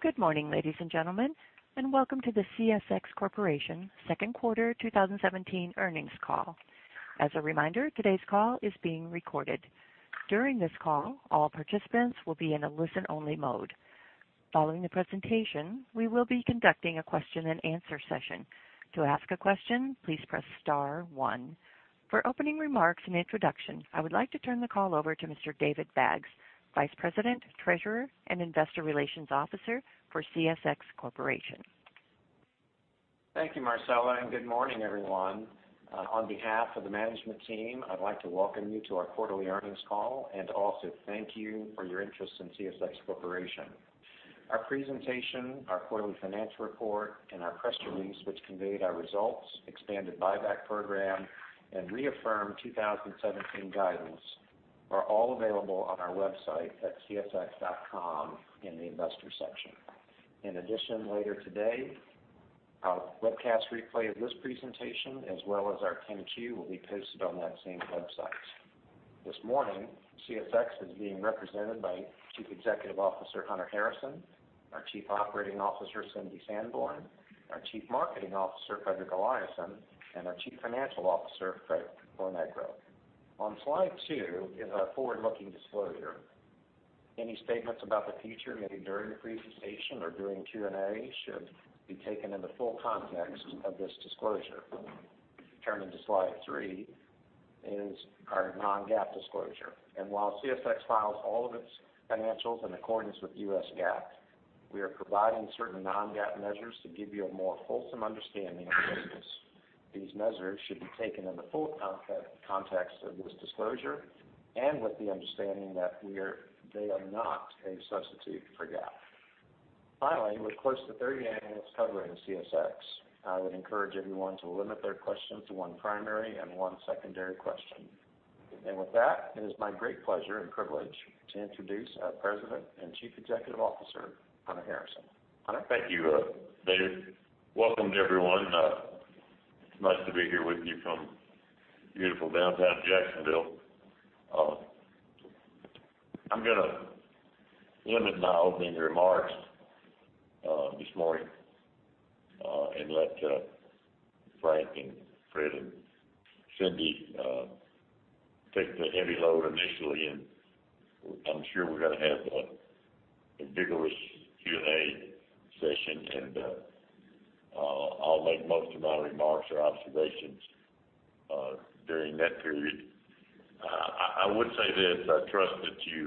Good morning, ladies and gentlemen, and welcome to the CSX Corporation Q2 2017 Earnings Call. As a reminder, today's call is being recorded. During this call, all participants will be in a listen-only mode. Following the presentation, we will be conducting a Q&A session. To ask a question, please press star one. For opening remarks and introductions, I would like to turn the call over to Mr. David Baggs, Vice President, Treasurer, and Investor Relations Officer for CSX Corporation. Thank you, Marcella, and good morning, everyone. On behalf of the management team, I'd like to welcome you to our quarterly earnings call and also thank you for your interest in CSX Corporation. Our presentation, our quarterly financial report, and our press release, which conveyed our results, expanded buyback program, and reaffirmed 2017 guidance, are all available on our website at csx.com in the Investor section. In addition, later today, our webcast replay of this presentation, as well as our 10-Q, will be posted on that same website. This morning, CSX is being represented by Chief Executive Officer, Hunter Harrison, our Chief Operating Officer, Cindy Sanborn, our Chief Marketing Officer, Fredrik Eliasson, and our Chief Financial Officer, Frank Lonegro. On Slide two is our forward-looking disclosure. Any statements about the future made during the presentation or during Q&A should be taken in the full context of this disclosure. Turning to Slide 3 is our non-GAAP disclosure, and while CSX files all of its financials in accordance with U.S. GAAP, we are providing certain non-GAAP measures to give you a more wholesome understanding of the business. These measures should be taken in the full context of this disclosure and with the understanding that they are not a substitute for GAAP. Finally, with close to 30 analysts covering CSX, I would encourage everyone to limit their question to one primary and one secondary question. With that, it is my great pleasure and privilege to introduce our President and Chief Executive Officer, Hunter Harrison. Hunter? Thank you, David. Welcome, everyone. It's nice to be here with you from beautiful downtown Jacksonville. I'm gonna limit my opening remarks this morning, and let Frank and Fred and Cindy take the heavy load initially, and I'm sure we're gonna have a vigorous Q&A session, and I'll make most of my remarks or observations during that period. I would say this: I trust that you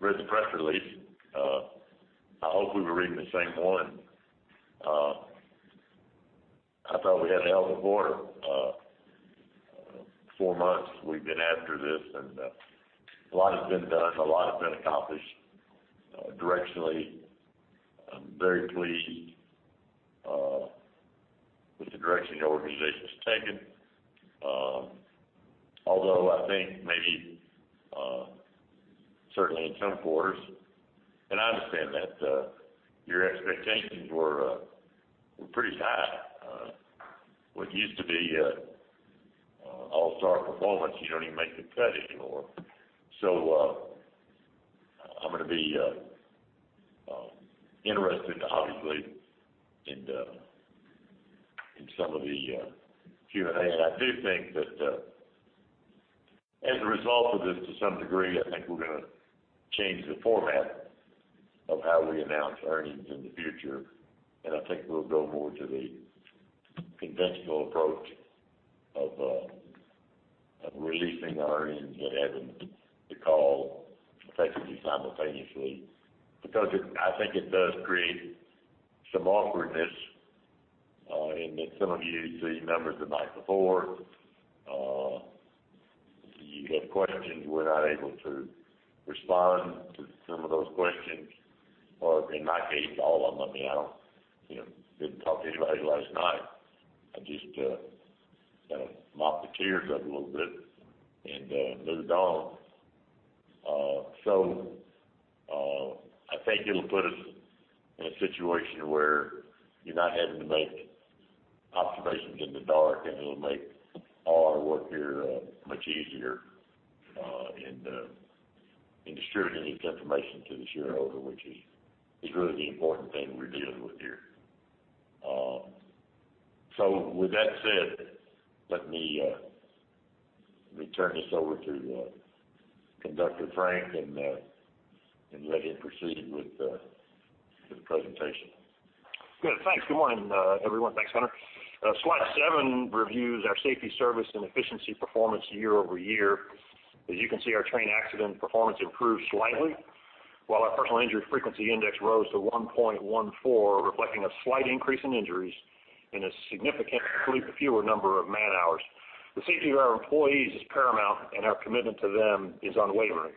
read the press release. I hope we were reading the same one. I thought we had a hell of a quarter. Four months we've been after this, and a lot has been done, a lot has been accomplished, directionally. I'm very pleased with the direction the organization has taken, although I think maybe certainly in some quarters, and I understand that your expectations were pretty high. What used to be an all-star performance, you don't even make the cut anymore. So, I'm gonna be interested, obviously, in some of the Q&A. And I do think that as a result of this, to some degree, I think we're gonna change the format of how we announce earnings in the future. And I think we'll go more to the conventional approach of releasing the earnings and having the call effectively simultaneously. Because I think it does create some awkwardness, in that some of you see numbers the night before, you have questions, we're not able to respond to some of those questions, or in my case, all of them. I mean, I don't, you know, didn't talk to anybody last night. I just kind of mopped the tears up a little bit and moved on. So I think it'll put us in a situation where you're not having to make observations in the dark, and it'll make all our work here much easier, and in distributing this information to the shareholder, which is really the important thing we're dealing with here. So with that said, let me let me turn this over to conductor Frank, and and let him proceed with the with the presentation. Good. Thanks. Good morning, everyone. Thanks, Hunter. Slide seven reviews our safety service and efficiency performance year-over-year. As you can see, our train accident performance improved slightly, while our personal injury frequency index rose to 1.14, reflecting a slight increase in injuries and a significant fewer number of man-hours. The safety of our employees is paramount, and our commitment to them is unwavering.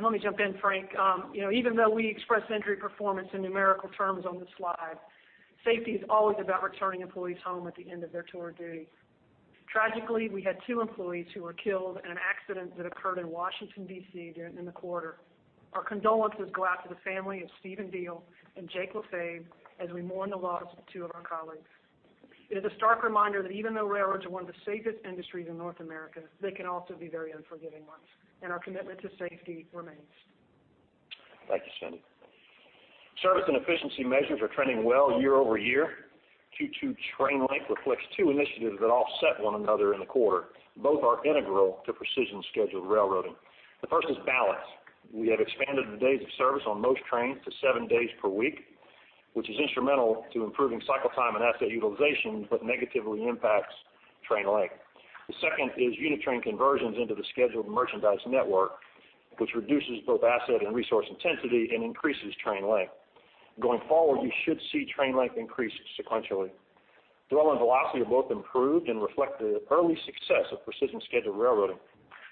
Let me jump in, Frank. You know, even though we express injury performance in numerical terms on the slide, safety is always about returning employees home at the end of their tour of duty. Tragically, we had two employees who were killed in an accident that occurred in Washington, D.C., in the quarter. Our condolences go out to the family of Stephen Deal and Jake LaFave as we mourn the loss of two of our colleagues. It is a stark reminder that even though railroads are one of the safest industries in North America, they can also be very unforgiving ones, and our commitment to safety remains. Thank you, Cindy. Service and efficiency measures are trending well year-over-year. Q2 train length reflects two initiatives that offset one another in the quarter. Both are integral to Precision Scheduled Railroading. The first is balance. We have expanded the days of service on most trains to seven days per week, which is instrumental to improving cycle time and asset utilization, but negatively impacts train length. The second is unit train conversions into the scheduled merchandise network, which reduces both asset and resource intensity and increases train length. Going forward, you should see train length increase sequentially. Dwell and velocity are both improved and reflect the early success of Precision Scheduled Railroading.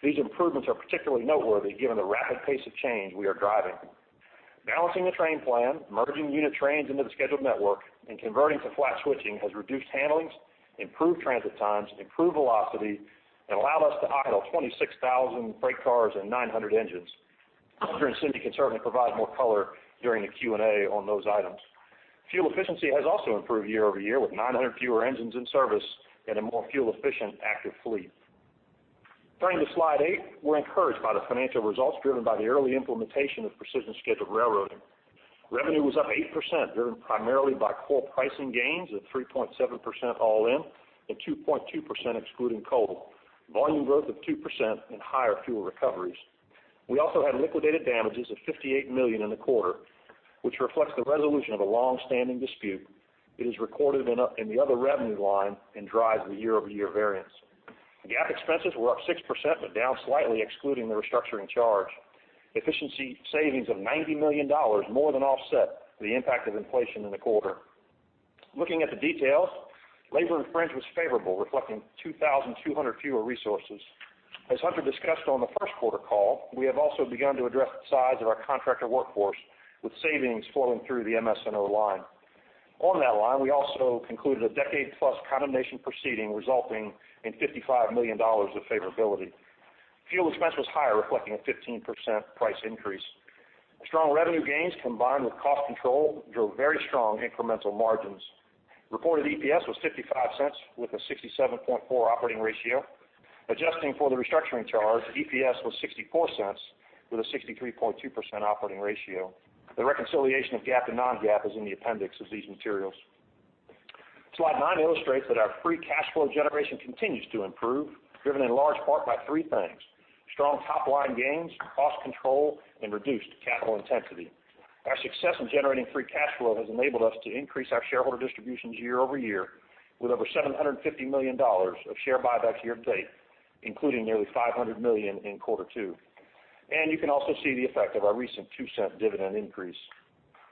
These improvements are particularly noteworthy given the rapid pace of change we are driving. Balancing the train plan, merging unit trains into the scheduled network, and converting to flat switching has reduced handlings, improved transit times, improved velocity, and allowed us to idle 26,000 freight cars and 900 engines. Hunter and Cindy can certainly provide more color during the Q&A on those items. Fuel efficiency has also improved year-over-year, with 900 fewer engines in service and a more fuel-efficient active fleet. Turning to Slide 8, we're encouraged by the financial results driven by the early implementation of Precision Scheduled Railroading. Revenue was up 8%, driven primarily by coal pricing gains of 3.7% all in, and 2.2%, excluding coal, volume growth of 2%, and higher fuel recoveries. We also had liquidated damages of $58 million in the quarter, which reflects the resolution of a long-standing dispute. It is recorded in the other revenue line and drives the year-over-year variance. GAAP expenses were up 6%, but down slightly, excluding the restructuring charge. Efficiency savings of $90 million more than offset the impact of inflation in the quarter. Looking at the details, labor and fringe was favorable, reflecting 2,200 fewer resources. As Hunter discussed on the Q1 call, we have also begun to address the size of our contractor workforce, with savings flowing through the MS&O line. On that line, we also concluded a decade-plus condemnation proceeding, resulting in $55 million of favorability. Fuel expense was higher, reflecting a 15% price increase. Strong revenue gains combined with cost control drove very strong incremental margins. Reported EPS was $0.55, with a 67.4 operating ratio. Adjusting for the restructuring charge, EPS was $0.64 with a 63.2% operating ratio. The reconciliation of GAAP to non-GAAP is in the appendix of these materials. Slide 9 illustrates that our free cash flow generation continues to improve, driven in large part by three things: strong top-line gains, cost control, and reduced capital intensity. Our success in generating free cash flow has enabled us to increase our shareholder distributions year-over-year, with over $750 million of share buybacks year to date, including nearly $500 million in quarter two. You can also see the effect of our recent 2-cent dividend increase.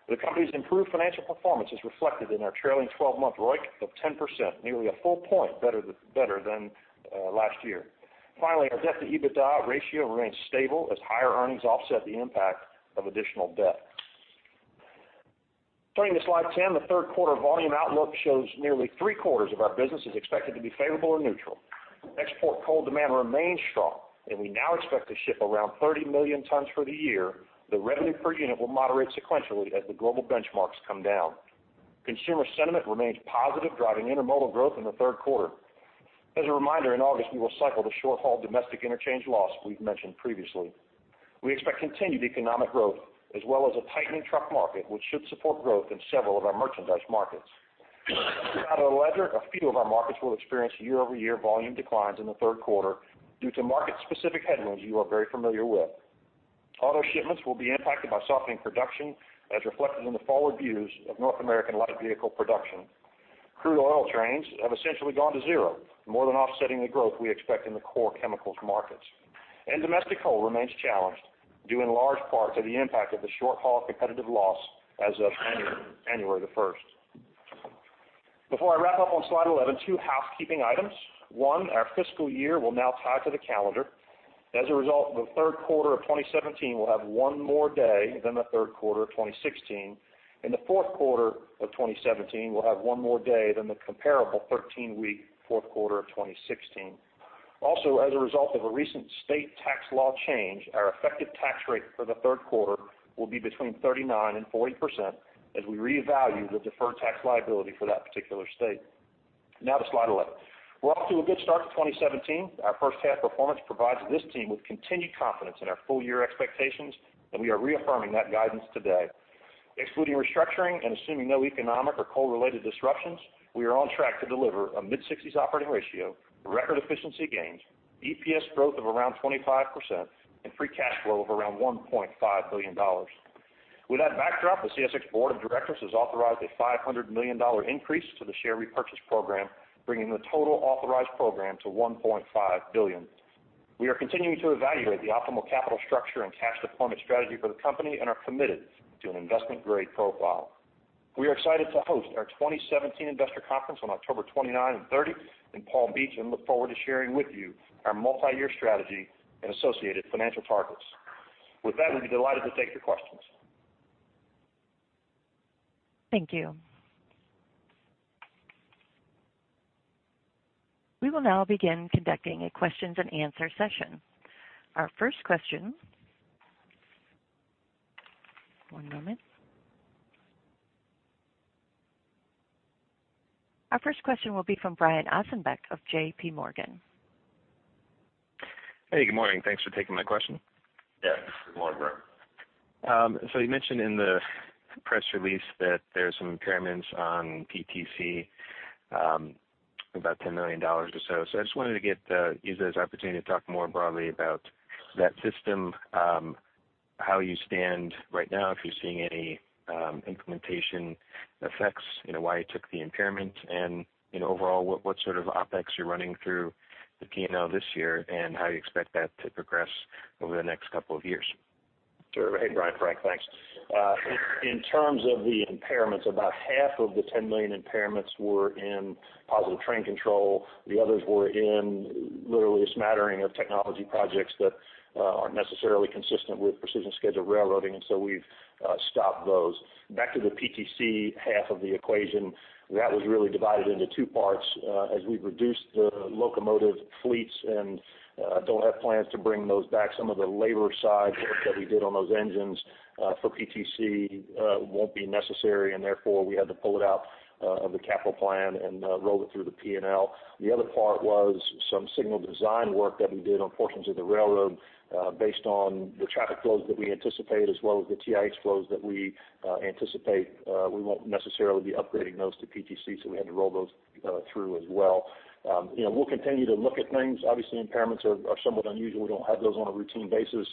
The company's improved financial performance is reflected in our trailing twelve-month ROIC of 10%, nearly a full point better than, better than, last year. Finally, our debt-to-EBITDA ratio remains stable as higher earnings offset the impact of additional debt. Turning to Slide 10, the Q3 volume outlook shows nearly three-quarters of our business is expected to be favorable or neutral. Export coal demand remains strong, and we now expect to ship around 30 million tons for the year, though revenue per unit will moderate sequentially as the global benchmarks come down. Consumer sentiment remains positive, driving intermodal growth in the Q3. As a reminder, in August, we will cycle the short-haul domestic interchange loss we've mentioned previously. We expect continued economic growth as well as a tightening truck market, which should support growth in several of our merchandise markets. On the other ledger, a few of our markets will experience year-over-year volume declines in the Q3 due to market-specific headwinds you are very familiar with. Auto shipments will be impacted by softening production, as reflected in the forward views of North American light vehicle production. Crude oil trains have essentially gone to zero, more than offsetting the growth we expect in the core chemicals markets. Domestic coal remains challenged, due in large part to the impact of the short-haul competitive loss as of January 1. Before I wrap up on Slide 11, two housekeeping items. One, our FY will now tie to the calendar. As a result, the Q3 of 2017 will have one more day than the Q3 of 2016, and the Q4 of 2017 will have one more day than the comparable 13-week Q4 of 2016. Also, as a result of a recent state tax law change, our effective tax rate for the Q3 will be between 39% and 40% as we reevaluate the deferred tax liability for that particular state. Now to Slide 11. We're off to a good start to 2017. Our H1 performance provides this team with continued confidence in our full year expectations, and we are reaffirming that guidance today. Excluding restructuring and assuming no economic or coal-related disruptions, we are on track to deliver a mid-60s operating ratio, record efficiency gains, EPS growth of around 25%, and free cash flow of around $1.5 billion. With that backdrop, the CSX Board of Directors has authorized a $500 million increase to the share repurchase program, bringing the total authorized program to $1.5 billion. We are continuing to evaluate the optimal capital structure and cash deployment strategy for the company and are committed to an investment-grade profile. We are excited to host our 2017 Investor Conference on October 29 and 30 in Palm Beach, and look forward to sharing with you our multiyear strategy and associated financial targets. With that, we'd be delighted to take your questions. Thank you. We will now begin conducting a questions and answer session. Our first question. One moment. Our first question will be from Brian Ossenbeck of J.P. Morgan. Hey, good morning. Thanks for taking my question. Yes, good morning, Brian. So you mentioned in the press release that there's some impairments on PTC, about $10 million or so. So I just wanted to use this opportunity to talk more broadly about that system, how you stand right now, if you're seeing any implementation effects, you know, why you took the impairment, and, you know, overall, what, what sort of OpEx you're running through the P&L this year, and how you expect that to progress over the next couple of years? Sure. Hey, Brian, Frank, thanks. In terms of the impairments, about half of the $10 million impairments were in Positive Train Control. The others were in literally a smattering of technology projects that aren't necessarily consistent with Precision Scheduled Railroading, and so we've stopped those. Back to the PTC half of the equation, that was really divided into two parts. As we've reduced the locomotive fleets and don't have plans to bring those back, some of the labor side work that we did on those engines for PTC won't be necessary, and therefore, we had to pull it out of the capital plan and roll it through the P&L. The other part was some signal design work that we did on portions of the railroad, based on the traffic flows that we anticipate, as well as the TIH flows that we anticipate. We won't necessarily be upgrading those to PTC, so we had to roll those through as well. You know, we'll continue to look at things. Obviously, impairments are somewhat unusual. We don't have those on a routine basis,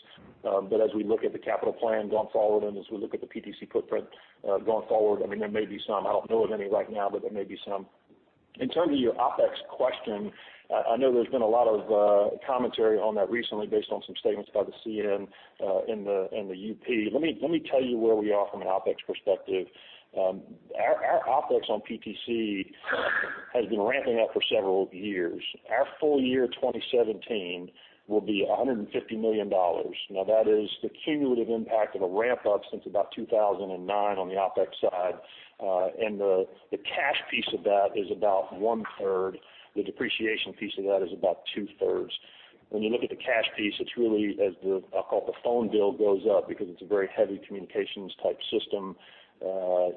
but as we look at the capital plan going forward and as we look at the PTC footprint going forward, I mean, there may be some. I don't know of any right now, but there may be some. In terms of your OpEx question, I know there's been a lot of commentary on that recently based on some statements by the CN and the UP. Let me tell you where we are from an OpEx perspective. Our OpEx on PTC has been ramping up for several years. Our full year 2017 will be $150 million. Now, that is the cumulative impact of a ramp up since about 2009 on the OpEx side. And the cash piece of that is about one third. The depreciation piece of that is about two thirds. When you look at the cash piece, it's really as the, I'll call it, the phone bill goes up because it's a very heavy communications-type system.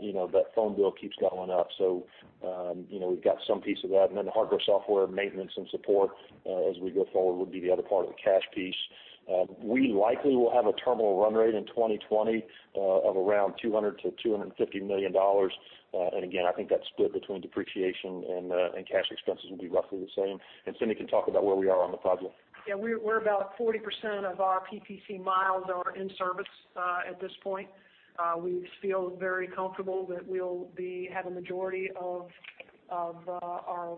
You know, that phone bill keeps going up. So, you know, we've got some piece of that, and then the hardware, software, maintenance, and support, as we go forward, would be the other part of the cash piece. We likely will have a terminal run rate in 2020 of around $200 million-$250 million. And again, I think that split between depreciation and cash expenses will be roughly the same. And Cindy can talk about where we are on the project. We're about 40% of our PTC miles are in service at this point. We feel very comfortable that we'll be, have a majority of our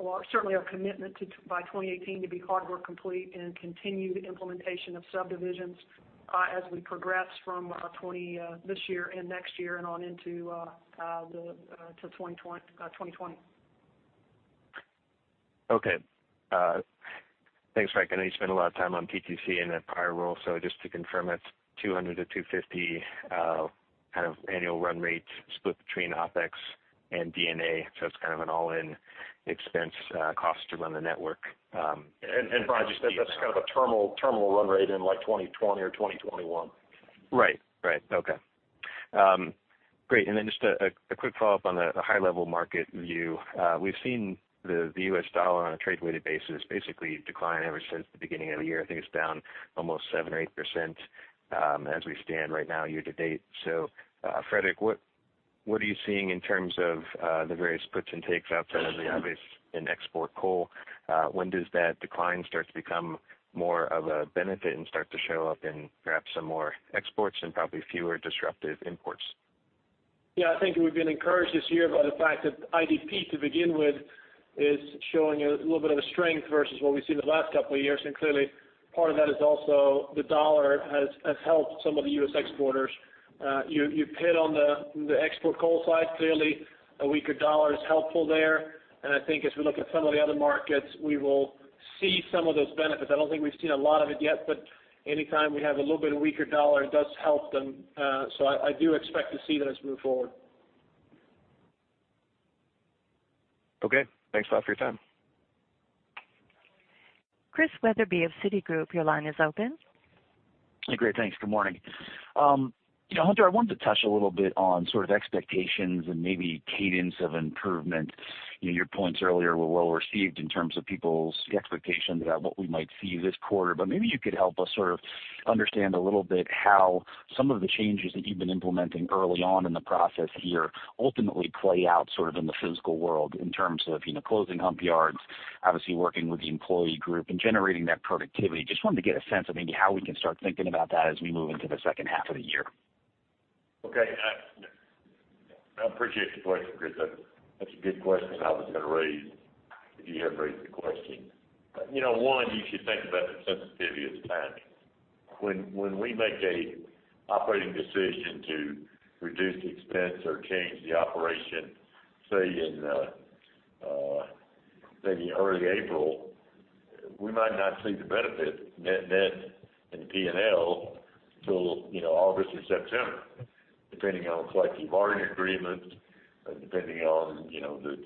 well, certainly our commitment to, by 2018, to be hardware complete and continue the implementation of subdivisions as we progress from 2018 this year and next year and on into 2020. Okay. Thanks, Frank. I know you spent a lot of time on PTC in that prior role, so just to confirm, it's 200-250 kind of annual run rate split between OpEx and CapEx, so it's kind of an all-in expense, cost to run the network, Brian, just that's kind of a terminal run rate in, like, 2020 or 2021. Right. Great. And then just a quick follow-up on the high-level market view. We've seen the US dollar on a trade-weighted basis basically decline ever since the beginning of the year. I think it's down almost 7 or 8%, as we stand right now year to date. So, Fredrik, what are you seeing in terms of the various puts and takes outside of the obvious in export coal? When does that decline start to become more of a benefit and start to show up in perhaps some more exports and probably fewer disruptive imports? I think we've been encouraged this year by the fact that IDP, to begin with, is showing a little bit of a strength versus what we've seen in the last couple of years. And clearly, part of that is also the dollar has helped some of the U.S. exporters. You hit on the export coal side. Clearly, a weaker dollar is helpful there, and I think as we look at some of the other markets, we will see some of those benefits. I don't think we've seen a lot of it yet, but anytime we have a little bit of weaker dollar, it does help them. So I do expect to see that as we move forward. Okay, thanks a lot for your time. Chris Wetherbee of Citigroup, your line is open. Great, thanks. Good morning. You know, Hunter, I wanted to touch a little bit on sort of expectations and maybe cadence of improvement. You know, your points earlier were well received in terms of people's expectations about what we might see this quarter, but maybe you could help us sort of understand a little bit how some of the changes that you've been implementing early on in the process here ultimately play out sort of in the physical world, in terms of, you know, closing hump yards, obviously working with the employee group and generating that productivity. Just wanted to get a sense of maybe how we can start thinking about that as we move into the H2 of the year. Okay, I appreciate the question, Chris. That's a good question I was gonna raise if you hadn't raised the question. You know, one, you should think about the sensitivity of timing. When we make an operating decision to reduce expense or change the operation, say in maybe early April, we might not see the benefit net net in the P&L till, you know, August or September, depending on collective bargaining agreements depending on, you know, the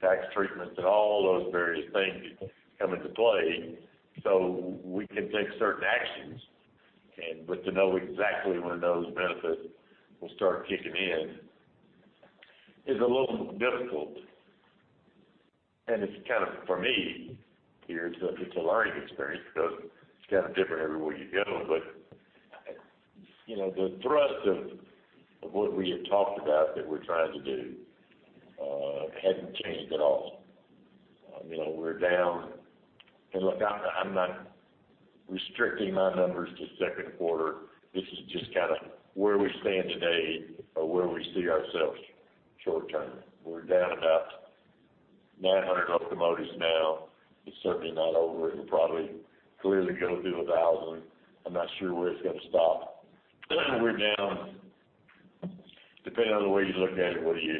tax treatments and all those various things come into play. So we can take certain actions and, but to know exactly when those benefits will start kicking in is a little difficult. And it's kind of, for me, here, it's a, it's a learning experience because it's kind of different everywhere you go. But, you know, the thrust of, of what we had talked about that we're trying to do, hasn't changed at all. You know, we're down, and look, I'm, I'm not restricting my numbers to Q2. This is just kind of where we stand today or where we see ourselves short term. We're down about 900 locomotives now. It's certainly not over, it'll probably clearly go through 1,000. I'm not sure where it's going to stop. Then we're down, depending on the way you look at it, whether you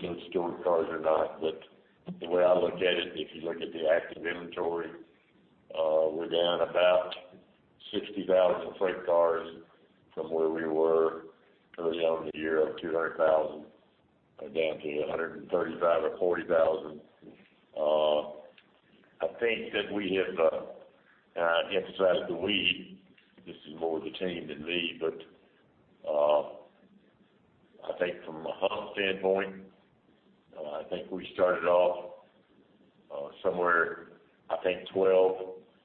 count stored cars or not, but the way I look at it, if you look at the active inventory, we're down about 60,000 freight cars from where we were early on in the year of 200,000, down to 135,000 or 140,000. I think that we have, and I emphasize the we, this is more the team than me, but, I think from a hump standpoint, I think we started off, somewhere, I think 12,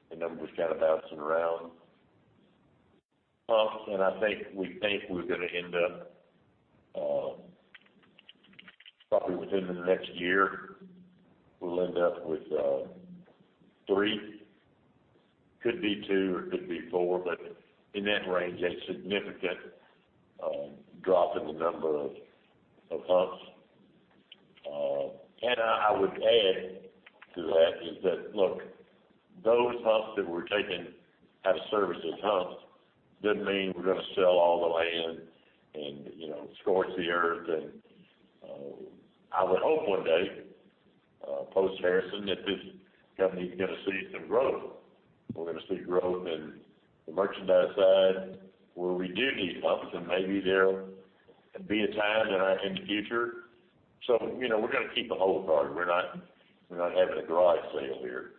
the number was kind of bouncing around. Humps, and I think, we think we're going to end up, probably within the next year, we'll end up with, 3. Could be 2 or could be 4, but in that range, a significant, drop in the number of, of humps. I would add to that is that, look, those humps that we're taking out of service as humps, doesn't mean we're going to sell all the land and, you know, scorch the earth. And I would hope one day, post-Harrison, that this company is going to see some growth. We're going to see growth in the merchandise side, where we do need humps, and maybe there'll be a time in the future. So, you know, we're going to keep the whole party. We're not, we're not having a garage sale here.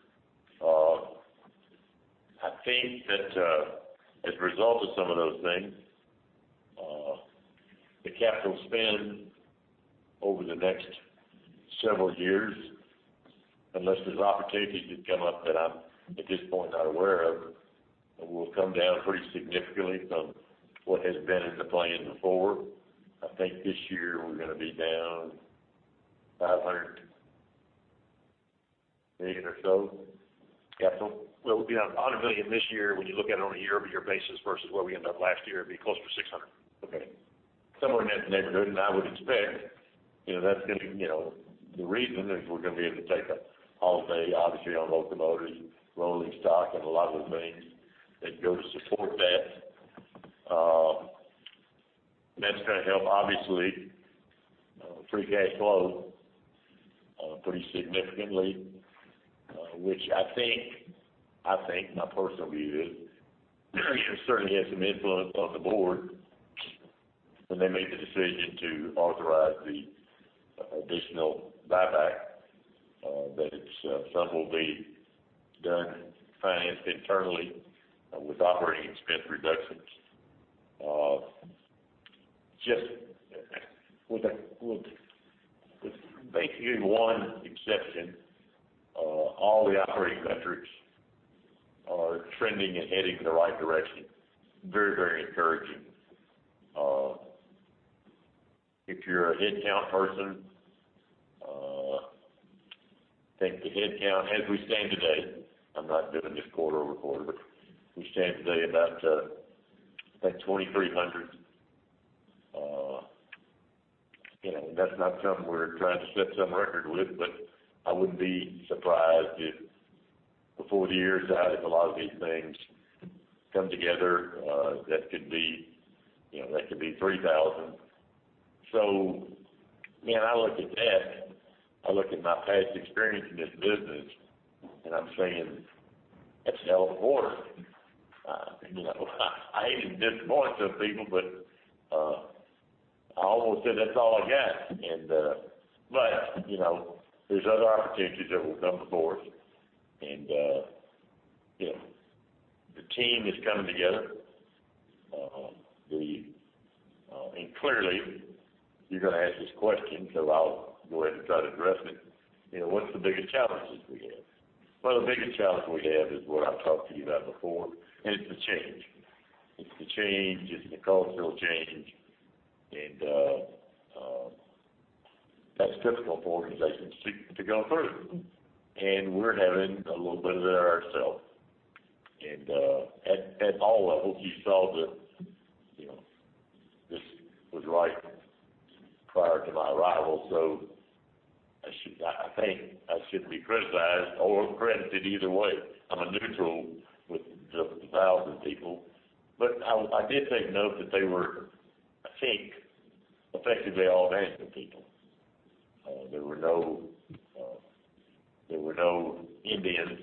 I think that, as a result of some of those things, the capital spend over the next several years, unless there's opportunities that come up that I'm, at this point, not aware of, will come down pretty significantly from what has been in the plan before. I think this year, we're going to be down $500 million or so capital. Well, it'll be down $100 million this year, when you look at it on a year-over-year basis, versus where we ended up last year, it'd be closer to $600 million. Okay. Somewhere in that neighborhood, and I would expect, you know, that's going to, you know, the reason is we're going to be able to take a holiday, obviously, on locomotives, rolling stock, and a lot of the things that go to support that. That's going to help, obviously, free cash flow pretty significantly. Which I think my personal view is, it certainly had some influence on the board when they made the decision to authorize the additional buyback. That it's some will be done, financed internally with operating expense reductions. Just with basically one exception, all the operating metrics are trending and heading in the right direction. Very, very encouraging. If you're a headcount person, I think the headcount as we stand today, I'm not doing this quarter-over-quarter, but we stand today about, I think 2,300. You know, that's not something we're trying to set some record with, but I wouldn't be surprised if before the year's out, if a lot of these things come together, that could be, you know, that could be 3,000. So, man, I look at that, I look at my past experience in this business, and I'm saying, "That's an order." You know, I hate to disappoint some people, but, I almost said that's all I got. And, but, you know, there's other opportunities that will come before us. And, you know, the team is coming together. And clearly, you're going to ask this question, so I'll go ahead and try to address it. You know, what's the biggest challenges we have? Well, the biggest challenge we have is what I've talked to you about before, and it's the change. It's the change, it's the cultural change, and that's difficult for organizations to go through. And we're having a little bit of that ourself. And at all levels, you saw that, you know, this was right prior to my arrival, so I should, I think I shouldn't be criticized or credited either way. I'm a neutral with the 1,000 people. But I did take note that they were, I think, effectively all non-scope people. There were no Indians,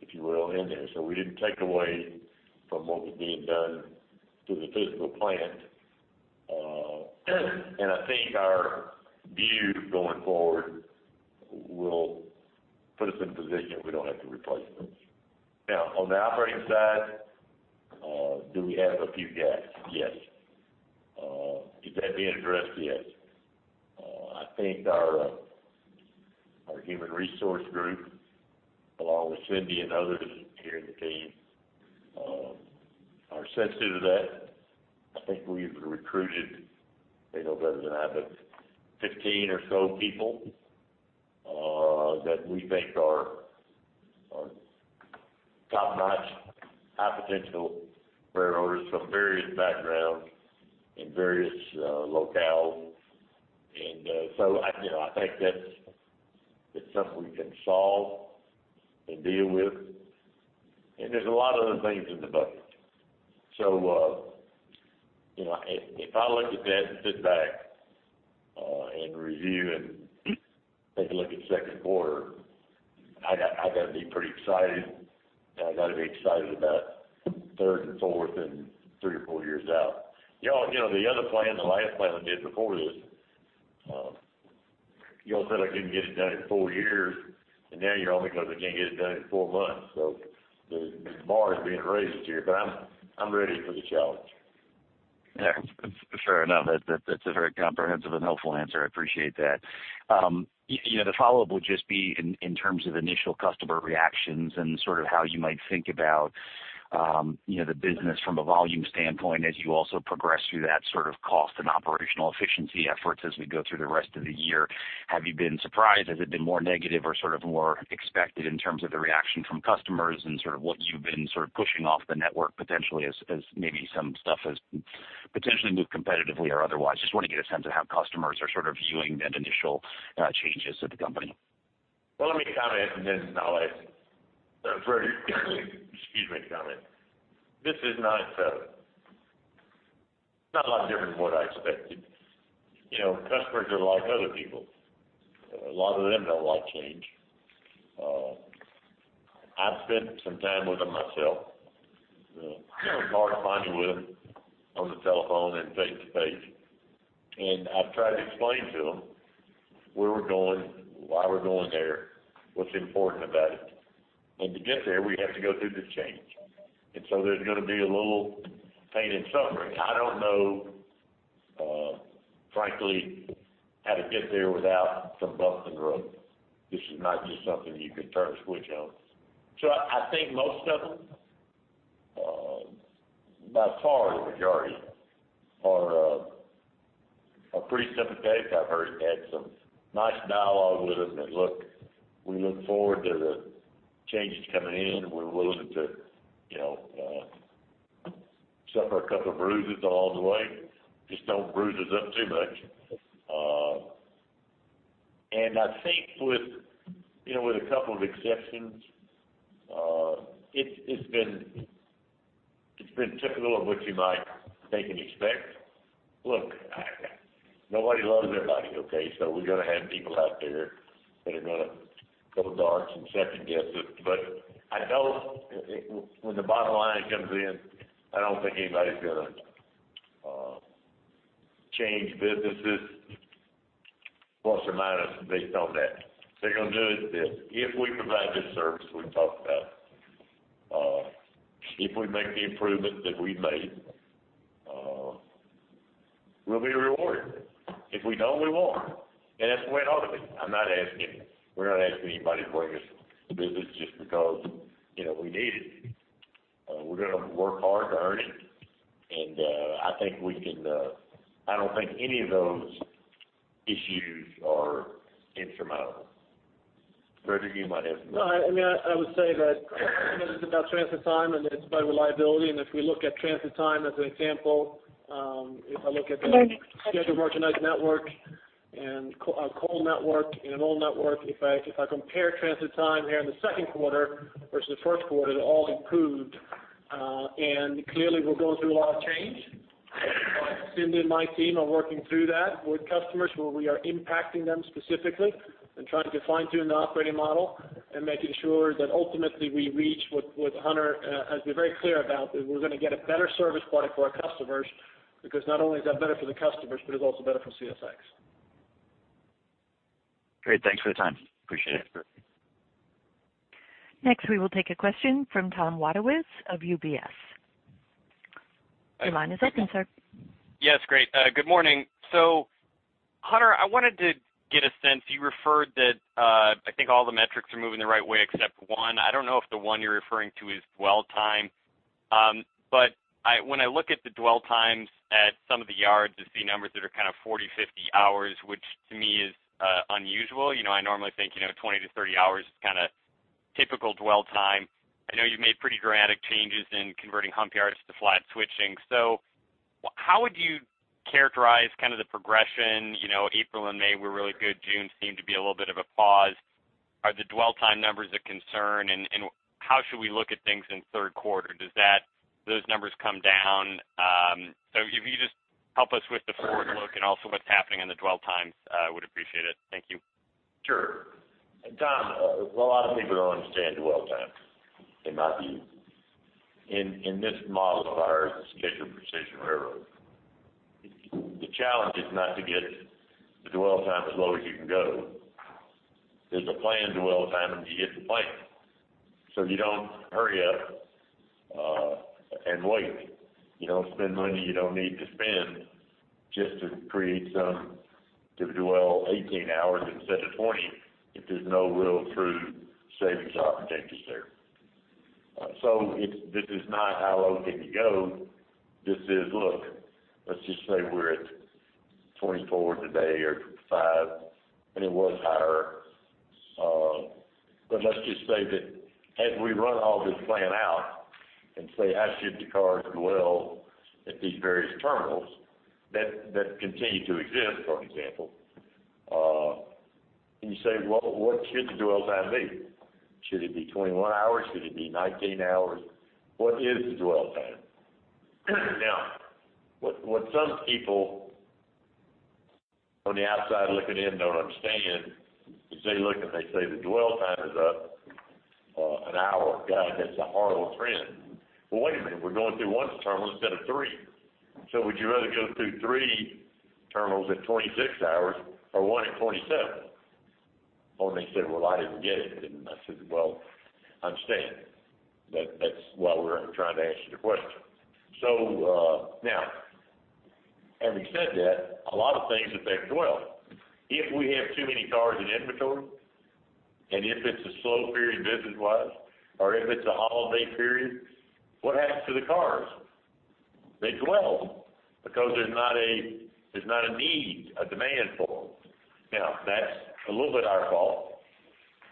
if you will, in there. So we didn't take away from what was being done to the physical plant. And I think our view going forward will put us in a position we don't have to replace those. Now, on the operating side, do we have a few gaps? Yes. Is that being addressed? Yes. I think our human resource group, along with Cindy and others here in the team, are sensitive to that. I think we've recruited, they know better than I, but 15 or so people, that we think are top-notch, high potential railroaders from various backgrounds and various locales. And so I, you know, I think that's, it's something we can solve and deal with. And there's a lot of other things in the budget. So, you know, if I look at that and sit back, and review and take a look at Q2, I got, I gotta be pretty excited, and I gotta be excited about third and fourth and 3 or 4 years out. Y'all, you know, the other plan, the last plan we did before this, you all said I couldn't get it done in 4 years, and now you're on me because I can't get it done in 4 months. So the bar is being raised here, but I'm ready for the challenge. Fair enough. That, that's a very comprehensive and helpful answer. I appreciate that. You know, the follow-up would just be in terms of initial customer reactions and sort of how you might think about, you know, the business from a volume standpoint as you also progress through that sort of cost and operational efficiency efforts as we go through the rest of the year. Have you been surprised? Has it been more negative or sort of more expected in terms of the reaction from customers and sort of what you've been sort of pushing off the network potentially as maybe some stuff has potentially moved competitively or otherwise? Just want to get a sense of how customers are sort of viewing the initial changes to the company. Well, let me comment, and then I'll ask Fredrik to comment. This is not a lot different than what I expected. You know, customers are like other people. A lot of them don't like change. I've spent some time with them myself. It's hard to find me with them on the telephone and face to face. And I've tried to explain to them where we're going, why we're going there, what's important about it. And to get there, we have to go through this change. And so there's gonna be a little pain and suffering. I don't know, frankly, how to get there without some bumps and grumps. This is not just something you could turn a switch on. So I, I think most of them, by far, the majority are, are pretty sympathetic. I've heard had some nice dialogue with them that, "Look, we look forward to the changes coming in. We're willing to, you know, suffer a couple of bruises along the way. Just don't bruise us up too much." And I think with, you know, with a couple of exceptions, it's been typical of what you might think and expect. Look, I, nobody loves everybody, okay? So we're gonna have people out there that are gonna go dark and second-guess us. But I don't, when the bottom line comes in, I don't think anybody's gonna change businesses plus or minus, based on that. They're gonna do it if we provide this service we've talked about, if we make the improvements that we've made, we'll be rewarded. If we don't, we won't. And that's the way it ought to be. I'm not asking, we're not asking anybody to bring us business just because, you know, we need it. We're gonna work hard to earn it, and I think we can. I don't think any of those issues are insurmountable. Fredrik, you might have something. No, I mean, I would say that it's about transit time, and it's about reliability. And if we look at transit time as an example, if I look at the scheduled organized network and coal network and an oil network, if I, if I compare transit time here in the Q2 versus the Q1, they all improved. And clearly, we're going through a lot of change. But Cindy and my team are working through that with customers, where we are impacting them specifically and trying to fine-tune the operating model and making sure that ultimately we reach what, what Hunter has been very clear about, that we're gonna get a better service product for our customers, because not only is that better for the customers, but it's also better for CSX. Great. Thanks for the time. Appreciate it. Sure. Next, we will take a question from Tom Wadewitz of UBS. Your line is open, sir. Hi, Tom. Yes, great. Good morning. So Hunter, I wanted to get a sense. You referred that I think all the metrics are moving the right way except one. I don't know if the one you're referring to is dwell time. But when I look at the dwell times at some of the yards, I see numbers that are kind of 40, 50 hours, which to me is unusual. You know, I normally think, you know, 20-30 hours is kinda typical dwell time. I know you've made pretty dramatic changes in converting hump yards to flat switching. So how would you characterize kind of the progression? You know, April and May were really good. June seemed to be a little bit of a pause. Are the dwell time numbers a concern, and how should we look at things in Q3? Does that, those numbers come down? Help us with the forward look and also what's happening in the dwell times. I would appreciate it. Thank you. Sure. And Tom, a lot of people don't understand dwell time. In my view, in this model of ours, scheduled Precision Railroad, the challenge is not to get the dwell time as low as you can go. There's a planned dwell time, and you hit the plan. So you don't hurry up and wait. You don't spend money you don't need to spend just to create some, to dwell 18 hours instead of 20, if there's no real true savings opportunities there. So it's. This is not how low can you go. This is, look, let's just say we're at 24 today or 5, and it was higher. But let's just say that as we run all this plan out and say, how should the cars dwell at these various terminals that, that continue to exist, for example, you say, Well, what should the dwell time be? Should it be 21 hours? Should it be 19 hours? What is the dwell time? Now, what, what some people on the outside looking in don't understand, is they look and they say, "The dwell time is up an hour. God, that's a horrible trend." Well, wait a minute, we're going through one terminal instead of three. So would you rather go through three terminals at 26 hours or one at 27? Well, they said, "Well, I didn't get it." And I said, "Well, I understand. That, that's why we're trying to ask you the question." So, now, having said that, a lot of things affect dwell. If we have too many cars in inventory, and if it's a slow period business-wise, or if it's a holiday period, what happens to the cars? They dwell because there's not a need, a demand for them. Now, that's a little bit our fault,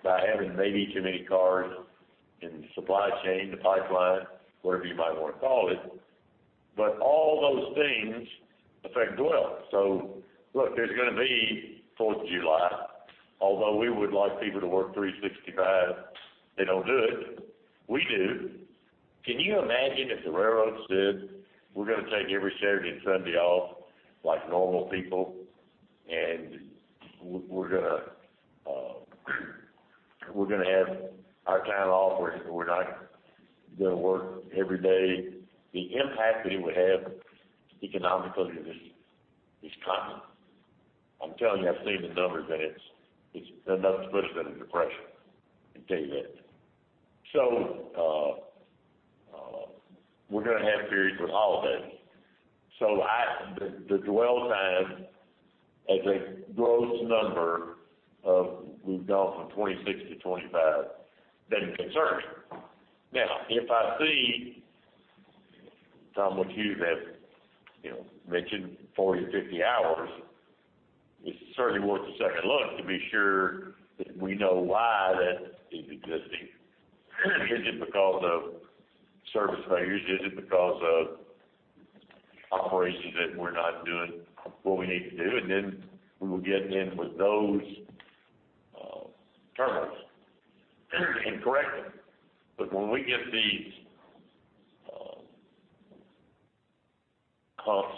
by having maybe too many cars in the supply chain, the pipeline, whatever you might want to call it, but all those things affect dwell. So look, there's going to be Fourth of July. Although we would like people to work 365, they don't do it. We do. Can you imagine if the railroads did, we're going to take every Saturday and Sunday off like normal people, and we're gonna have our time off, we're not gonna work every day. The impact that it would have economically is cosmic. I'm telling you, I've seen the numbers, and it's, it's another version of the Depression, I can tell you that. So, we're gonna have periods with holidays. So the dwell time as a gross number of we've gone from 26 to 25, that concerns me. Now, if I see, Tom, what you have, you know, mentioned 40-50 hours, it's certainly worth a second look to be sure that we know why that is existing. Is it because of service failures? Is it because of operations that we're not doing what we need to do? And then we will get in with those terminals and correct them. But when we get these pumps,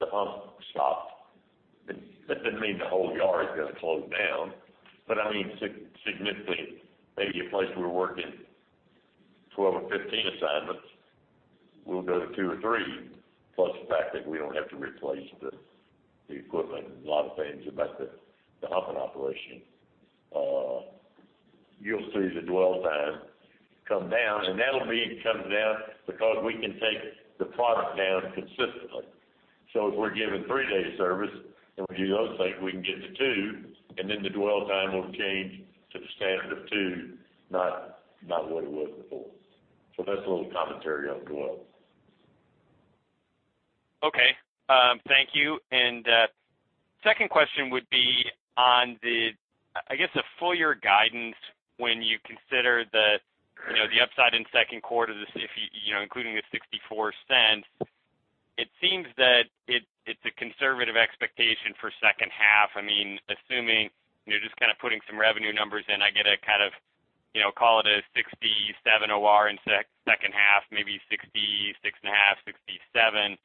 the pumps stopped, that doesn't mean the whole yard is going to close down. But I mean, significantly, maybe a place we're working 12 or 15 assignments, we'll go to 2 or 3, plus the fact that we don't have to replace the, the equipment and a lot of things about the, the pumping operation. You'll see the dwell time come down, and that'll be it comes down because we can take the product down consistently. So if we're giving 3-day service and we do those things, we can get to 2, and then the dwell time will change to the standard of 2, not, not what it was before. So that's a little commentary on dwell. Okay, thank you. Second question would be on the, I guess, the full year guidance when you consider the, you know, the upside in Q2, this, if you, you know, including the $0.64, it seems that it, it's a conservative expectation for H2. I mean, assuming, you're just kind of putting some revenue numbers in, I get a kind of, you know, call it a 67 OR in H2, maybe 66.5, 67,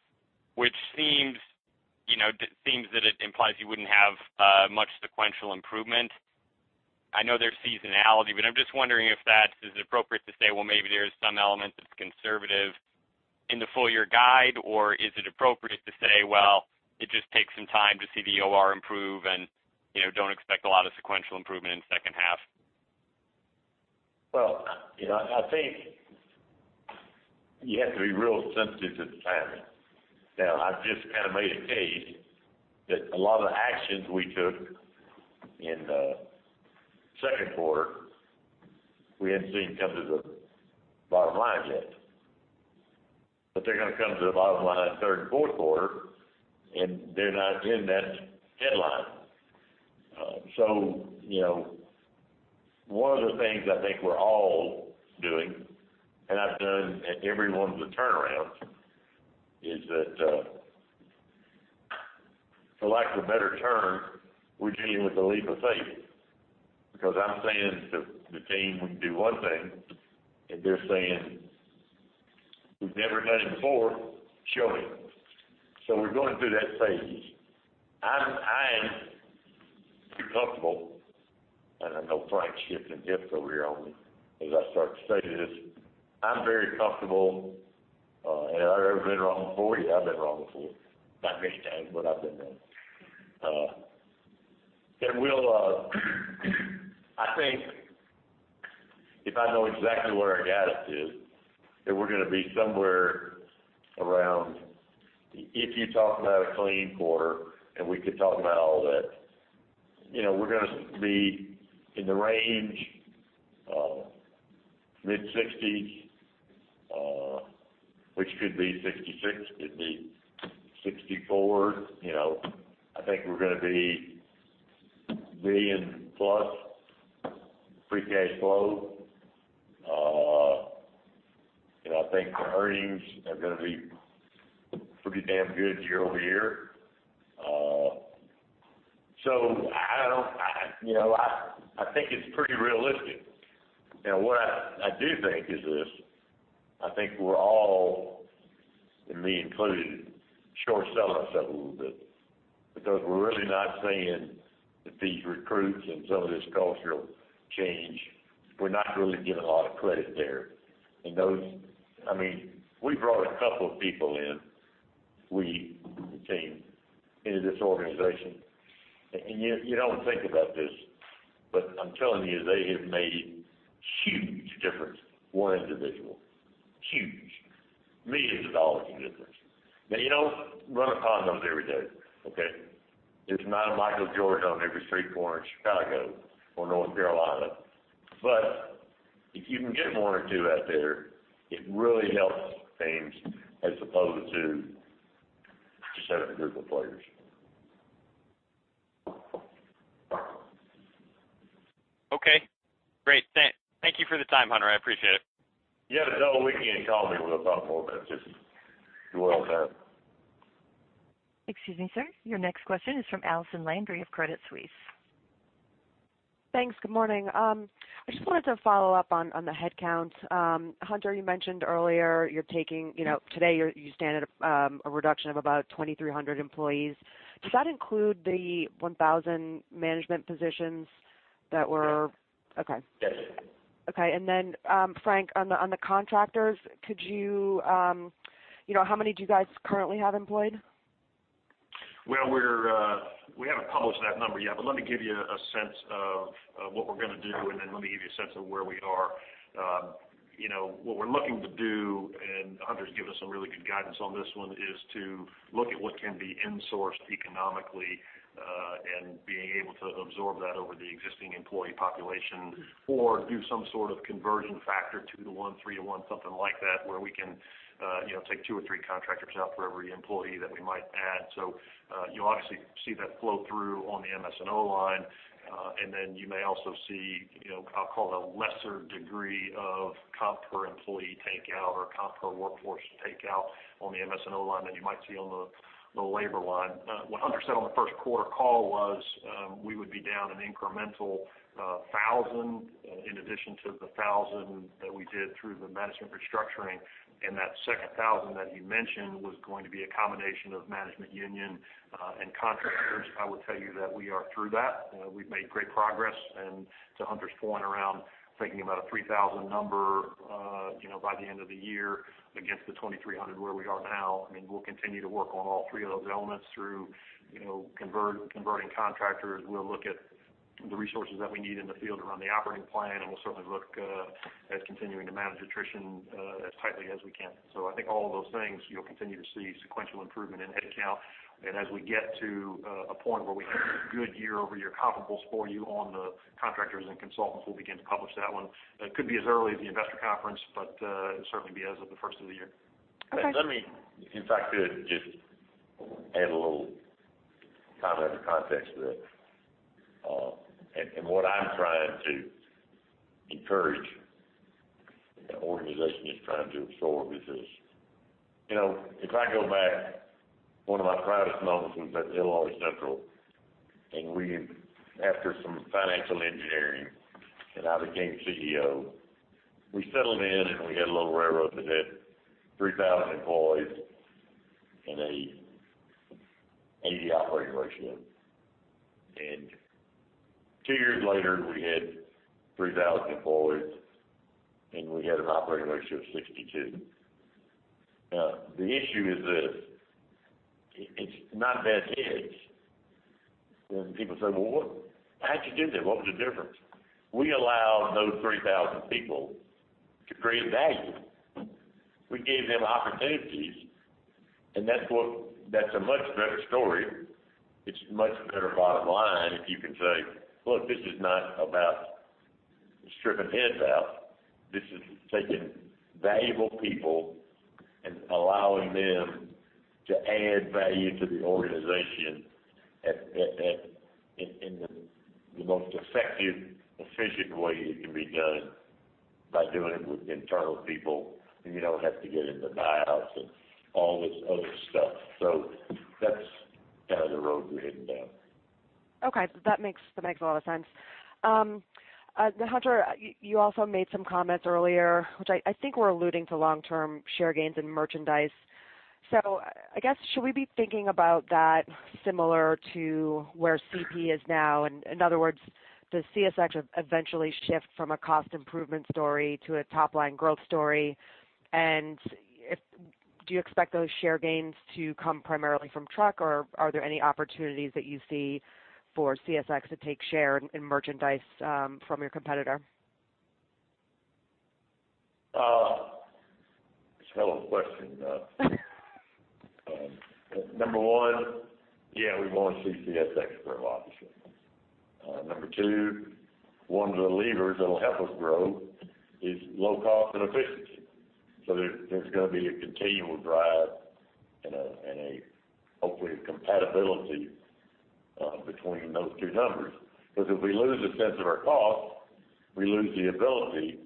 which seems, you know, seems that it implies you wouldn't have much sequential improvement. I know there's seasonality, but I'm just wondering if that is appropriate to say, well, maybe there's some element that's conservative in the full year guide, or is it appropriate to say, well, it just takes some time to see the OR improve and, you know, don't expect a lot of sequential improvement in H2? Well, you know, I think you have to be real sensitive to the timing. Now, I've just kind of made a case that a lot of the actions we took in the Q2, we haven't seen come to the bottom line yet. But they're going to come to the bottom line in third and Q4, and they're not in that headline. So, you know, one of the things I think we're all doing, and I've done at every one of the turnarounds, is that, for lack of a better term, we're dealing with a leap of faith. Because I'm saying to the team, we can do one thing, and they're saying, "We've never done it before, show me." So we're going through that phase. I am comfortable, and I know Frank's shifting hips over here on me as I start to say this. I'm very comfortable. Have I ever been wrong before? I've been wrong before. Not many times, but I've been wrong. And we'll, I think if I know exactly where our guidance is, that we're gonna be somewhere around, if you're talking about a clean quarter, and we could talk about all that, you know, we're gonna be in the range of mid-60s, which could be 66, could be 64. You know, I think we're gonna be $1 billion+ free cash flow. And I think the earnings are gonna be pretty damn good year-over-year. So I don't, I, you know, I, I think it's pretty realistic. Now, what I do think is this: I think we're all, and me included, short selling ourselves a little bit because we're really not seeing that these recruits and some of this cultural change, we're not really getting a lot of credit there. And those—I mean, we brought a couple of people in. We, the team, into this organization, and you don't think about this, but I'm telling you, they have made huge difference. One individual, huge. Millions of dollars in business. Now, you don't run upon those every day, okay? There's not a Michael George on every street corner in Chicago or North Carolina. But if you can get one or two out there, it really helps things as opposed to just having a group of players. Okay, great. Thank you for the time, Hunter. I appreciate it. You have to double-click me and call me. We'll talk more about it, just you will then. Excuse me, sir. Your next question is from Allison Landry of Credit Suisse. Thanks. Good morning. I just wanted to follow up on the headcount. Hunter, you mentioned earlier you're taking, you know, today you're-- you stand at a reduction of about 2,300 employees. Does that include the 1,000 management positions that were- Yes. Okay. Yes. Okay. And then, Frank, on the, on the contractors, could you, you know, how many do you guys currently have employed? Well, we're we haven't published that number yet, but let me give you a sense of what we're gonna do, and then let me give you a sense of where we are. You know, what we're looking to do, and Hunter's given us some really good guidance on this one, is to look at what can be insourced economically, and being able to absorb that over the existing employee population, or do some sort of conversion factor, 2-to-1, 3-to-1, something like that, where we can, you know, take 2 or 3 contractors out for every employee that we might add. So, you'll obviously see that flow through on the MS&O line, and then you may also see, you know, I'll call it a lesser degree of comp per employee takeout or comp per workforce takeout on the MS&O line than you might see on the labor line. What Hunter said on the Q1 call was, we would be down an incremental 1,000, in addition to the 1,000 that we did through the management restructuring. And that second 1,000 that he mentioned was going to be a combination of management, union, and contractors. I would tell you that we are through that. We've made great progress. To Hunter's point around thinking about a 3,000 number, you know, by the end of the year against the 2,300 where we are now, I mean, we'll continue to work on all three of those elements through, you know, converting contractors. We'll look at the resources that we need in the field to run the operating plan, and we'll certainly look at continuing to manage attrition as tightly as we can. So I think all of those things, you'll continue to see sequential improvement in headcount. And as we get to a point where we have good year-over-year comparables for you on the contractors and consultants, we'll begin to publish that one. It could be as early as the investor conference, but it'll certainly be as of the first of the year. Let me, if I could, just add a little kind of context to that. And what I'm trying to encourage, the organization is trying to absorb is this: You know, if I go back, one of my proudest moments was at Illinois Central, and we, after some financial engineering, and I became CEO, we settled in, and we had a little railroad that had 3,000 employees and an 80 operating ratio. And 2 years later, we had 3,000 employees, and we had an operating ratio of 62. Now, the issue is this, it's not bad heads. And people say, "Well, what-- how'd you do that? What was the difference?" We allowed those 3,000 people to create value. We gave them opportunities, and that's what-- that's a much better story. It's a much better bottom line if you can say, "Look, this is not about stripping heads out. This is taking valuable people and allowing them to add value to the organization in the most effective, efficient way it can be done." by doing it with internal people, and you don't have to get into buyouts and all this other stuff. So that's kind of the road we're heading down. Okay, that makes a lot of sense. Hunter, you also made some comments earlier, which I think were alluding to long-term share gains in merchandise. So I guess, should we be thinking about that similar to where CP is now? In other words, does CSX eventually shift from a cost improvement story to a top-line growth story? And if—do you expect those share gains to come primarily from truck, or are there any opportunities that you see for CSX to take share in merchandise from your competitor? It's a hell of a question. Number 1, we want to see CSX grow, obviously. Number two, one of the levers that'll help us grow is low cost and efficiency. So there, there's gonna be a continual drive and a, and a, hopefully, a compatibility between those two numbers. Because if we lose a sense of our cost, we lose the ability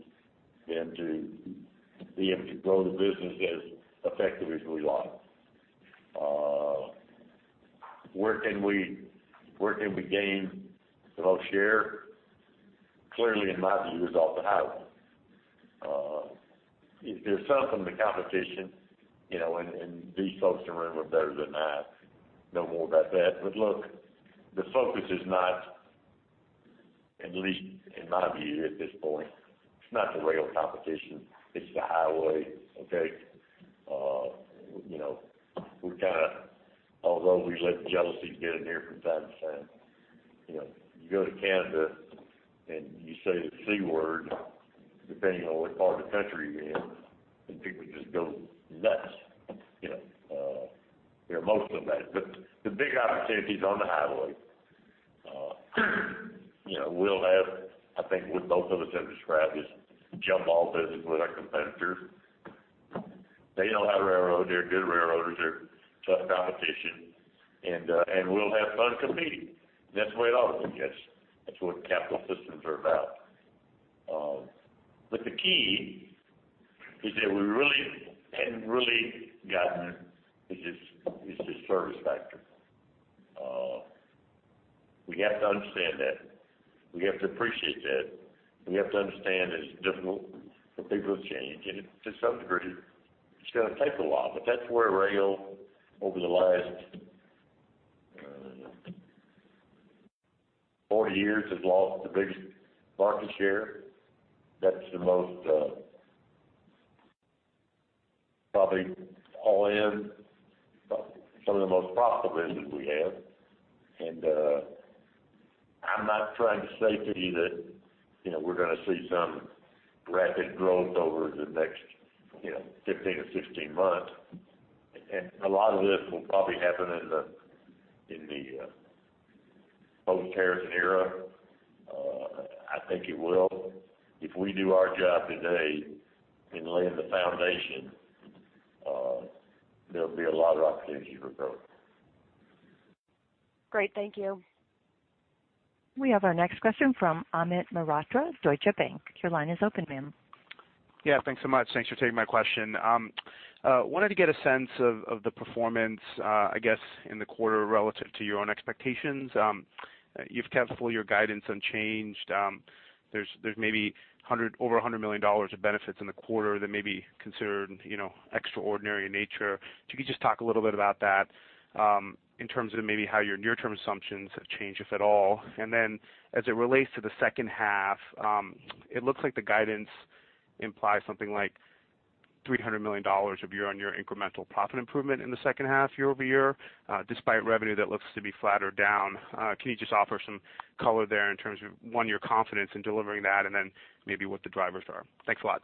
then to be able to grow the business as effectively as we like. Where can we gain the most share? Clearly, in my view, it's off the highway. There's something to competition, you know, and, and these folks in the room are better than I know more about that. But look, the focus is not, at least in my view, at this point, it's not the rail competition, it's the highway, okay? You know, we've kind of although we let the jealousies get in here from time to time, you know, you go to Canada and you say the C word, depending on which part of the country you're in, and people just go nuts, you know, you know, most of that. But the big opportunity is on the highway. You know, we'll have, I think, what both of us have described as jump off business with our competitors. They know how to railroad. They're good railroaders. They're tough competition. And, and we'll have fun competing. That's the way it ought to be. That's, that's what capital systems are about. But the key is that we really hadn't really gotten it. It's just, it's just service factor. We have to understand that. We have to appreciate that. We have to understand that it's difficult for people to change, and to some degree, it's gonna take a while. But that's where rail over the last 40 years has lost the biggest market share. That's the most probably all in, some of the most profitable business we have. And I'm not trying to say to you that, you know, we're gonna see some rapid growth over the next, you know, 15 or 16 months. And a lot of this will probably happen in the post-Harrison era. I think it will. If we do our job today in laying the foundation, there'll be a lot of opportunity for growth. Great, thank you. We have our next question from Amit Mehrotra, Deutsche Bank. Your line is open, ma'am. Thanks so much. Thanks for taking my question. Wanted to get a sense of the performance, I guess, in the quarter relative to your own expectations. You've kept full your guidance unchanged. There's maybe over $100 million of benefits in the quarter that may be considered, you know, extraordinary in nature. If you could just talk a little bit about that, in terms of maybe how your near-term assumptions have changed, if at all. And then, as it relates to the H2, it looks like the guidance implies something like $300 million of year-on-year incremental profit improvement in the H2 year-over-year, despite revenue that looks to be flat or down. Can you just offer some color there in terms of, one, your confidence in delivering that and then maybe what the drivers are? Thanks a lot.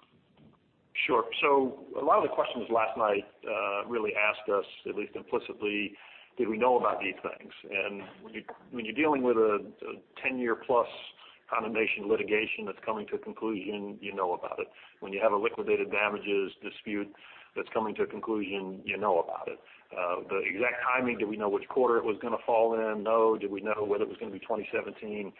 Sure. So a lot of the questions last night really asked us, at least implicitly, did we know about these things? And when you, when you're dealing with a 10-year-plus condemnation litigation that's coming to a conclusion, you know about it. When you have a liquidated damages dispute that's coming to a conclusion, you know about it. The exact timing, did we know which quarter it was gonna fall in? No. Did we know whether it was gonna be 2017?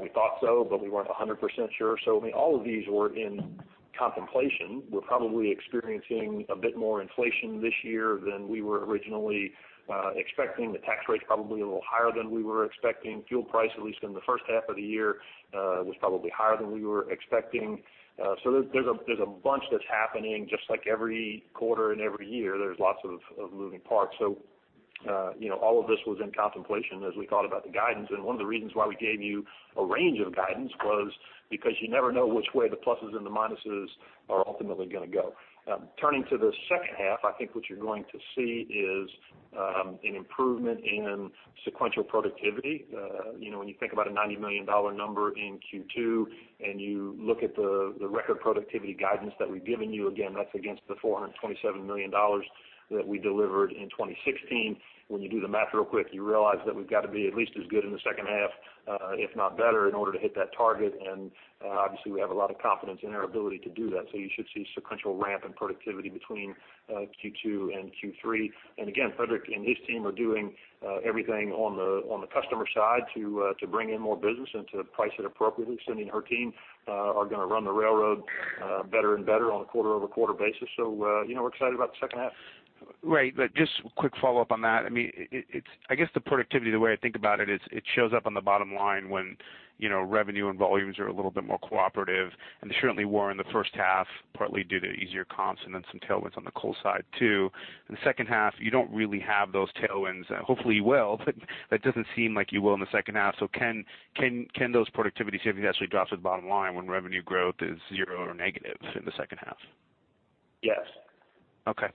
We thought so, but we weren't 100% sure. So I mean, all of these were in contemplation. We're probably experiencing a bit more inflation this year than we were originally expecting. The tax rate is probably a little higher than we were expecting. Fuel price, at least in the H1 of the year, was probably higher than we were expecting. So there's a bunch that's happening, just like every quarter and every year, there's lots of moving parts. So, you know, all of this was in contemplation as we thought about the guidance, and one of the reasons why we gave you a range of guidance was because you never know which way the pluses and the minuses are ultimately gonna go. Turning to the H2, I think what you're going to see is an improvement in sequential productivity. You know, when you think about a $90 million number in Q2, and you look at the record productivity guidance that we've given you, again, that's against the $427 million that we delivered in 2016. When you do the math real quick, you realize that we've got to be at least as good in the H2, if not better, in order to hit that target. And, obviously, we have a lot of confidence in our ability to do that. So you should see sequential ramp and productivity between Q2 and Q3. And again, Fredrik and his team are doing everything on the customer side to bring in more business and to price it appropriately. Cindy and her team are gonna run the railroad better and better on a quarter-over-quarter basis. So, you know, we're excited about the H2. Right, but just a quick follow-up on that. I mean, it's, I guess, the productivity, the way I think about it is it shows up on the bottom line when, you know, revenue and volumes are a little bit more cooperative, and they certainly were in the H1, partly due to easier comps and then some tailwinds on the coal side, too. In the H2, you don't really have those tailwinds. Hopefully, you will, but that doesn't seem like you will in the H2. So can those productivity savings actually drop to the bottom line when revenue growth is zero or negative in the H2? Yes. Okay.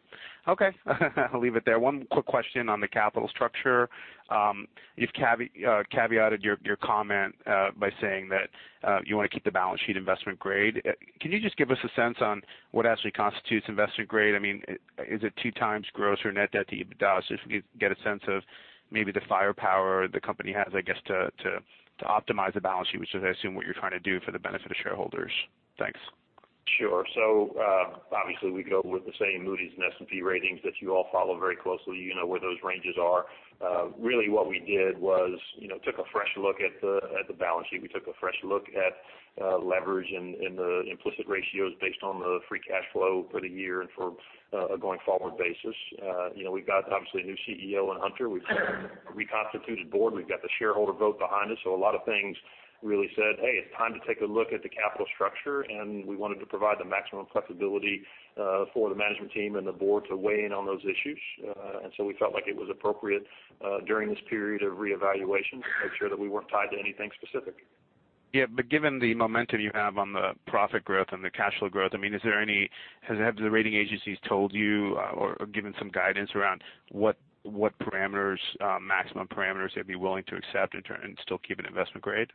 Okay, I'll leave it there. One quick question on the capital structure. You've caveated your comment by saying that you want to keep the balance sheet Investment Grade. Can you just give us a sense on what actually constitutes Investment Grade? I mean, is it two times gross or net debt to EBITDA? So just so we can get a sense of maybe the firepower the company has, I guess, to optimize the balance sheet, which is, I assume, what you're trying to do for the benefit of shareholders. Thanks. Sure. So, obviously, we go with the same Moody's and S&P ratings that you all follow very closely. You know where those ranges are. Really, what we did was, you know, took a fresh look at the, at the balance sheet. We took a fresh look at, leverage and, and the implicit ratios based on the free cash flow for the year and for, a going forward basis. You know, we've got, obviously, a new CEO in Hunter. We've got a reconstituted board. We've got the shareholder vote behind us. So a lot of things really said, "Hey, it's time to take a look at the capital structure," and we wanted to provide the maximum flexibility, for the management team and the board to weigh in on those issues. And so we felt like it was appropriate, during this period of reevaluation to make sure that we weren't tied to anything specific. But given the momentum you have on the profit growth and the cash flow growth, I mean, is there any? Have the rating agencies told you or given some guidance around what parameters, maximum parameters they'd be willing to accept and still keep an Investment Grade?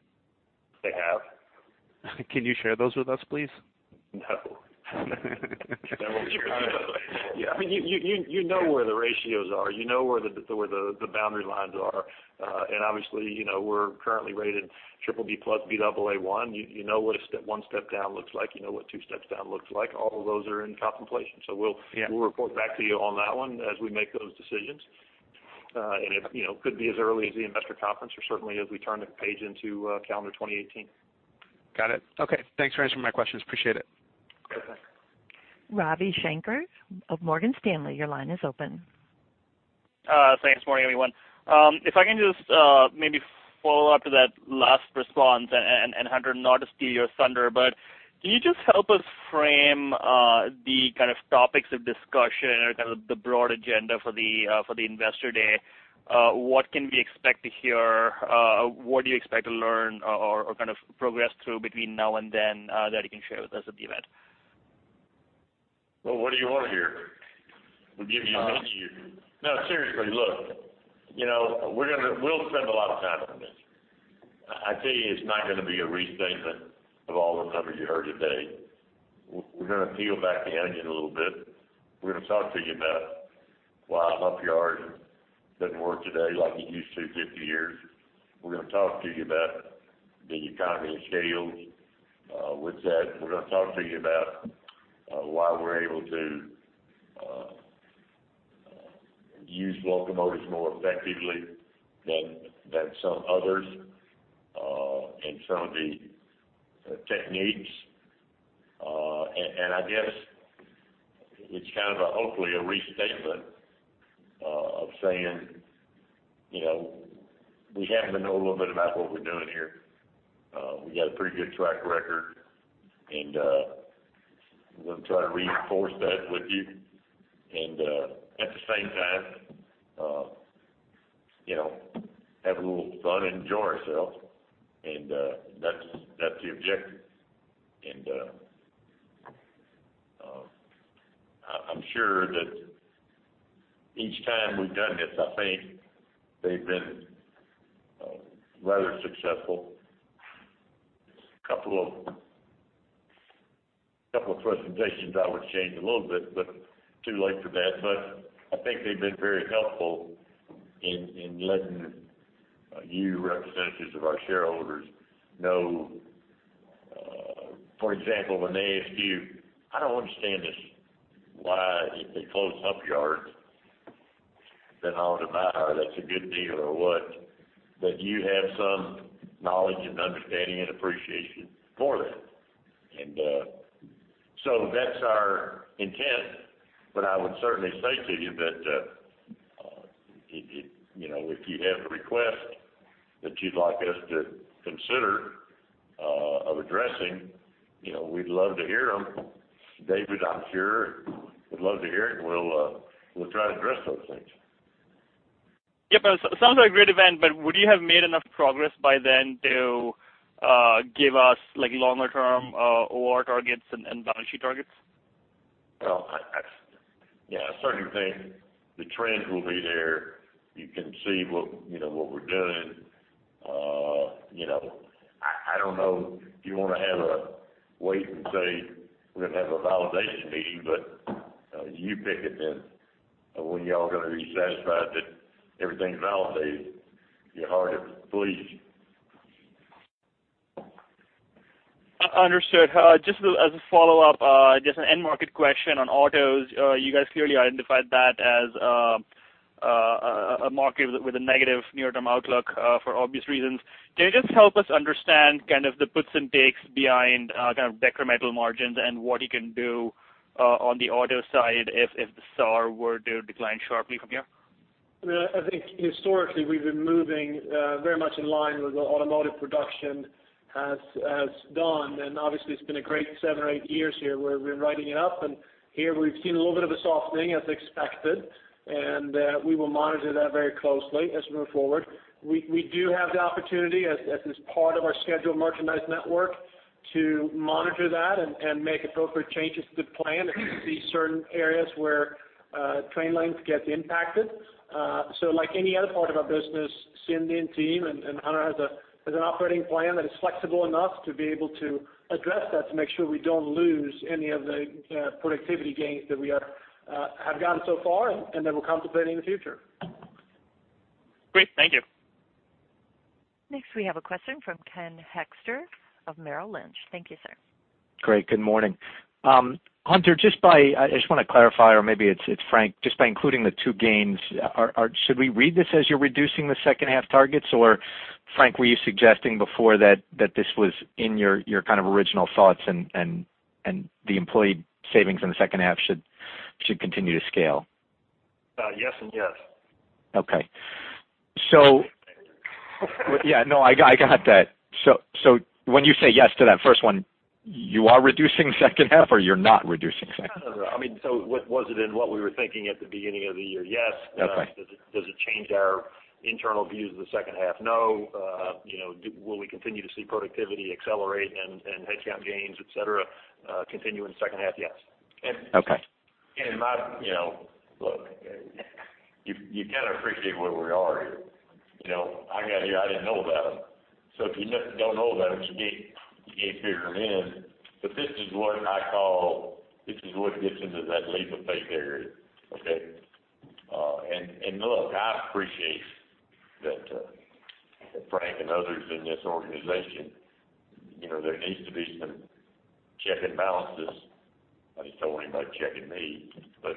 They have. Can you share those with us, please? No. I mean, you know where the ratios are. You know where the boundary lines are. Obviously, you know, we're currently rated triple B plus, Baa1. You know what a step, one step down looks like, you know what two steps down looks like. All of those are in contemplation, so we'll report back to you on that one as we make those decisions. And it, you know, could be as early as the investor conference or certainly as we turn the page into calendar 2018. Got it. Okay. Thanks for answering my questions. Appreciate it. Okay, thanks. Ravi Shanker of Morgan Stanley, your line is open. Thanks. Morning, everyone. If I can just maybe follow up to that last response, and, and, Hunter, not to steal your thunder, but can you just help us frame the kind of topics of discussion or kind of the broad agenda for the investor day? What can we expect to hear? What do you expect to learn or, or kind of progress through between now and then that you can share with us at the event? Well, what do you want to hear? We'll give you, give to you. No, seriously, look, you know, we're gonna, we'll spend a lot of time on this. I tell you it's not gonna be a restatement of all the numbers you heard today. We're gonna peel back the onion a little bit. We're gonna talk to you about why a hump yard doesn't work today like it used to 50 years. We're gonna talk to you about the economy of scale. With that, we're gonna talk to you about why we're able to use locomotives more effectively than some others, and some of the techniques. And I guess it's kind of a, hopefully, a restatement of saying, you know, we happen to know a little bit about what we're doing here. We got a pretty good track record, and we're gonna try to reinforce that with you. At the same time, you know, have a little fun, enjoy ourselves, and that's, that's the objective. I'm sure that each time we've done this, I think they've been rather successful. A couple of presentations I would change a little bit, but too late for that. But I think they've been very helpful in letting you, representatives of our shareholders, know, for example, when they ask you, "I don't understand this, why, if they close hump yards, then I'll deny that's a good deal or what," that you have some knowledge and understanding and appreciation for that. So that's our intent, but I would certainly say to you that you know, if you have a request that you'd like us to consider of addressing, you know, we'd love to hear them. David, I'm sure, would love to hear it, and we'll try to address those things. But it sounds like a great event, but would you have made enough progress by then to give us, like, longer term OR targets and balance sheet targets? I certainly think the trends will be there. You can see what, you know, what we're doing. You know, I don't know if you want to have a wait and say, "We're gonna have a validation meeting," but you pick it, and when y'all are gonna be satisfied that everything's validated, your heart is pleased. Understood. Just as a follow-up, just an end market question on autos. You guys clearly identified that as a market with a negative near-term outlook for obvious reasons. Can you just help us understand kind of the puts and takes behind kind of decremental margins and what you can do on the auto side if the SAAR were to decline sharply from here? I mean, I think historically, we've been moving very much in line with what automotive production has done. And obviously, it's been a great 7 or 8 years here, where we're riding it up, and here we've seen a little bit of a softening as expected, and we will monitor that very closely as we move forward. We do have the opportunity as part of our scheduled merchandise network to monitor that and make appropriate changes to the plan if we see certain areas where train lengths get impacted. So, like any other part of our business, Cindy and team, and Hunter has an operating plan that is flexible enough to be able to address that, to make sure we don't lose any of the productivity gains that we have gotten so far, and that we're contemplating in the future. Great, thank you. Next, we have a question from Ken Hoexter of Merrill Lynch. Thank you, sir. Great, good morning. Hunter, I just want to clarify, or maybe it's Frank, just by including the two gains, should we read this as you're reducing the H2 targets? Or, Frank, were you suggesting before that this was in your kind of original thoughts and the employee savings in the H2 should continue to scale? Yes and yes. I got that. So when you say yes to that first one, you are reducing H2, or you're not reducing H2? I mean, so was it in what we were thinking at the beginning of the year? Yes. Okay. Does it, does it change our internal views of the H2? No. You know, will we continue to see productivity accelerate and, and headcount gains, et cetera, continue in the H2? Yes. Okay. In my, you know, look, you, you got to appreciate where we are here. You know, I got here, I didn't know about them. So if you don't know about them, you can't, you can't figure them in. But this is what I call, this is what gets into that leap of faith area, okay? And look, I appreciate that, Frank and others in this organization, you know, there needs to be some checks and balances. I just don't want anybody checking me. But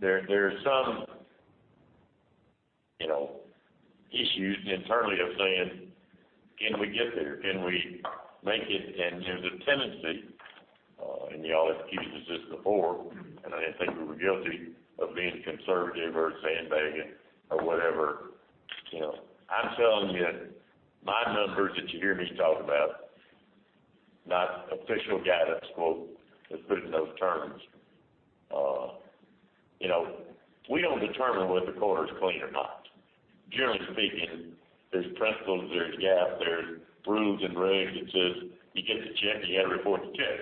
there are some, you know, issues internally of saying: Can we get there? Can we make it? And there's a tendency, and y'all accused us this before, and I didn't think we were guilty of being conservative or sandbagging or whatever. You know, I'm telling you, my numbers that you hear me talk about, not official guidance, quote: "Let's put it in those terms." You know, we don't determine whether the quarter is clean or not. Generally speaking, there's principles, there's GAAP, there's rules and regs that says, you get the check, you got to report the check.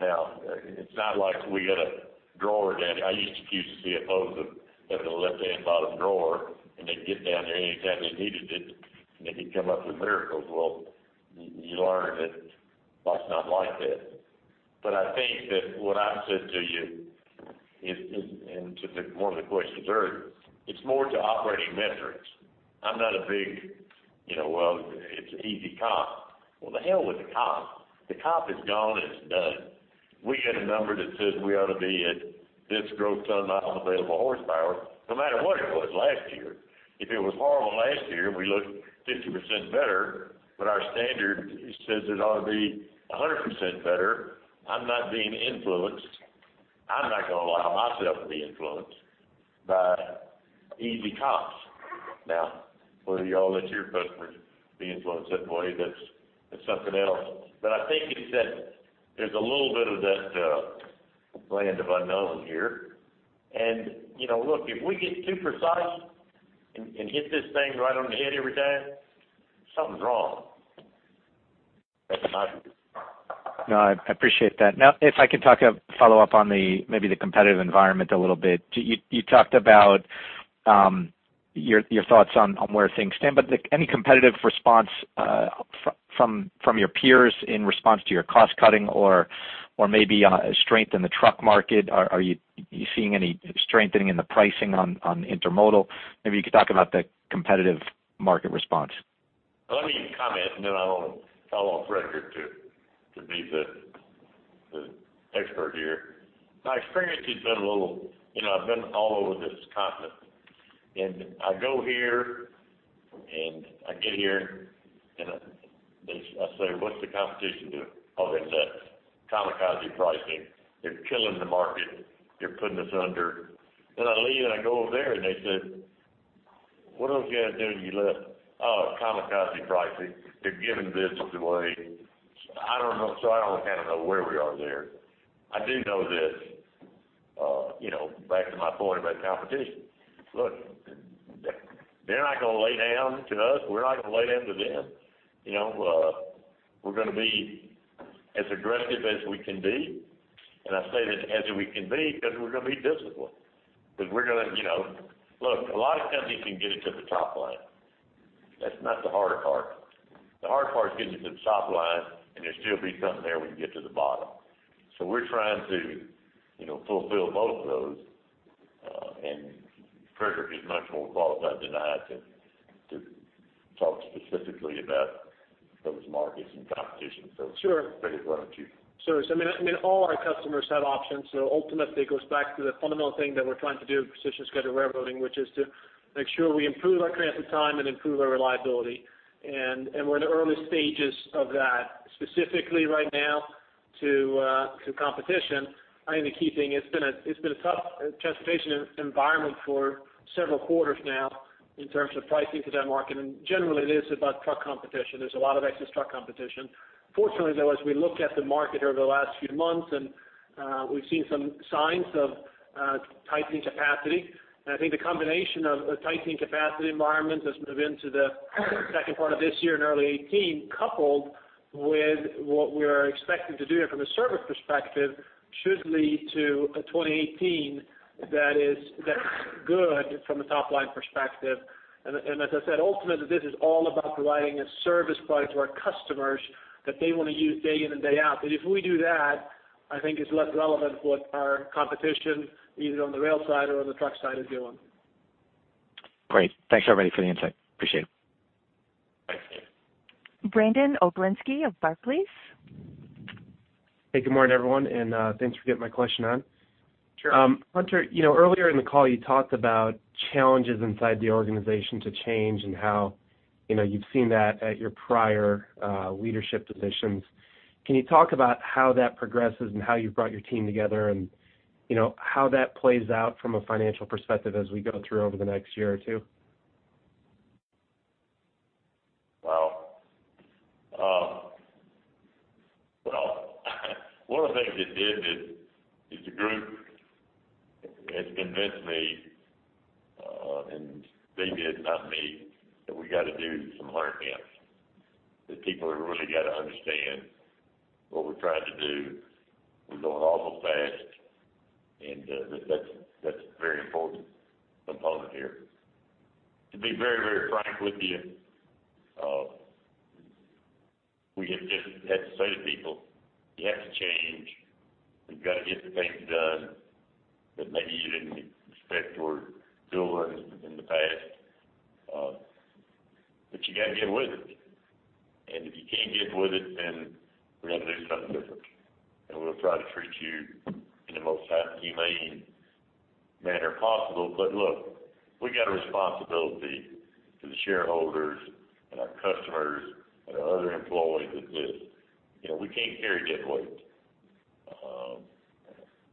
Now, it's not like we got a drawer down. I used to know CFOs that had the left-hand bottom drawer, and they'd get down there anytime they needed it, and they could come up with miracles. Well, you learn that life's not like that. But I think that what I said to you is, and to one of the questions earlier, it's more to operating metrics. I'm not a big, you know, well, it's an easy comp. Well, the hell with the comp. The comp is gone, and it's done. We get a number that says we ought to be at this growth ton mile available horsepower, no matter what it was last year. If it was horrible last year, we look 50% better, but our standard says it ought to be 100% better. I'm not being influenced. I'm not going to allow myself to be influenced by easy comps. Now, whether you all let your customers be influenced that way, that's, that's something else. But I think it's that there's a little bit of that, land of unknown here. And, you know, look, if we get too precise and hit this thing right on the head every day, something's wrong. That's my- No, I, I appreciate that. Now, if I could talk, follow up on the, maybe the competitive environment a little bit. Do you—you talked about, your, your thoughts on, on where things stand, but the—any competitive response, from, from your peers in response to your cost cutting or, or maybe on a strength in the truck market, are, are you, you seeing any strengthening in the pricing on, on intermodal? Maybe you could talk about the competitive market response. Let me comment, and then I'll fall off record to be the expert here. My experience has been a little, you know, I've been all over this continent, and I go here, and I get here, and I say: What's the competition doing? Oh, they're nuts. Kamikaze pricing. They're killing the market. They're putting us under. Then I leave, and I go over there, and they say: "What are those guys doing you left?" Oh, kamikaze pricing. They're giving business away. I don't know, so I don't kind of know where we are there. I do know this, you know, back to my point about competition. Look, they're not going to lay down to us. We're not going to lay down to them. You know, we're going to be as aggressive as we can be, and I say this, as we can be, because we're going to be disciplined, because we're going to, you know. Look, a lot of companies can get it to the top line. That's not the hard part. The hard part is getting it to the top line, and there'll still be something there when you get to the bottom. So we're trying to, you know, fulfill both of those, and Fredrik is much more qualified than I to specifically about those markets and competition. So- Sure. David, why don't you? So I mean, all our customers have options, so ultimately, it goes back to the fundamental thing that we're trying to do at Precision Scheduled Railroading, which is to make sure we improve our transit time and improve our reliability. And we're in the early stages of that. Specifically right now, to competition, I think the key thing, it's been a tough transportation environment for several quarters now in terms of pricing for that market, and generally, it is about truck competition. There's a lot of excess truck competition. Fortunately, though, as we look at the market over the last few months, and we've seen some signs of tightening capacity. And I think the combination of a tightening capacity environment as we move into the second part of this year and early 2018, coupled with what we are expecting to do here from a service perspective, should lead to a 2018 that is, that's good from a top-line perspective. And, and as I said, ultimately, this is all about providing a service product to our customers that they want to use day in and day out. And if we do that, I think it's less relevant what our competition, either on the rail side or on the truck side, is doing. Great. Thanks, everybody, for the insight. Appreciate it. Brandon Oglenski of Barclays. Hey, good morning, everyone, and thanks for getting my question on. Sure. Hunter, you know, earlier in the call, you talked about challenges inside the organization to change and how, you know, you've seen that at your prior, leadership positions. Can you talk about how that progresses and how you've brought your team together and, you know, how that plays out from a financial perspective as we go through over the next year or two? Wow. Well, one of the things it did is the group has convinced me, and they did, not me, that we got to do some learning, that people have really got to understand what we're trying to do. We're going awful fast, and that's a very important component here. To be very, very frank with you, we have just had to say to people, "You have to change. We've got to get the things done that maybe you didn't expect or do in the past. But you got to get with it. And if you can't get with it, then we're going to do something different. And we'll try to treat you in the most kind and humane manner possible. But look, we got a responsibility to the shareholders and our customers and our other employees that, you know, we can't carry dead weight.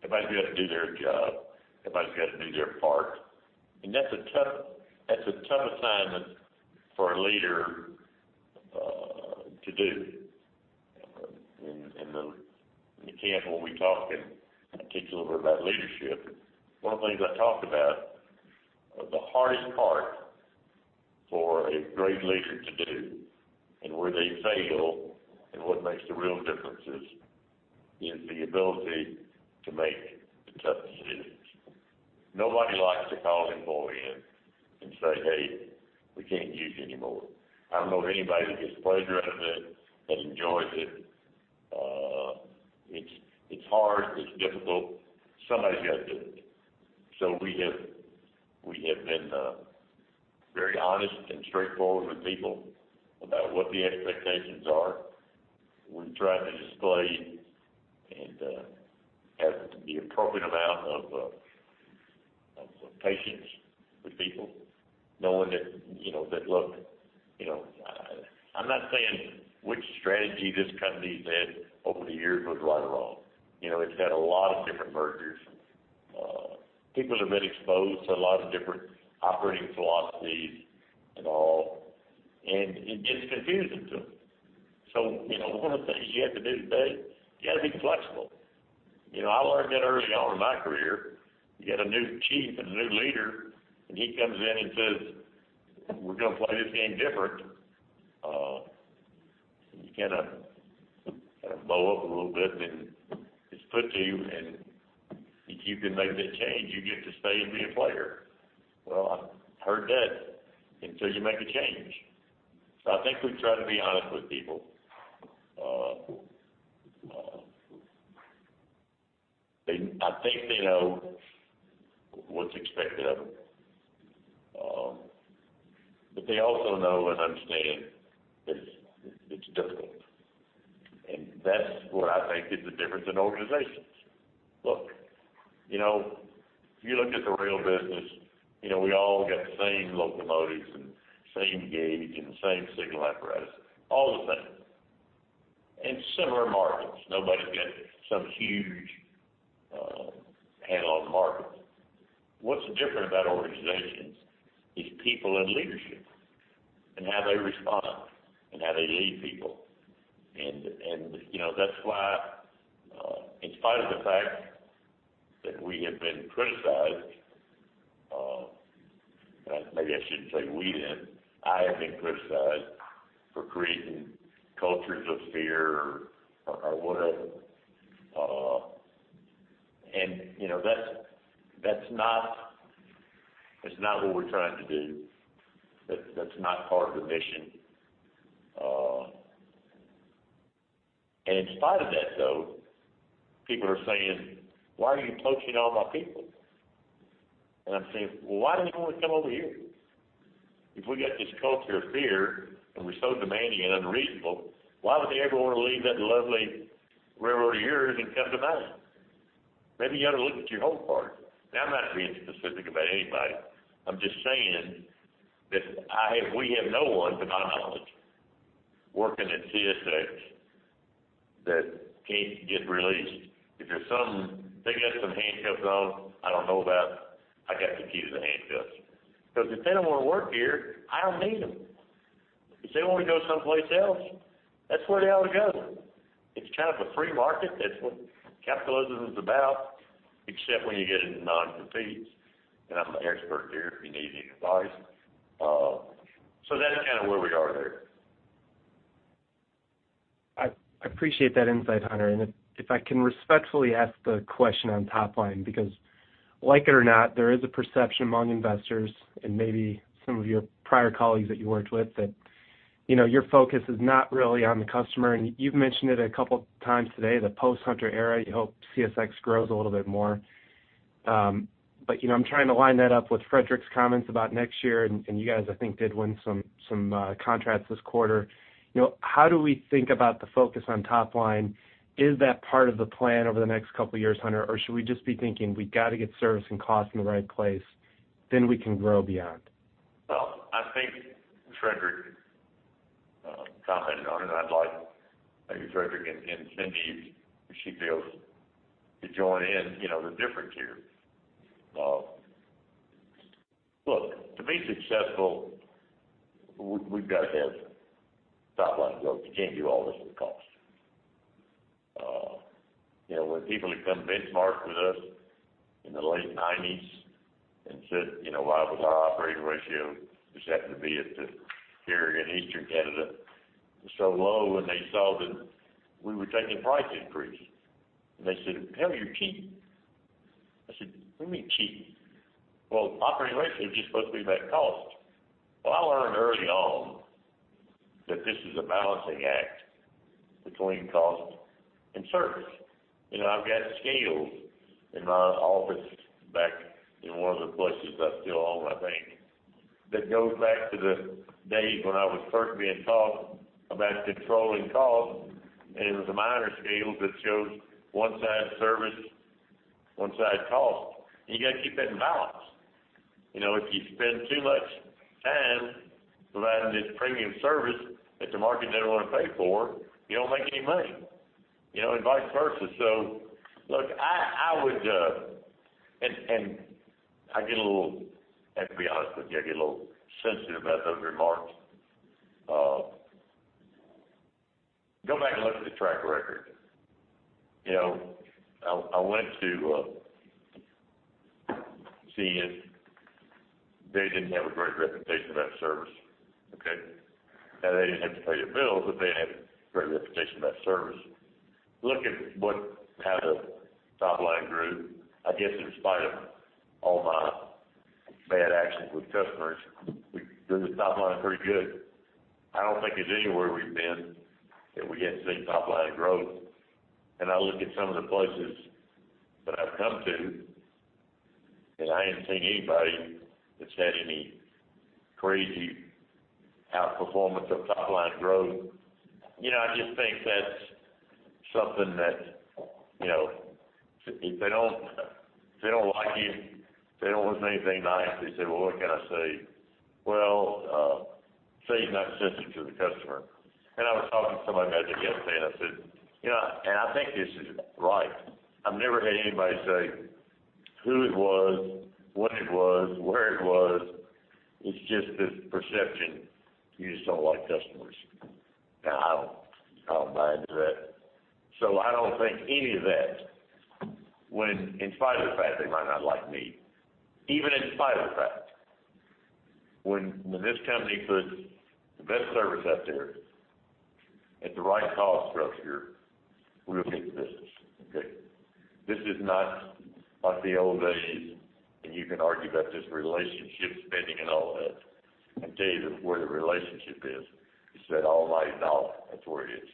Everybody's got to do their job. Everybody's got to do their part. And that's a tough assignment for a leader to do. In the camp, when we talk, and I teach a little bit about leadership, one of the things I talk about, the hardest part for a great leader to do and where they fail and what makes the real differences, is the ability to make the tough decisions. Nobody likes to call an employee in and say, "Hey, we can't use you anymore." I don't know of anybody that gets pleasure out of it, that enjoys it. It's hard, it's difficult. Somebody's got to do it. So we have been very honest and straightforward with people about what the expectations are. We've tried to display and have the appropriate amount of patience with people, knowing that, you know, that, look, you know, I'm not saying which strategy this company has had over the years was right or wrong. You know, it's had a lot of different mergers. People have been exposed to a lot of different operating philosophies and all, and it gets confusing to them. So, you know, one of the things you have to do today, you got to be flexible. You know, I learned that early on in my career. You get a new chief and a new leader, and he comes in and says, "We're going to play this game different." You kind of blow up a little bit, and then it's put to you, and if you can make that change, you get to stay and be a player. Well, I heard that until you make a change. So I think we try to be honest with people. I think they know what's expected of them. But they also know and understand it's difficult. And that's what I think is the difference in organizations. Look, you know, if you look at the rail business, you know, we all got the same locomotives and same gauge and the same signal apparatus, all the same, and similar markets. Nobody's got some huge handle on the market. What's different about organizations is people and leadership and how they respond and how they lead people. And, you know, that's why, in spite of the fact that we have been criticized, maybe I shouldn't say we have, I have been criticized for creating cultures of fear or whatever. And, you know, that's not what we're trying to do. That's not part of the mission. And in spite of that, though, people are saying: "Why are you poaching all my people?" And I'm saying: "Well, why do they want to come over here? If we got this culture of fear, and we're so demanding and unreasonable, why would they ever want to leave that lovely railroad of yours and come to mine? Maybe you ought to look at your home first." Now, I'm not being specific about anybody. I'm just saying that I have, we have no one to my knowledge working at CSX that can't get released. If there's some, they got some handcuffs on I don't know about, I got the keys to the handcuffs. Because if they don't want to work here, I don't need them. If they want to go someplace else, that's where they ought to go. It's kind of a free market. That's what capitalism is about, except when you get into non-competes, and I'm an expert here, if you need any advice. So that's kind of where we are there. I appreciate that insight, Hunter. And if I can respectfully ask the question on top line, because like it or not, there is a perception among investors and maybe some of your prior colleagues that you worked with, that, you know, your focus is not really on the customer. And you've mentioned it a couple of times today, the post-Hunter era, you hope CSX grows a little bit more. But, you know, I'm trying to line that up with Fredrik's comments about next year, and you guys, I think, did win some contracts this quarter. You know, how do we think about the focus on top line? Is that part of the plan over the next couple of years, Hunter? Or should we just be thinking we got to get service and cost in the right place, then we can grow beyond? Well, I think Fredrik commented on it, and I'd like maybe Fredrik and Cindy, if she feels to join in, you know, the difference here. Look, to be successful, we've got to have top line growth. You can't do all this with cost. You know, when people would come benchmark with us in the late nineties and said, you know, why was our operating ratio just happened to be at here in Eastern Canada, so low, and they saw that we were taking price increases. And they said, "Hell, you're cheap." I said, "What do you mean, cheap?" Well, operating ratio is just supposed to be about cost. Well, I learned early on that this is a balancing act between cost and service. You know, I've got scales in my office back in one of the places I still own my bank. That goes back to the days when I was first being taught about controlling costs, and it was a balance scale that shows one side service, one side cost, and you got to keep that in balance. You know, if you spend too much time providing this premium service that the market doesn't want to pay for, you don't make any money, you know, and vice versa. So look, I get a little, I have to be honest with you, I get a little sensitive about those remarks. Go back and look at the track record. You know, I went to CN. They didn't have a great reputation about service, okay? Now, they didn't have to pay their bills, but they didn't have a great reputation about service. Look at how the top line grew. I guess, in spite of all my bad actions with customers, we grew the top line pretty good. I don't think there's anywhere we've been that we hadn't seen top line growth. And I look at some of the places that I've come to, and I ain't seen anybody that's had any crazy outperformance of top line growth. You know, I just think that's something that, you know, if they don't, if they don't like you, they don't want to say anything nice. They say, "Well, what can I say?" Well, say, he's not sensitive to the customer. And I was talking to somebody about that yesterday, and I said, "You know, and I think this is right." I've never had anybody say who it was, what it was, where it was. It's just this perception, you just don't like customers, and I don't, I don't buy into that. So I don't think any of that went in spite of the fact they might not like me, even in spite of the fact this company puts the best service out there at the right cost structure, we'll take the business, okay? This is not like the old days, and you can argue about this relationship spending and all that. I tell you, that's where the relationship is, it's that almighty dollar, that's where it is.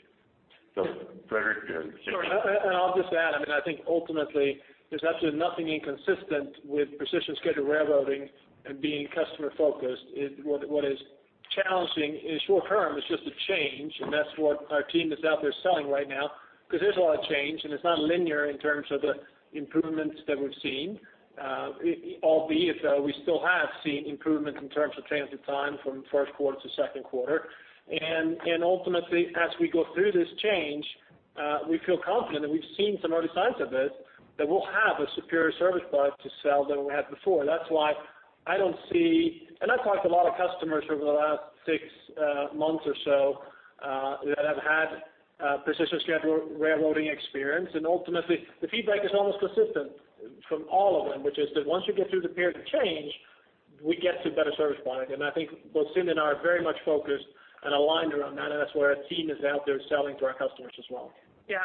So, Fredrik? Sorry, I'll just add, I mean, I think ultimately, there's absolutely nothing inconsistent with Precision Scheduled Railroading and being customer-focused. What is challenging is short term, it's just a change, and that's what our team is out there selling right now, because there's a lot of change, and it's not linear in terms of the improvements that we've seen. Albeit, we still have seen improvements in terms of transit time from Q1 to Q2. And ultimately, as we go through this change, we feel confident, and we've seen some early signs of it, that we'll have a superior service product to sell than we had before. That's why I don't see and I've talked to a lot of customers over the last 6 months or so, that have had a Precision Scheduled Railroading experience. Ultimately, the feedback is almost consistent from all of them, which is that once you get through the period of change, we get to a better service product. I think both Cindy and I are very much focused and aligned around that, and that's where our team is out there selling to our customers as well.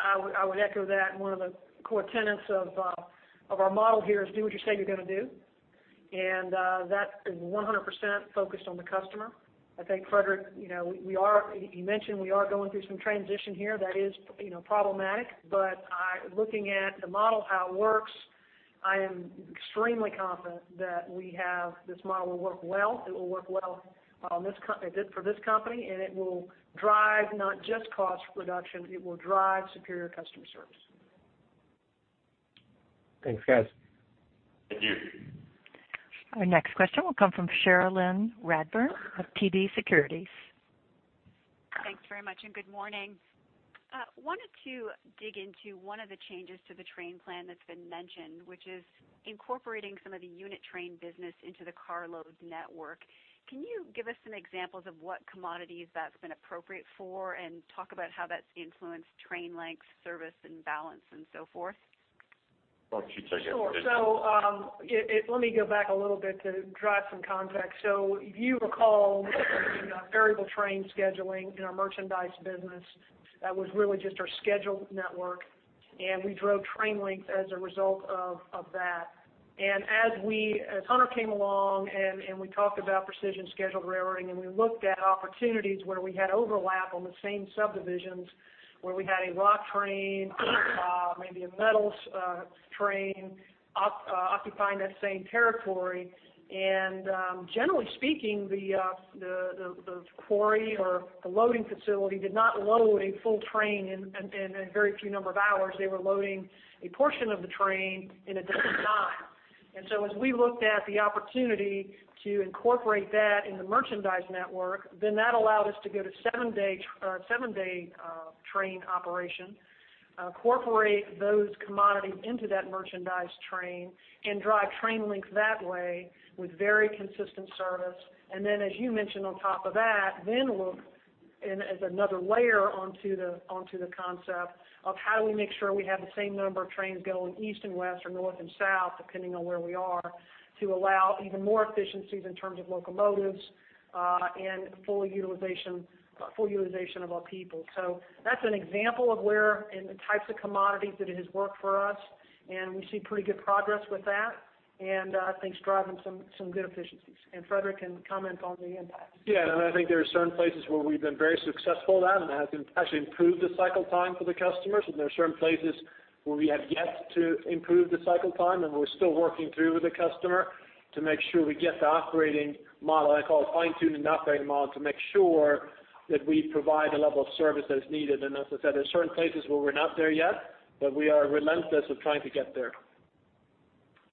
I would echo that. One of the core tenets of our model here is do what you say you're going to do and that is 100% focused on the customer. I think, Fredrik, you know, we are, you mentioned we are going through some transition here that is, you know, problematic, but I—looking at the model, how it works, I am extremely confident that we have, this model will work well. It will work well on this co—it did for this company, and it will drive not just cost reduction, it will drive superior customer service. Thanks, guys. Thank you. Our next question will come from Cherilyn Radbourne of TD Securities. Thanks very much, and good morning. Wanted to dig into one of the changes to the train plan that's been mentioned, which is incorporating some of the unit train business into the carload network. Can you give us some examples of what commodities that's been appropriate for, and talk about how that's influenced train length, service and balance and so forth? Why don't you take it? Sure. So, let me go back a little bit to drive some context. So if you recall, variable train scheduling in our merchandise business, that was really just our scheduled network, and we drove train length as a result of that. And as Hunter came along and we talked about precision scheduled railroading, and we looked at opportunities where we had overlap on the same subdivisions, where we had a rock train, maybe a metals train, occupying that same territory. And generally speaking, the quarry or the loading facility did not load a full train in a very few number of hours. They were loading a portion of the train in a different time. And so as we looked at the opportunity to incorporate that in the merchandise network, then that allowed us to go to seven-day train operation, incorporate those commodities into that merchandise train and drive train length that way with very consistent service. And then, as you mentioned, on top of that, then look and as another layer onto the, onto the concept of how do we make sure we have the same number of trains going east and west or north and south, depending on where we are, to allow even more efficiencies in terms of locomotives, and full utilization, full utilization of our people. That's an example of where and the types of commodities that it has worked for us, and we see pretty good progress with that, and I think it's driving some good efficiencies, and Fredrik can comment on the impact. And I think there are certain places where we've been very successful at, and it has been actually improved the cycle time for the customers. There are certain places where we have yet to improve the cycle time, and we're still working through with the customer to make sure we get the operating model, I call it fine-tuning the operating model, to make sure that we provide the level of service that is needed. As I said, there are certain places where we're not there yet, but we are relentless of trying to get there.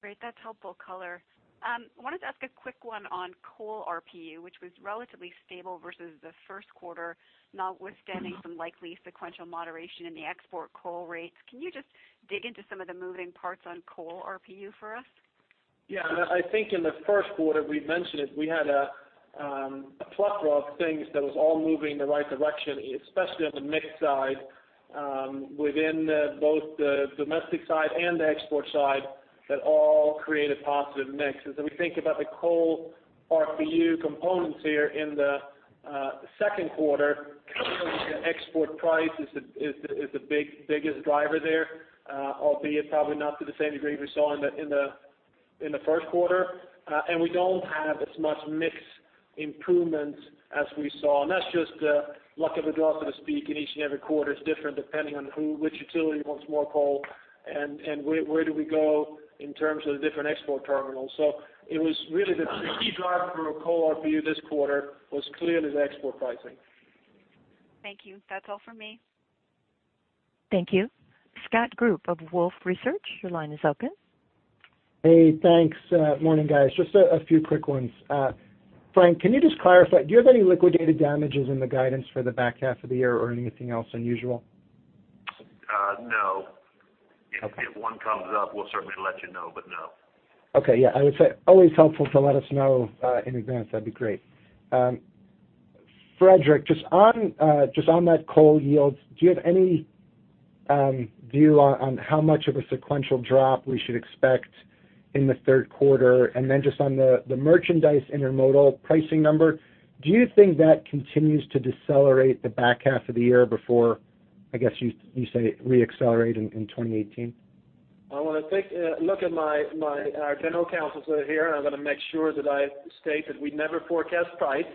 Great, that's helpful color. I wanted to ask a quick one on coal RPU, which was relatively stable versus the Q1, notwithstanding some likely sequential moderation in the export coal rates. Can you just dig into some of the moving parts on coal RPU for us? And I think in the Q1, we mentioned it, we had a plethora of things that was all moving in the right direction, especially on the mix side, within both the domestic side and the export side, that all created positive mix. As we think about the coal RPU components here in the Q2, clearly, the export price is the biggest driver there, albeit probably not to the same degree we saw in the Q1. And we don't have as much mix improvement as we saw, and that's just luck of the draw, so to speak. In each and every quarter is different, depending on which utility wants more coal and where do we go in terms of the different export terminals. So it was really the key driver for coal RPU this quarter was clearly the export pricing. Thank you. That's all for me. Thank you. Scott Group of Wolfe Research, your line is open. Hey, thanks, morning, guys. Just a few quick ones. Frank, can you just clarify, do you have any liquidated damages in the guidance for the back half of the year or anything else unusual? Uh, no. Okay. If one comes up, we'll certainly let you know, but no. Okay, I would say, always helpful to let us know in advance. That'd be great. Fredrik, just on that coal yields, do you have any view on how much of a sequential drop we should expect in the Q3? And then just on the merchandise intermodal pricing number, do you think that continues to decelerate the back half of the year before, I guess you say, re-accelerate in 2018? I want to take a look at our general counsel is here, and I'm gonna make sure that I state that we never forecast price.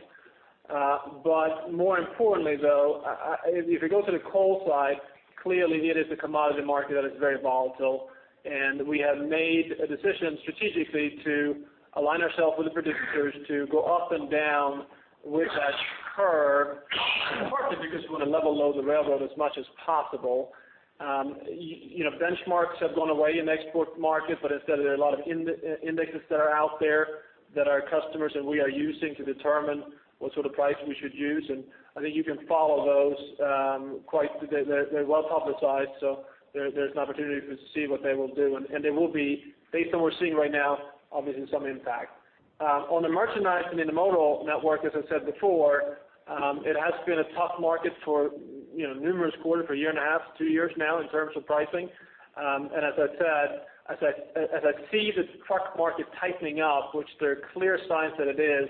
But more importantly, though, if you go to the coal side, clearly it is a commodity market that is very volatile, and we have made a decision strategically to align ourselves with the producers to go up and down with that curve, partly because we want to level load the railroad as much as possible. You know, benchmarks have gone away in the export market, but instead there are a lot of indexes that are out there that our customers and we are using to determine what sort of price we should use. And I think you can follow those. They're well publicized, so there's an opportunity to see what they will do, and they will be, based on what we're seeing right now, obviously some impact. On the merchandise and intermodal network, as I said before, it has been a tough market for, you know, numerous quarters, for a year and a half, two years now in terms of pricing. And as I said, as I see the truck market tightening up, which there are clear signs that it is,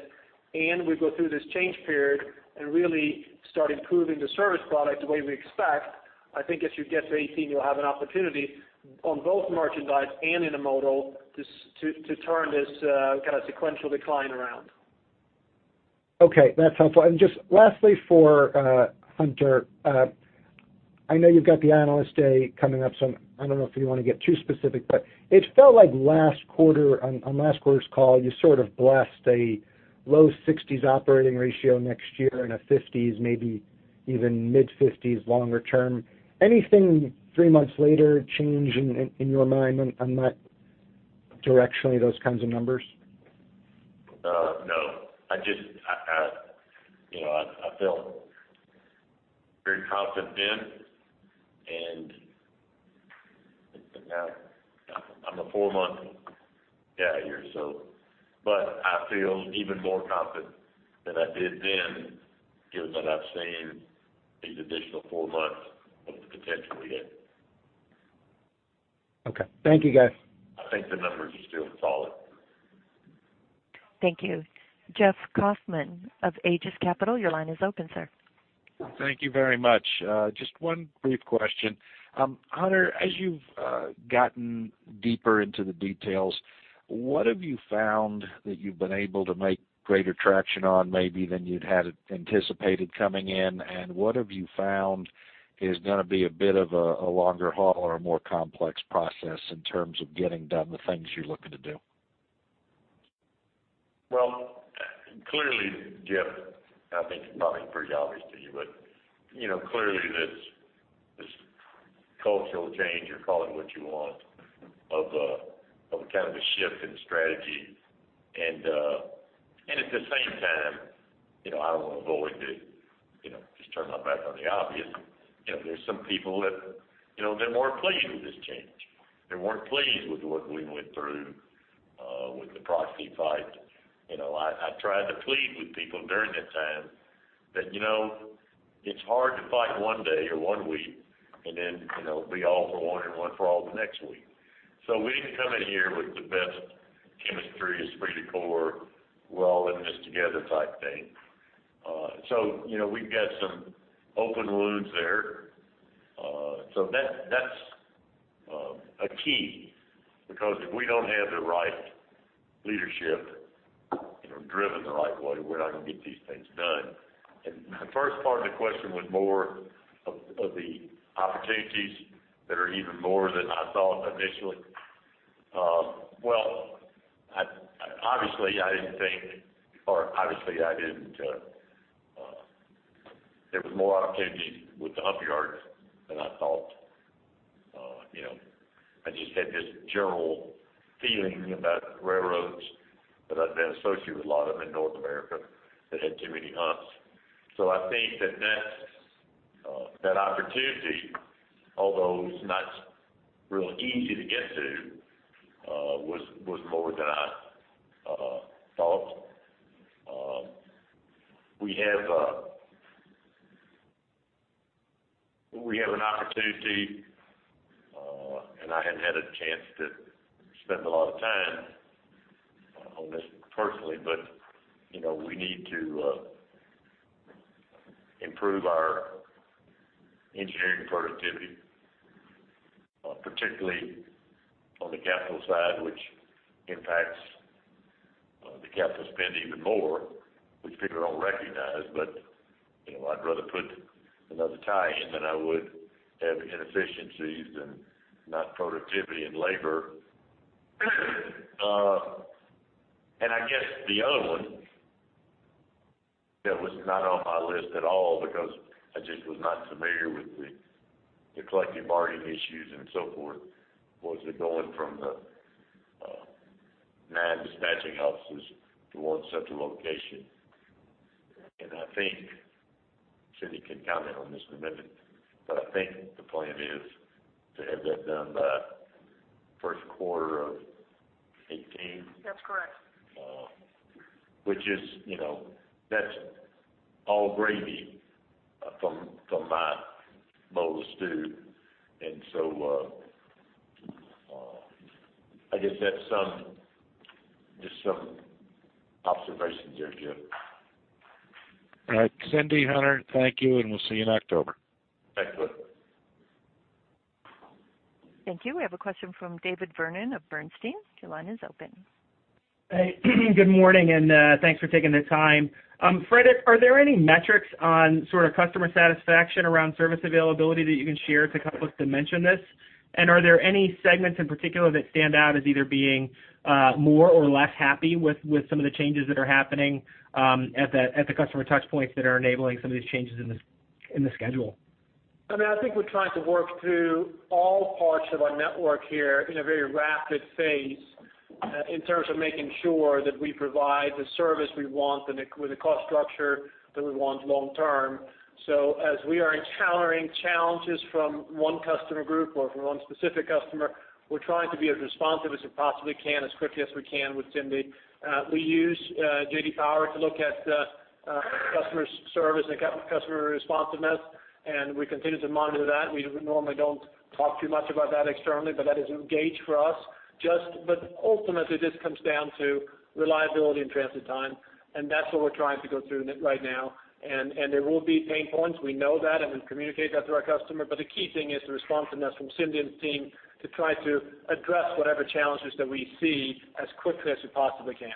and we go through this change period and really start improving the service product the way we expect. I think as you get to 2018, you'll have an opportunity on both merchandise and intermodal to turn this kind of sequential decline around. Okay, that's helpful. And just lastly, for Hunter, I know you've got the Analyst Day coming up, so I don't know if you want to get too specific, but it felt like last quarter, on last quarter's call, you sort of blessed a low 60s operating ratio next year and a 50s, maybe even mid-50s, longer term. Anything three months later change in your mind on that directionally, those kinds of numbers? No. I just, you know, I felt very confident then, and it's been now, I'm a four-month guy here, so, but I feel even more confident than I did then, given that I've seen these additional four months of the potential we have. Okay. Thank you, guys. I think the numbers are still solid. Thank you. Jeff Kauffman of Aegis Capital, your line is open, sir. Thank you very much. Just one brief question. Hunter, as you've gotten deeper into the details, what have you found that you've been able to make greater traction on maybe than you'd had anticipated coming in? And what have you found is gonna be a bit of a longer haul or a more complex process in terms of getting done the things you're looking to do? Well, clearly, Jeff, I think it's probably pretty obvious to you, but, you know, clearly, this cultural change, or call it what you want, of a kind of a shift in strategy. And at the same time, you know, I don't want to avoid it, you know, just turn my back on the obvious. You know, there's some people that, you know, they're more pleased with this change. They weren't pleased with what we went through, with the proxy fight. You know, I tried to plead with people during that time that, you know, it's hard to fight one day or one week and then, you know, be all for one and one for all the next week. So we didn't come in here with the best chemistry. It's pretty core. We're all in this together type thing. So, you know, we've got some open wounds there. So that's a key because if we don't have the right leadership, you know, driven the right way, we're not gonna get these things done. And the first part of the question was more of the opportunities that are even more than I thought initially. Well, obviously, I didn't think there was more opportunity with the hump yards than I thought. You know, I just had this general feeling about railroads, but I've been associated with a lot of them in North America that had too many humps. So I think that opportunity, although it's not really easy to get to, was more than I thought. We have an opportunity, and I hadn't had a chance to spend a lot of time on this personally, but, you know, we need to improve our engineering productivity, particularly on the capital side, which impacts the capital spend even more, which people don't recognize. But, you know, I'd rather put another tie in than I would have inefficiencies and not productivity and labor. And I guess the other one that was not on my list at all, because I just was not familiar with the collective bargaining issues and so forth, was it going from the nine dispatching offices towards such a location? And I think Cindy can comment on this a bit, but I think the plan is to have that done by Q1 of 2018. That's correct. Which is, you know, that's all gravy from my bowl of stew. And so, I guess that's some, just some observations there, Jeff. All right, Cindy, Hunter, thank you, and we'll see you in October. Thanks, Jeff. Thank you. We have a question from David Vernon of Bernstein. Your line is open. Hey, good morning, and thanks for taking the time. Fred, are there any metrics on sort of customer satisfaction around service availability that you can share to help us to mention this? And are there any segments in particular that stand out as either being more or less happy with some of the changes that are happening at the customer touchpoints that are enabling some of these changes in the schedule? I mean, I think we're trying to work through all parts of our network here in a very rapid phase, in terms of making sure that we provide the service we want and with the cost structure that we want long term. So as we are encountering challenges from one customer group or from one specific customer, we're trying to be as responsive as we possibly can, as quickly as we can with Cindy. We use J.D. Power to look at customer service and customer responsiveness, and we continue to monitor that. We normally don't talk too much about that externally, but that is a gauge for us. Ultimately, this comes down to reliability and transit time, and that's what we're trying to go through right now. And, and there will be pain points. We know that, and we communicate that to our customer. The key thing is the responsiveness from Cindy and the team to try to address whatever challenges that we see as quickly as we possibly can.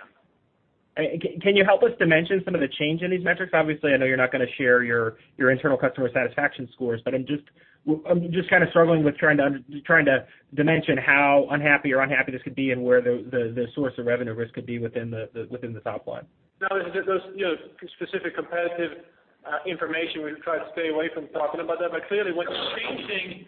Can you help us dimension some of the change in these metrics? Obviously, I know you're not going to share your internal customer satisfaction scores, but I'm just kind of struggling with trying to dimension how unhappy or unhappiness could be and where the source of revenue risk could be within the top line. No, those, you know, specific competitive information, we try to stay away from talking about that. But clearly, when you're changing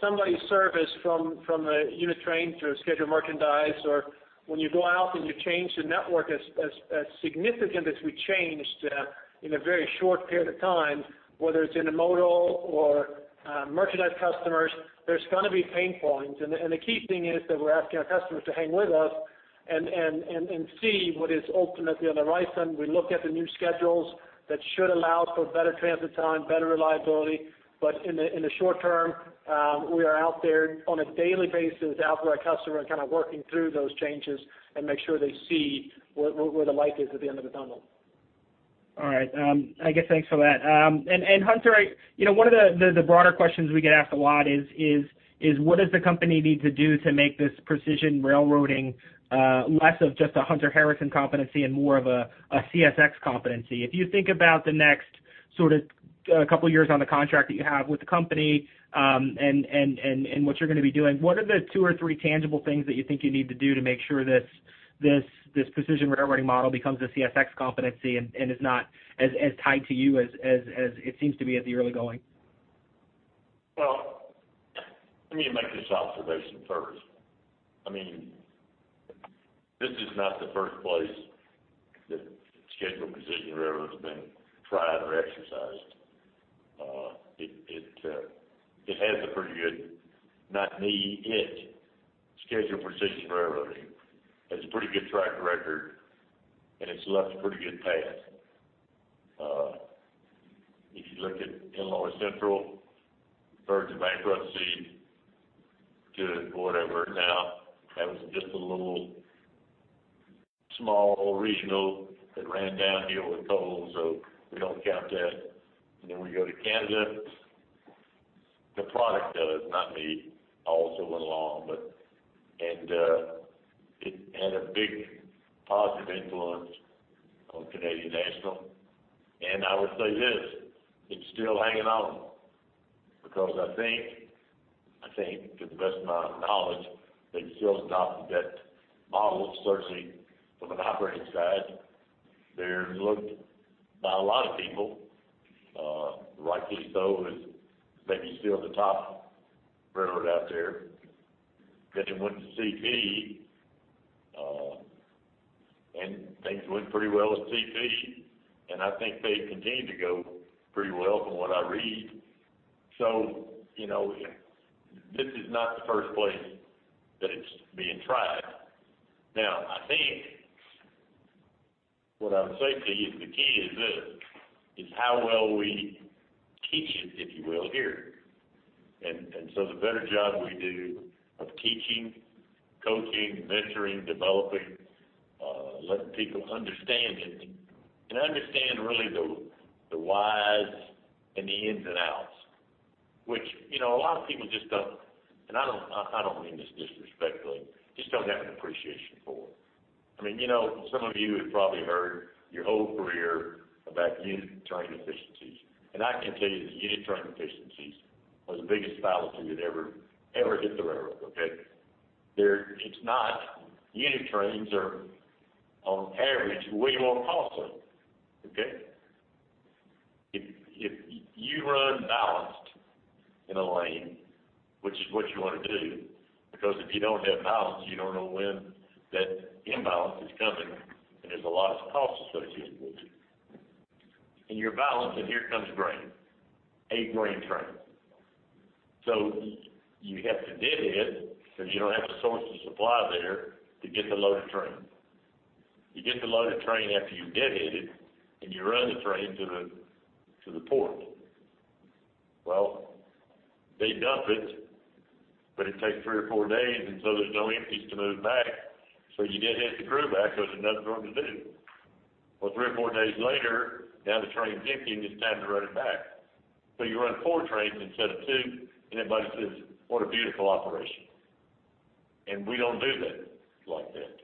somebody's service from a unit train to a scheduled merchandise, or when you go out and you change the network as significant as we changed in a very short period of time, whether it's intermodal or merchandise customers, there's going to be pain points. And the key thing is that we're asking our customers to hang with us and see what is ultimately on the right side. We look at the new schedules that should allow for better transit time, better reliability. But in the short term, we are out there on a daily basis, out to our customer and kind of working through those changes and make sure they see where the light is at the end of the tunnel. All right, I guess thanks for that. And, Hunter, you know, one of the broader questions we get asked a lot is what does the company need to do to make this Precision Railroading less of just a Hunter Harrison competency and more of a CSX competency? If you think about the next sort of couple of years on the contract that you have with the company, and what you're going to be doing, what are the two or three tangible things that you think you need to do to make sure this Precision Railroading model becomes a CSX competency and is not as tied to you as it seems to be at the early going? Well, let me make this observation first. I mean, this is not the first place that scheduled Precision Railroading has been tried or exercised. It has a pretty good, not me, it, scheduled Precision Railroading. It's a pretty good track record, and it's left a pretty good path. If you look at Illinois Central, referred to bankruptcy, good or whatever, now, that was just a little small regional that ran downhill with coal, so we don't count that. Then we go to Canada. The product does, not me. I also went along, but and, it had a big positive influence on Canadian National. And I would say this, it's still hanging on because I think, I think to the best of my knowledge, they've still adopted that model, certainly from an operating side. They're looked by a lot of people, rightly so, as maybe still the top railroad out there. Then they went to CP, and things went pretty well with CP, and I think they continue to go pretty well from what I read. So, you know, this is not the first place that it's being tried. Now, I think what I would say to you, the key is this, is how well we teach it, if you will, here. And, and so the better job we do of teaching, coaching, mentoring, developing, letting people understand it and understand really the, the whys and the ins and outs, which, you know, a lot of people just don't. And I don't, I don't mean this disrespectfully, just don't have an appreciation for it. I mean, you know, some of you have probably heard your whole career about unit train efficiencies, and I can tell you that unit train efficiencies are the biggest fallacy that ever, ever hit the railroad, okay? They're. It's not. Unit trains are, on average, way more costly, okay? If you run balanced in a lane, which is what you want to do, because if you don't have balance, you don't know when that imbalance is coming, and there's a lot of cost associated with it. And you're balanced, and here comes grain, a grain train. So you have to deadhead because you don't have a source of supply there to get the loaded train. You get the loaded train after you deadhead it, and you run the train to the port. Well, they dump it, but it takes 3 or 4 days, and so there's no empties to move back. So you deadhead the crew back because there's nothing for them to do. Well, 3 or 4 days later, now the train is empty, and it's time to run it back. So you run 4 trains instead of 2, and everybody says, "What a beautiful operation." And we don't do that like that.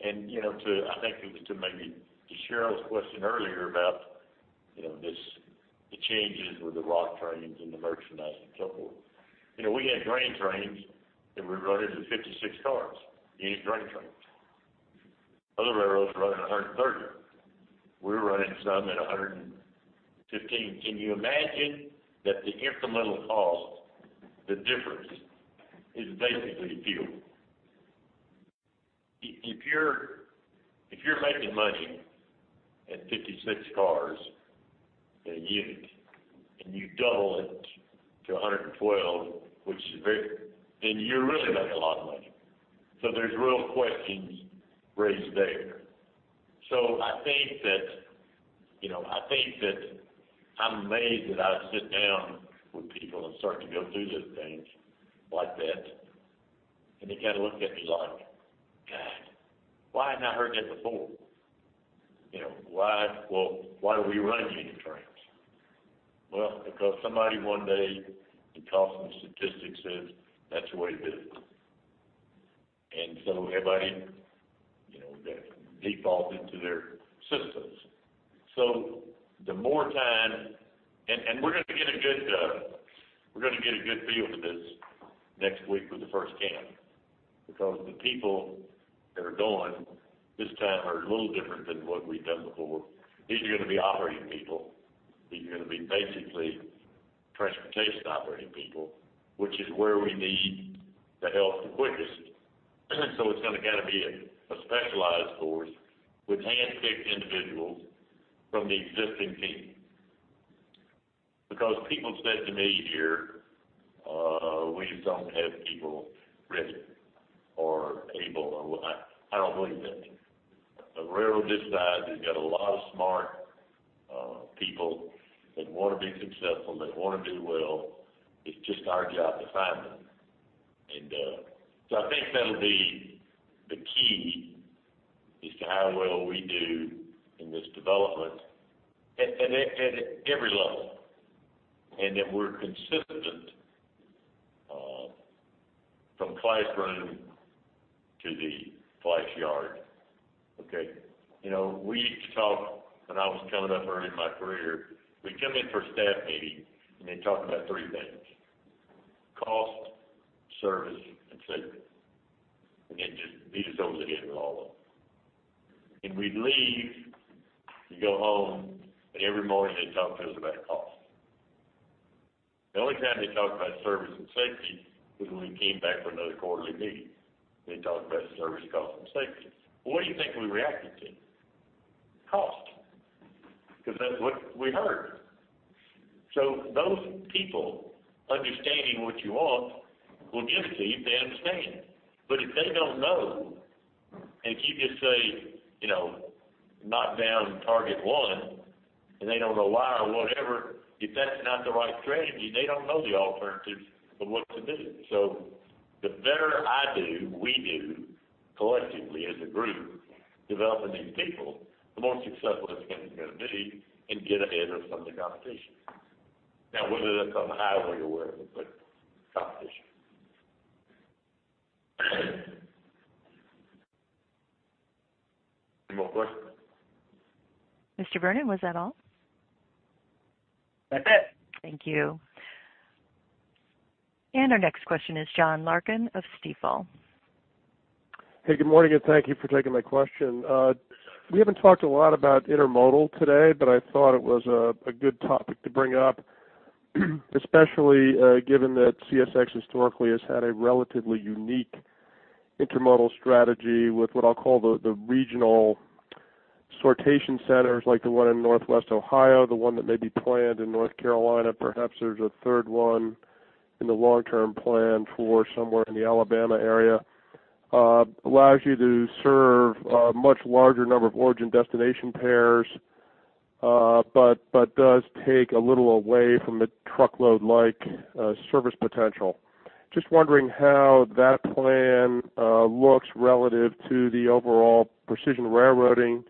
And, you know, to – I think it was to maybe to Cherilyn's question earlier about, you know, this, the changes with the rock trains and the merchandise and so forth. You know, we had grain trains, and we run into 56 cars, unit grain trains. Other railroads running 130. We're running some at 115. Can you imagine that the incremental cost, the difference is basically fuel? If you're making money at 56 cars in a unit and you double it to 112, which is very, then you're really making a lot of money. So there's real questions raised there. So I think that, you know, I think that I'm amazed that I sit down with people and start to go through the things like that, and they kind of look at me like, "God, why haven't I heard that before?" You know, why? Well, why are we running unit trains? Because somebody one day in cost and statistics says, that's the way to do it. And so everybody, you know, that defaulted to their systems. So the more time, and we're gonna get a good feel for this next week with the first camp, because the people that are going this time are a little different than what we've done before. These are gonna be operating people. These are gonna be basically transportation operating people, which is where we need the help the quickest. So it's gonna kinda be a specialized course with handpicked individuals from the existing team. Because people said to me here, we just don't have people ready or able, or I don't believe that. A railroad this size has got a lot of smart people that wanna be successful, that wanna do well. It's just our job to find them. And, so I think that'll be the key as to how well we do in this development at every level, and that we're consistent, from classroom to the class yard. Okay? You know, we used to talk when I was coming up early in my career, we'd come in for a staff meeting, and they'd talk about three things: cost, service, and safety. And they'd just beat us over the head with all of them. And we'd leave to go home, and every morning they'd talk to us about cost. The only time they talked about service and safety was when we came back for another quarterly meeting. They talked about service, cost, and safety. What do you think we reacted to? Cost, because that's what we heard. So those people understanding what you want will give it to you if they understand. But if they don't know, and if you just say, you know, knock down target one, and they don't know why or whatever, if that's not the right strategy, they don't know the alternatives of what to do. So the better I do, we do, collectively as a group, developing these people, the more successful this company's gonna be and get ahead of some of the competition. Now, whether that's on the highway or wherever, but competition. Any more questions? Mr. Vernon, was that all? That's it. Thank you. Our next question is John Larkin of Stifel. Hey, good morning, and thank you for taking my question. We haven't talked a lot about intermodal today, but I thought it was a good topic to bring up, especially, given that CSX historically has had a relatively unique intermodal strategy with what I'll call the regional sortation centers, like the one in Northwest Ohio, the one that may be planned in North Carolina. Perhaps there's a third one in the long-term plan for somewhere in the Alabama area. Allows you to serve a much larger number of origin destination pairs, but does take a little away from the truckload-like service potential. Just wondering how that plan looks relative to the overall Precision Railroading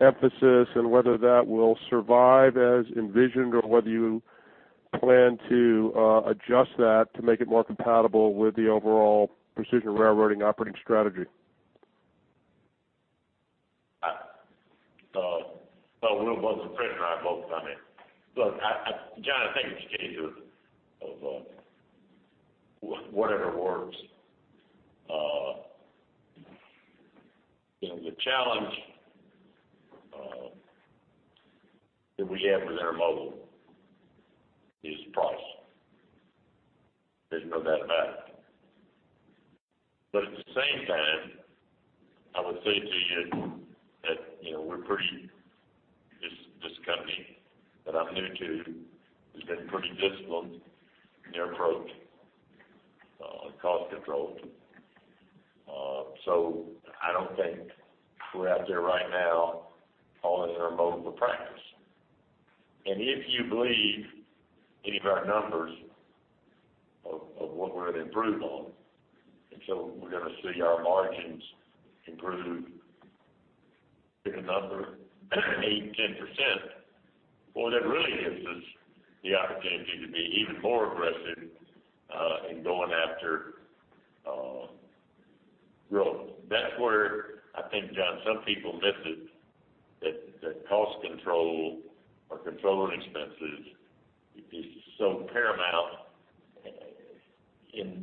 emphasis, and whether that will survive as envisioned, or whether you plan to adjust that to make it more compatible with the overall Precision Railroading operating strategy? Well, we're both afraid and I'm both on it. Look, John, I think it's a case of whatever works. You know, the challenge that we have with intermodal is price. There's no doubt about it. But at the same time, I would say to you that, you know, we're pretty this company that I'm new to has been pretty disciplined in their approach on cost control. So I don't think we're out there right now calling intermodal a practice. And if you believe any of our numbers of what we're to improve on, and so we're gonna see our margins improve in a number, 8%-10%, well, that really gives us the opportunity to be even more aggressive in going after growth. That's where I think, John, some people miss it, that cost control or controlling expenses is so paramount in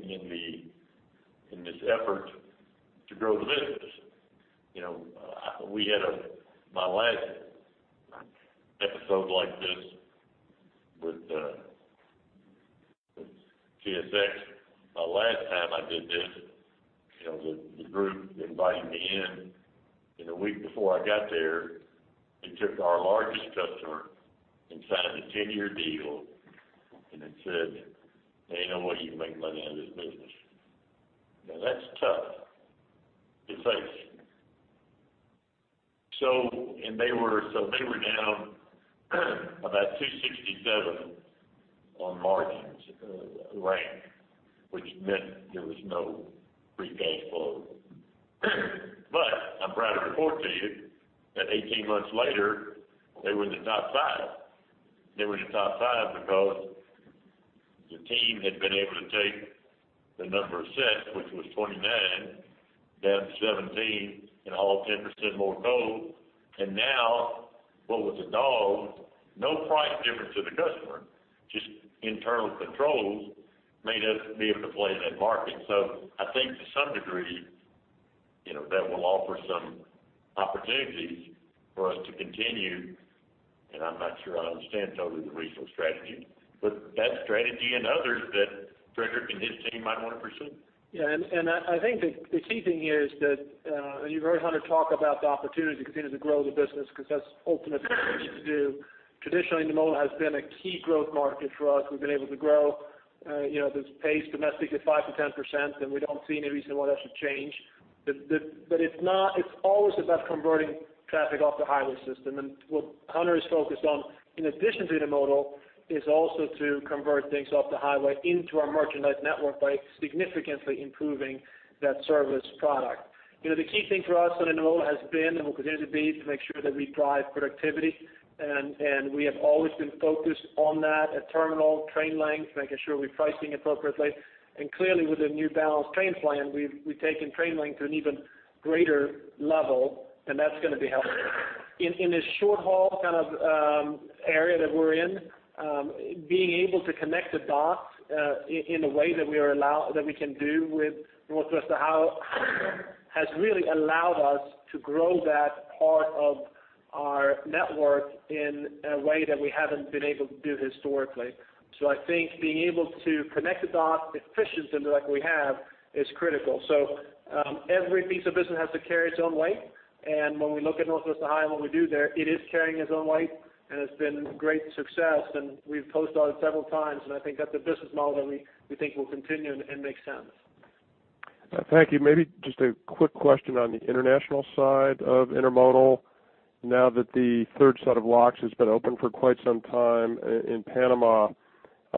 this effort to grow the business. You know, we had my last episode like this with CSX, the last time I did this, you know, the group invited me in, and a week before I got there, they took our largest customer and signed a 10-year deal and then said, "Now you know what? You can make money out of this business." Now, that's tough to face. So, and they were down about 267 on margins rank, which meant there was no free cash flow. But I'm proud to report to you that 18 months later, they were in the top 5. They were in the top five because the team had been able to take the number of sets, which was 29, down to 17, and haul 10% more coal. And now, what was a dog, no price difference to the customer, just internal controls, made us be able to play in that market. So I think to some degree, you know, that will offer some opportunities for us to continue, and I'm not sure I understand totally the regional strategy, but that strategy and others that Fredrik and his team might want to pursue. And I think the key thing here is that you've heard Hunter talk about the opportunity to continue to grow the business, because that's ultimately what we need to do. Traditionally, intermodal has been a key growth market for us. We've been able to grow, you know, the pace domestically at 5%-10%, and we don't see any reason why that should change. But it's not—it's always about converting traffic off the highway system. And what Hunter is focused on, in addition to intermodal, is also to convert things off the highway into our merchandise network by significantly improving that service product. You know, the key thing for us on intermodal has been, and will continue to be, to make sure that we drive productivity, and we have always been focused on that at terminal train length, making sure we're pricing appropriately. Clearly, with the new balanced train plan, we've taken train length to an even greater level, and that's going to be helpful. In this short haul kind of area that we're in, being able to connect the dots in a way that we can do with Northwest Ohio, has really allowed us to grow that part of our network in a way that we haven't been able to do historically. I think being able to connect the dots efficiently, like we have, is critical. Every piece of business has to carry its own weight, and when we look at Northwest Ohio and what we do there, it is carrying its own weight, and it's been a great success, and we've posted on it several times, and I think that's a business model that we think will continue and make sense. Thank you. Maybe just a quick question on the international side of intermodal. Now that the third set of locks has been open for quite some time in Panama,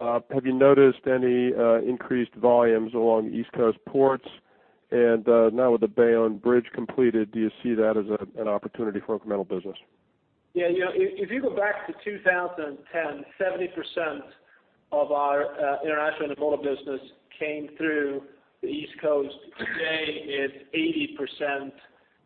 have you noticed any increased volumes along the East Coast ports? And now with the Bayonne Bridge completed, do you see that as an opportunity for incremental business? You know, if you go back to 2010, 70% of our international intermodal business came through the East Coast. Today, it's 80%,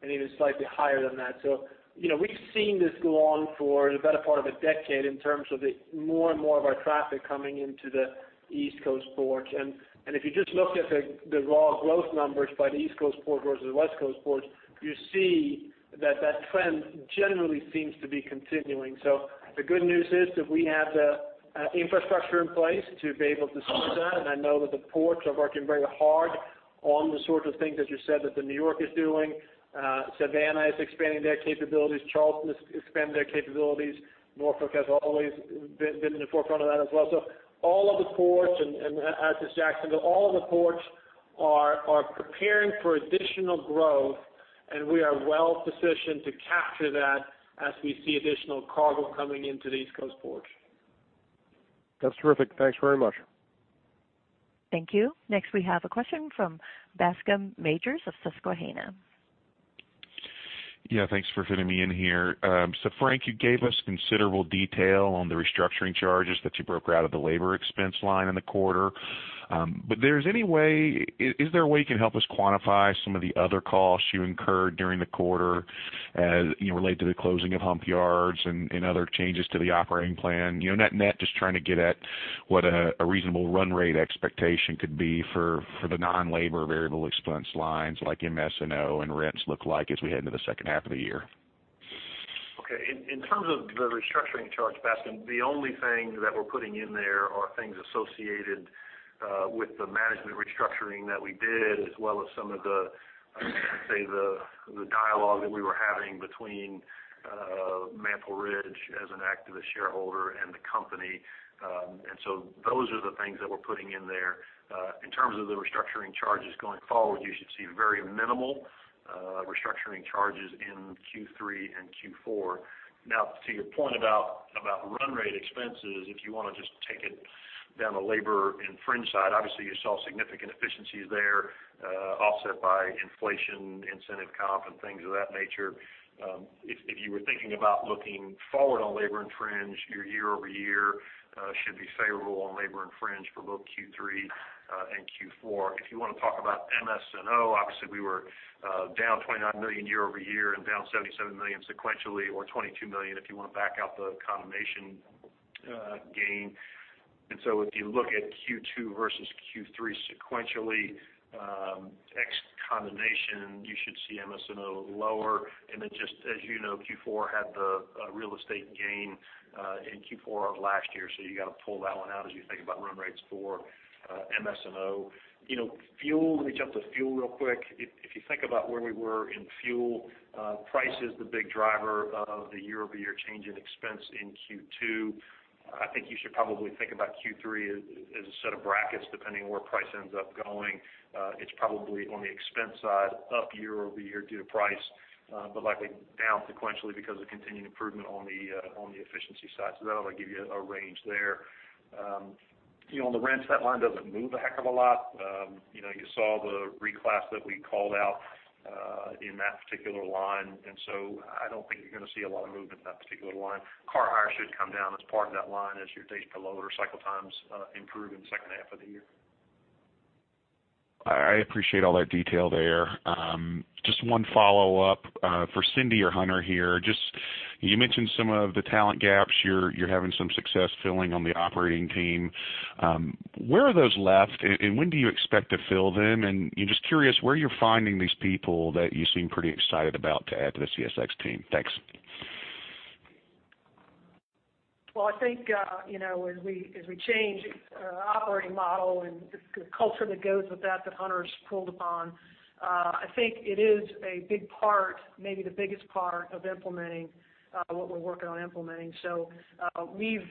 and even slightly higher than that. So, you know, we've seen this go on for the better part of a decade in terms of the more and more of our traffic coming into the East Coast ports. And if you just look at the raw growth numbers by the East Coast port versus the West Coast ports, you see that trend generally seems to be continuing. So the good news is that we have the infrastructure in place to be able to support that, and I know that the ports are working very hard on the sorts of things that you said, that the New York is doing. Savannah is expanding their capabilities. Charleston is expanding their capabilities. Norfolk has always been in the forefront of that as well. So all of the ports, and as is Jacksonville, all of the ports are preparing for additional growth, and we are well positioned to capture that as we see additional cargo coming into the East Coast ports. That's terrific. Thanks very much. Thank you. Next, we have a question from Bascom Majors of Susquehanna. Thanks for fitting me in here. So Frank, you gave us considerable detail on the restructuring charges that you broke out of the labor expense line in the quarter. But is there a way you can help us quantify some of the other costs you incurred during the quarter, as, you know, related to the closing of hump yards and other changes to the operating plan? You know, net net, just trying to get at what a reasonable run rate expectation could be for the non-labor variable expense lines, like MS&O and rents, look like as we head into the H2 of the year. Okay. In terms of the restructuring charge, Bascom, the only thing that we're putting in there are things associated with the management restructuring that we did, as well as some of the dialogue that we were having between Mantle Ridge as an activist shareholder and the company. And so those are the things that we're putting in there. In terms of the restructuring charges going forward, you should see very minimal restructuring charges in Q3 and Q4. Now, to your point about run rate expenses, if you want to just take it down the labor and fringe side, obviously you saw significant efficiencies there, offset by inflation, incentive comp, and things of that nature. If you were thinking about looking forward on labor and fringe, your year-over-year should be favorable on labor and fringe for both Q3 and Q4. If you want to talk about MS&O, obviously, we were down $29 million year-over-year and down $77 million sequentially, or $22 million, if you want to back out the condemnation gain. And so if you look at Q2 versus Q3 sequentially, ex condemnation, you should see MS&O lower. And then just as you know, Q4 had the real estate gain in Q4 of last year, so you got to pull that one out as you think about run rates for MS&O. You know, fuel, let me jump to fuel real quick. If you think about where we were in fuel prices, the big driver of the year-over-year change in expense in Q2, I think you should probably think about Q3 as a set of brackets, depending on where price ends up going, it's probably on the expense side, up year over year due to price, but likely down sequentially because of continued improvement on the efficiency side. So that'll give you a range there. You know, on the rents, that line doesn't move a heck of a lot. You know, you saw the reclass that we called out, in that particular line, and so I don't think you're gonna see a lot of movement in that particular line. Car hire should come down as part of that line as your days to load or cycle times improve in the H2 of the year. I appreciate all that detail there. Just one follow-up for Cindy or Hunter here. Just, you mentioned some of the talent gaps, you're having some success filling on the operating team. Where are those left, and when do you expect to fill them? And, you know, just curious, where you're finding these people that you seem pretty excited about to add to the CSX team? Thanks. Well, I think, you know, as we change our operating model and the culture that goes with that, that Hunter's pulled upon, I think it is a big part, maybe the biggest part of implementing what we're working on implementing. So, we've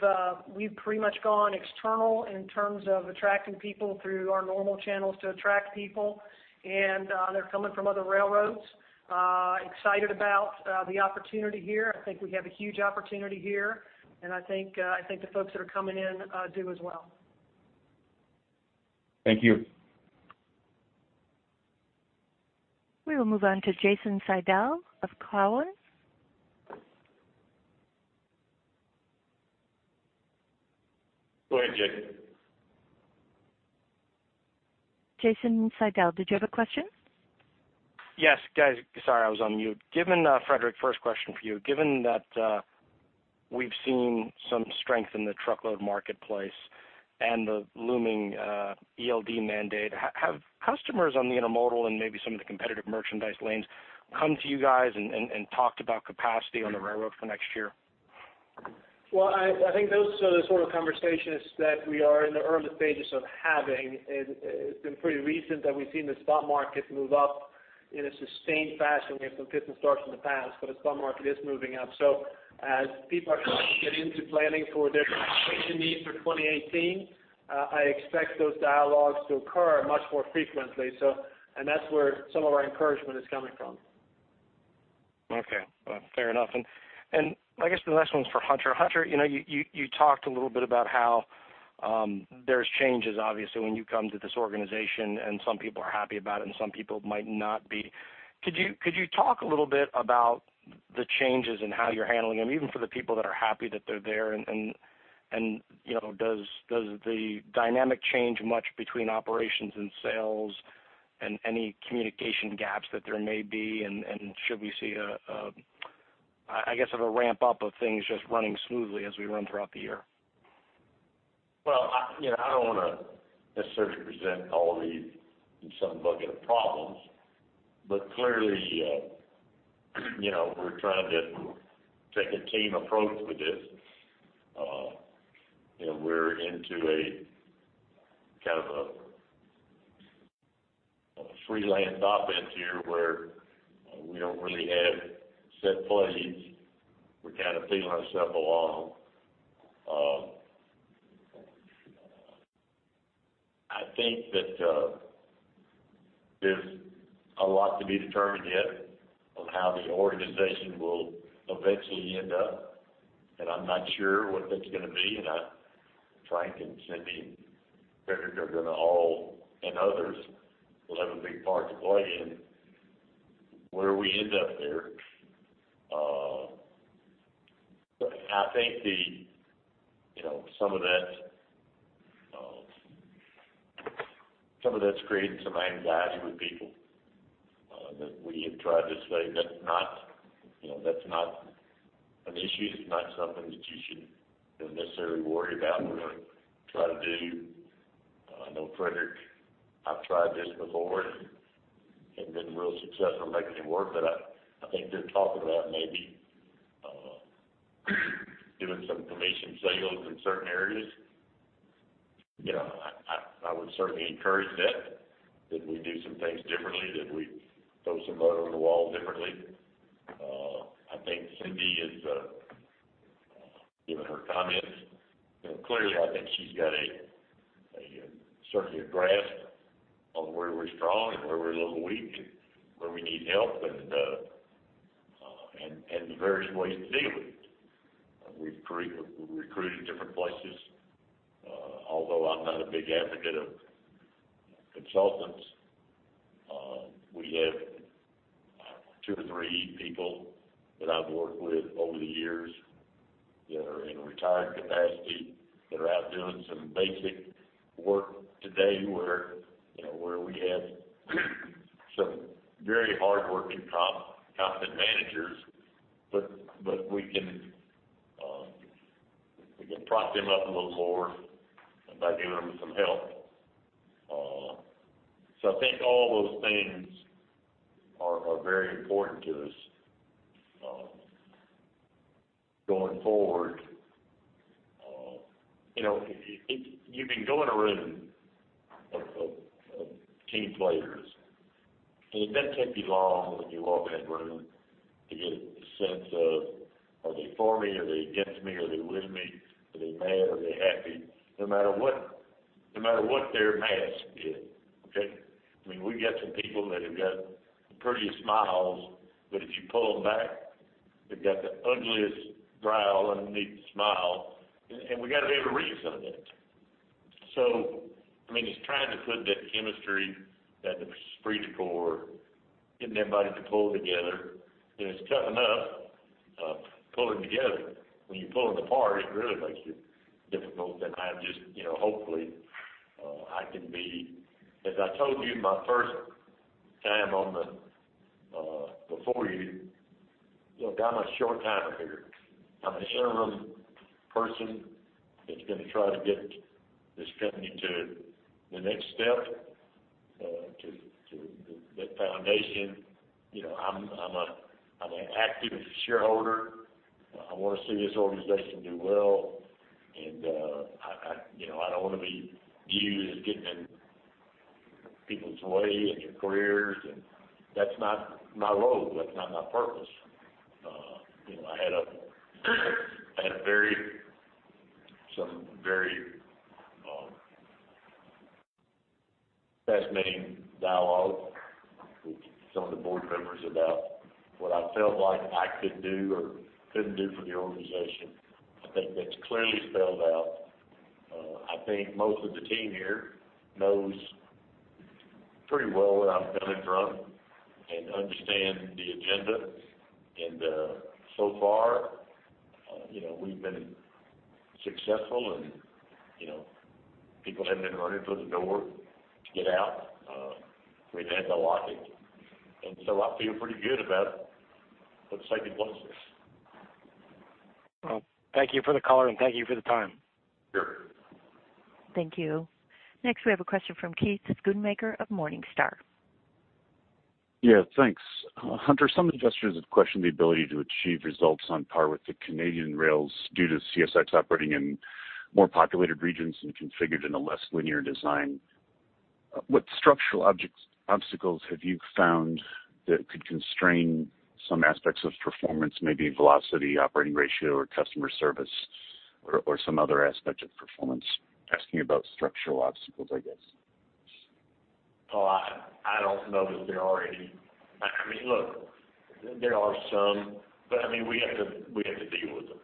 pretty much gone external in terms of attracting people through our normal channels to attract people, and they're coming from other railroads. Excited about the opportunity here. I think we have a huge opportunity here, and I think the folks that are coming in do as well. Thank you. We will move on to Jason Seidl of Cowen. Go ahead, Jason. Jason Seidl, did you have a question? Yes, guys. Sorry, I was on mute. Given, Fredrik, first question for you. Given that, we've seen some strength in the truckload marketplace and the looming ELD mandate, have customers on the intermodal and maybe some of the competitive merchandise lanes come to you guys and talked about capacity on the railroad for next year? Well, I think those are the sort of conversations that we are in the early stages of having. It's been pretty recent that we've seen the spot market move up in a sustained fashion. We have some fits and starts in the past, but the spot market is moving up. So as people are trying to get into planning for their needs for 2018, I expect those dialogues to occur much more frequently. So, and that's where some of our encouragement is coming from. Okay. Well, fair enough. And I guess the last one's for Hunter. Hunter, you know, you talked a little bit about how there's changes, obviously, when you come to this organization, and some people are happy about it and some people might not be. Could you talk a little bit about the changes and how you're handling them, even for the people that are happy that they're there? And you know, does the dynamic change much between operations and sales and any communication gaps that there may be? And should we see, I guess, a ramp up of things just running smoothly as we run throughout the year? Well, you know, I don't wanna necessarily present all of these in some bucket of problems, but clearly, you know, we're trying to take a team approach with this. We're into a kind of a freelancing here, where we don't really have set plays. We're kind of feeling our way along. I think that there's a lot to be determined yet on how the organization will eventually end up, and I'm not sure what that's gonna be. I, Frank and Cindy and Fredrik are all gonna, and others, will have a big part to play in where we end up there. I think, you know, some of that, some of that's creating some anxiety with people, that we have tried to say, that's not, you know, that's not an issue. It's not something that you should necessarily worry about or try to do. I know, Fredrik, I've tried this before and been real successful making it work, but I think they're talking about maybe doing some commission sales in certain areas. You know, I would certainly encourage that we do some things differently, that we throw some mud on the wall differently. I think Cindy is, given her comments, you know, clearly, I think she's got a certain grasp on where we're strong and where we're a little weak and where we need help, and the various ways to deal with it. We've recruited, we've recruited different places, although I'm not a big advocate of consultants, we have two to three people that I've worked with over the years that are in a retired capacity, that are out doing some basic work today, where, you know, where we have some very hardworking, competent managers, but, but we can, we can prop them up a little more by giving them some help. So I think all those things are, are very important to us, going forward. You know, team players. And it doesn't take you long when you walk in that room to get a sense of, are they for me, are they against me, are they with me? Are they mad, are they happy? No matter what, no matter what their mask is, okay? I mean, we've got some people that have got the prettiest smiles, but if you pull them back, they've got the ugliest growl underneath the smile, and we got to be able to read some of that. So, I mean, it's trying to put that chemistry, that the esprit de corps, getting everybody to pull together. And it's tough enough, pulling together. When you're pulling apart, it really makes it difficult. And I just, you know, hopefully, I can be, as I told you my first time on the, before you, look, I'm a short-timer here. I'm an interim person that's going to try to get this company to the next step, to, to the foundation. You know, I'm, I'm a, I'm an active shareholder. I want to see this organization do well, and, you know, I don't want to be viewed as getting in people's way and their careers, and that's not my role, that's not my purpose. You know, I had a very fascinating dialogue with some of the board members about what I felt like I could do or couldn't do for the organization. I think that's clearly spelled out. I think most of the team here knows pretty well what I'm coming from and understand the agenda. And, so far, you know, we've been successful and, you know, people haven't been running for the door to get out. We've had to lock it. And so I feel pretty good about what's taking place. Well, thank you for the color, and thank you for the time. Sure. Thank you. Next, we have a question from Keith Schoonmaker of Morningstar. Thanks. Hunter, some investors have questioned the ability to achieve results on par with the Canadian rails due to CSX operating in more populated regions and configured in a less linear design. What structural objects- obstacles have you found that could constrain some aspects of performance, maybe velocity, operating ratio, or customer service, or some other aspect of performance? Asking about structural obstacles, I guess. Well, I don't know that there are any. I mean, look, there are some, but I mean, we have to deal with them.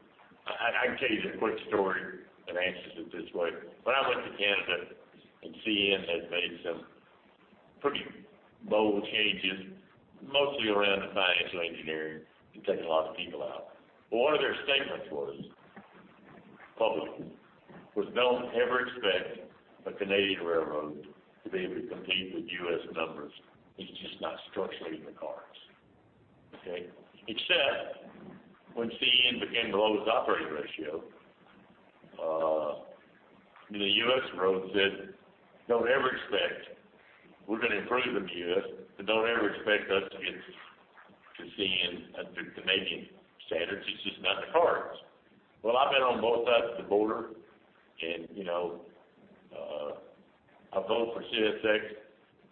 I can tell you the quick story that answers it this way. When I went to Canada, and CN had made some pretty bold changes, mostly around the financial engineering and taking a lot of people out. But one of their statements was, public, was: Don't ever expect a Canadian railroad to be able to compete with U.S. numbers. It's just not structurally in the cards, okay? Except when CN became the lowest operating ratio, the U.S. roads said, "Don't ever expect we're going to improve in the U.S., but don't ever expect us to get to CN, to Canadian standards. It's just not in the cards." Well, I've been on both sides of the border, and, you know, I vote for CSX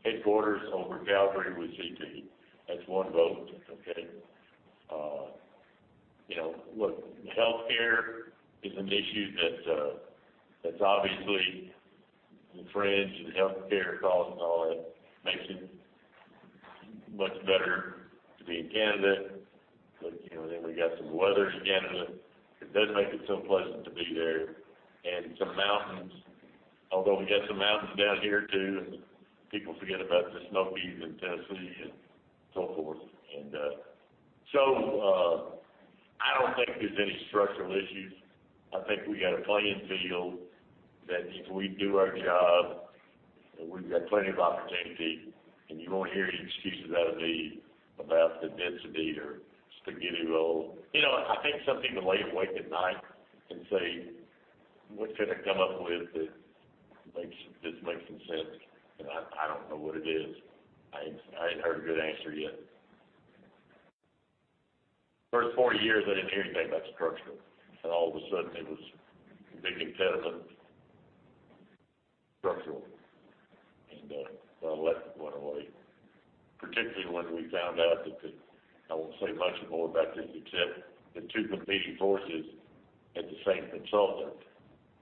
headquarters over Calgary with CP. That's one vote, okay? You know, look, healthcare is an issue that, that's obviously on the fringe, and the healthcare costs and all that makes it much better to be in Canada. But, you know, then we got some weather in Canada that doesn't make it so pleasant to be there. And some mountains, although we got some mountains down here, too, and people forget about the Smokies in Tennessee and so forth. And, so, I don't think there's any structural issues. I think we got a playing field that if we do our job, then we've got plenty of opportunity, and you won't hear any excuses out of me about the density or spaghetti roll. You know, I think some people lay awake at night and say, "What can I come up with that makes, that makes some sense?" And I, I don't know what it is. I ain't, I ain't heard a good answer yet. First forty years, I didn't hear anything about structural, and all of a sudden it was the big impediment, structural. And, well, that went away, particularly when we found out that I won't say much more about this, except the two competing forces had the same consultant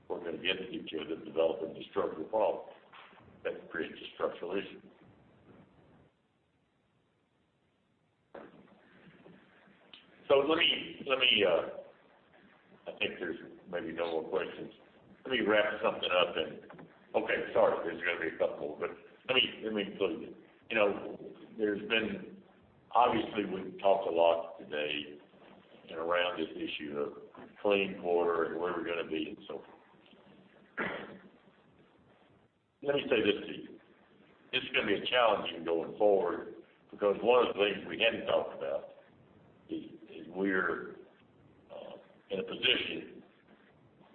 were going to get to each other developing the structural problem. That creates a structural issue. So let me, I think there's maybe no more questions. Let me wrap something up and sorry, there's going to be a couple more, but let me, let me close it. You know, there's been, obviously, we've talked a lot today and around this issue of clean quarter and where we're going to be and so forth. Let me say this to you. It's going to be a challenge going forward because one of the things we hadn't talked about is we're in a position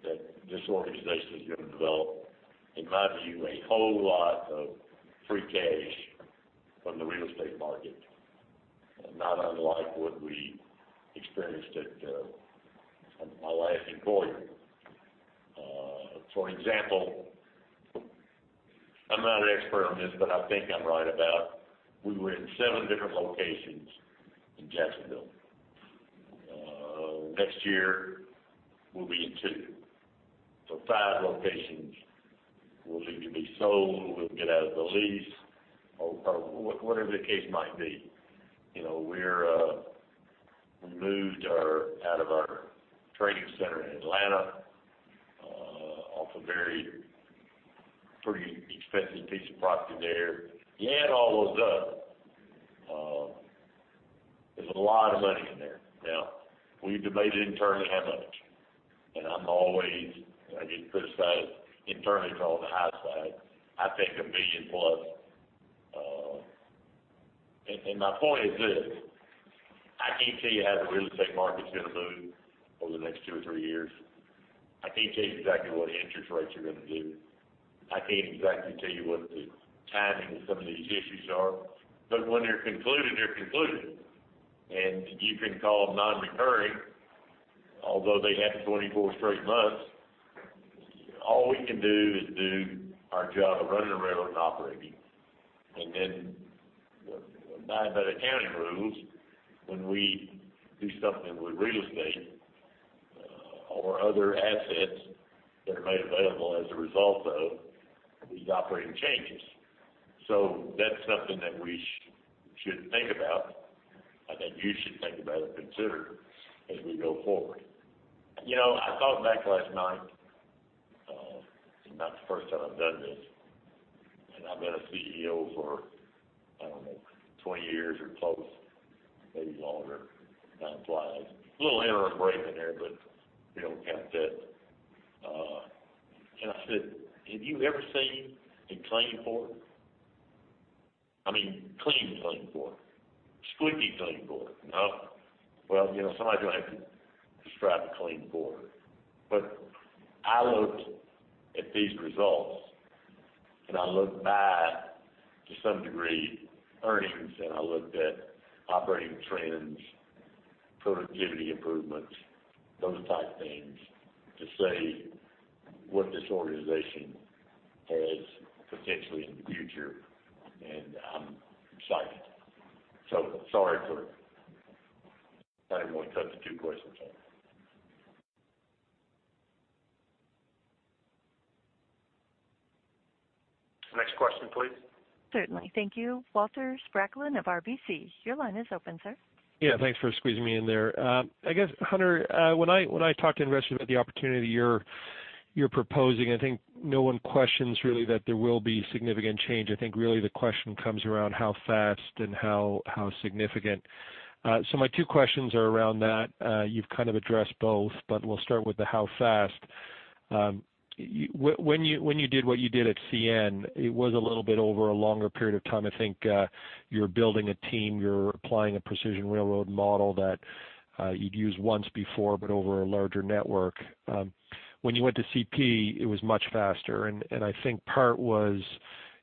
that this organization is going to develop, in my view, a whole lot of free cash from the real estate market, not unlike what we experienced at my last employer. For example, I'm not an expert on this, but I think I'm right about, we were in seven different locations in Jacksonville. Next year, we'll be in two. So five locations will need to be sold, we'll get out of the lease, or whatever the case might be. You know, we're we moved out of our training center in Atlanta off a very pretty expensive piece of property there. You add all those up, there's a lot of money in there. Now, we've debated internally how much, and I'm always, I get criticized internally on the high side. I think $1 million plus. And my point is this: I can't tell you how the real estate market's gonna move over the next two or three years. I can't tell you exactly what interest rates are gonna do. I can't exactly tell you what the timing of some of these issues are, but when they're concluded, they're concluded, and you can call them nonrecurring, although they happen 24 straight months. All we can do is do our job of running the railroad and operating. And then, by the accounting rules, when we do something with real estate, or other assets that are made available as a result of these operating changes. So that's something that we should think about. I think you should think about it and consider as we go forward. You know, I thought back last night, and not the first time I've done this, and I've been a CEO for, I don't know, 20 years or close, maybe longer. Time flies. A little interim break in there, but, you know, count that. And I said, "Have you ever seen a clean board? I mean, clean, clean board. Squeaky clean board." No? Well, you know, somebody's gonna have to describe a clean board. But I looked at these results, and I looked back, to some degree, earnings, and I looked at operating trends, productivity improvements, those type things, to say what this organization has potentially in the future, and I'm excited. So sorry for only cutting two questions off. Next question, please. Certainly. Thank you. Walter Spracklen of RBC, your line is open, sir. Thanks for squeezing me in there. I guess, Hunter, when I talked to investors about the opportunity you're proposing, I think no one questions really that there will be significant change. I think really the question comes around how fast and how significant. So my two questions are around that. You've kind of addressed both, but we'll start with the how fast. When you did what you did at CN, it was a little bit over a longer period of time. I think you're building a team, you're applying a Precision Railroad model that you'd used once before, but over a larger network. When you went to CP, it was much faster, and I think part was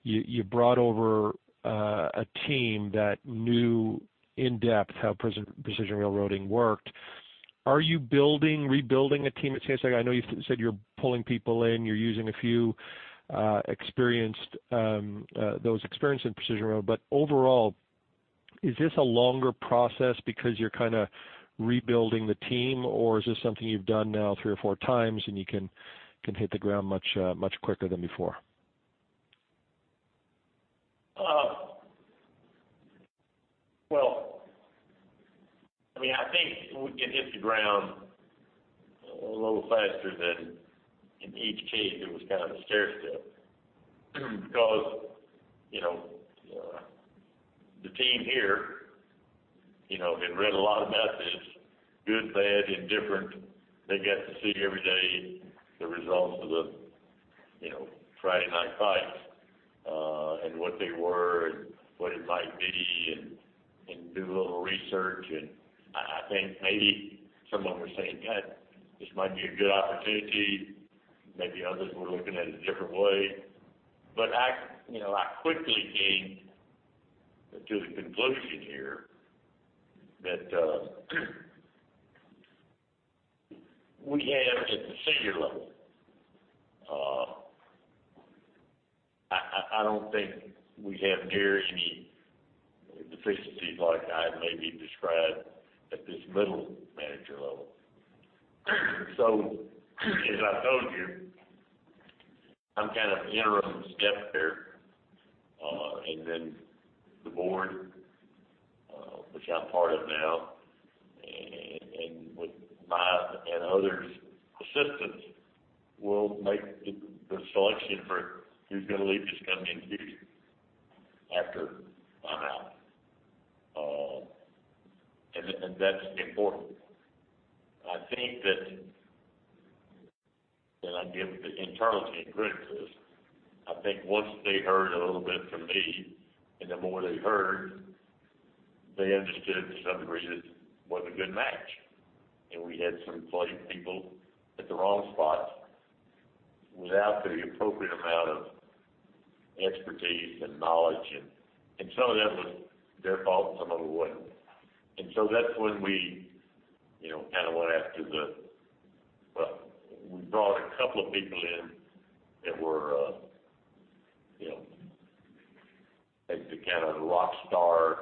you brought over a team that knew in depth how Precision Railroading worked. Are you building, rebuilding a team at CSX? I know you've said you're pulling people in, you're using a few experienced, those experienced in Precision Railroading. But overall, is this a longer process because you're kind of rebuilding the team, or is this something you've done now three or four times, and you can hit the ground much quicker than before? Well, I mean, I think we can hit the ground a little faster than in each case, it was kind of a stairstep. Because, you know, the team here, you know, they've read a lot about this, good, bad, indifferent. They get to see every day the results of the, you know, Friday night fights, and what they were and what it might be, and, and do a little research. And I think maybe someone was saying, "Hey, this might be a good opportunity." Maybe others were looking at it a different way. But I, you know, I quickly came to the conclusion here that, we have at the senior level, I don't think we have near any deficiencies like I maybe described at this middle manager level. So, as I told you, I'm kind of an interim step there, and then the board, which I'm part of now, and with my and others' assistance, will make the selection for who's gonna lead this company in the future after I'm out. And that's important. I think that, and I give the internal team credit for this. I think once they heard a little bit from me, and the more they heard, they understood to some degree that it was a good match, and we had some great people at the wrong spot without the appropriate amount of expertise and knowledge, and some of that was their fault, and some of it wasn't. And so that's when we, you know, kind of went after the—well, we brought a couple of people in that were, you know, had the kind of rock star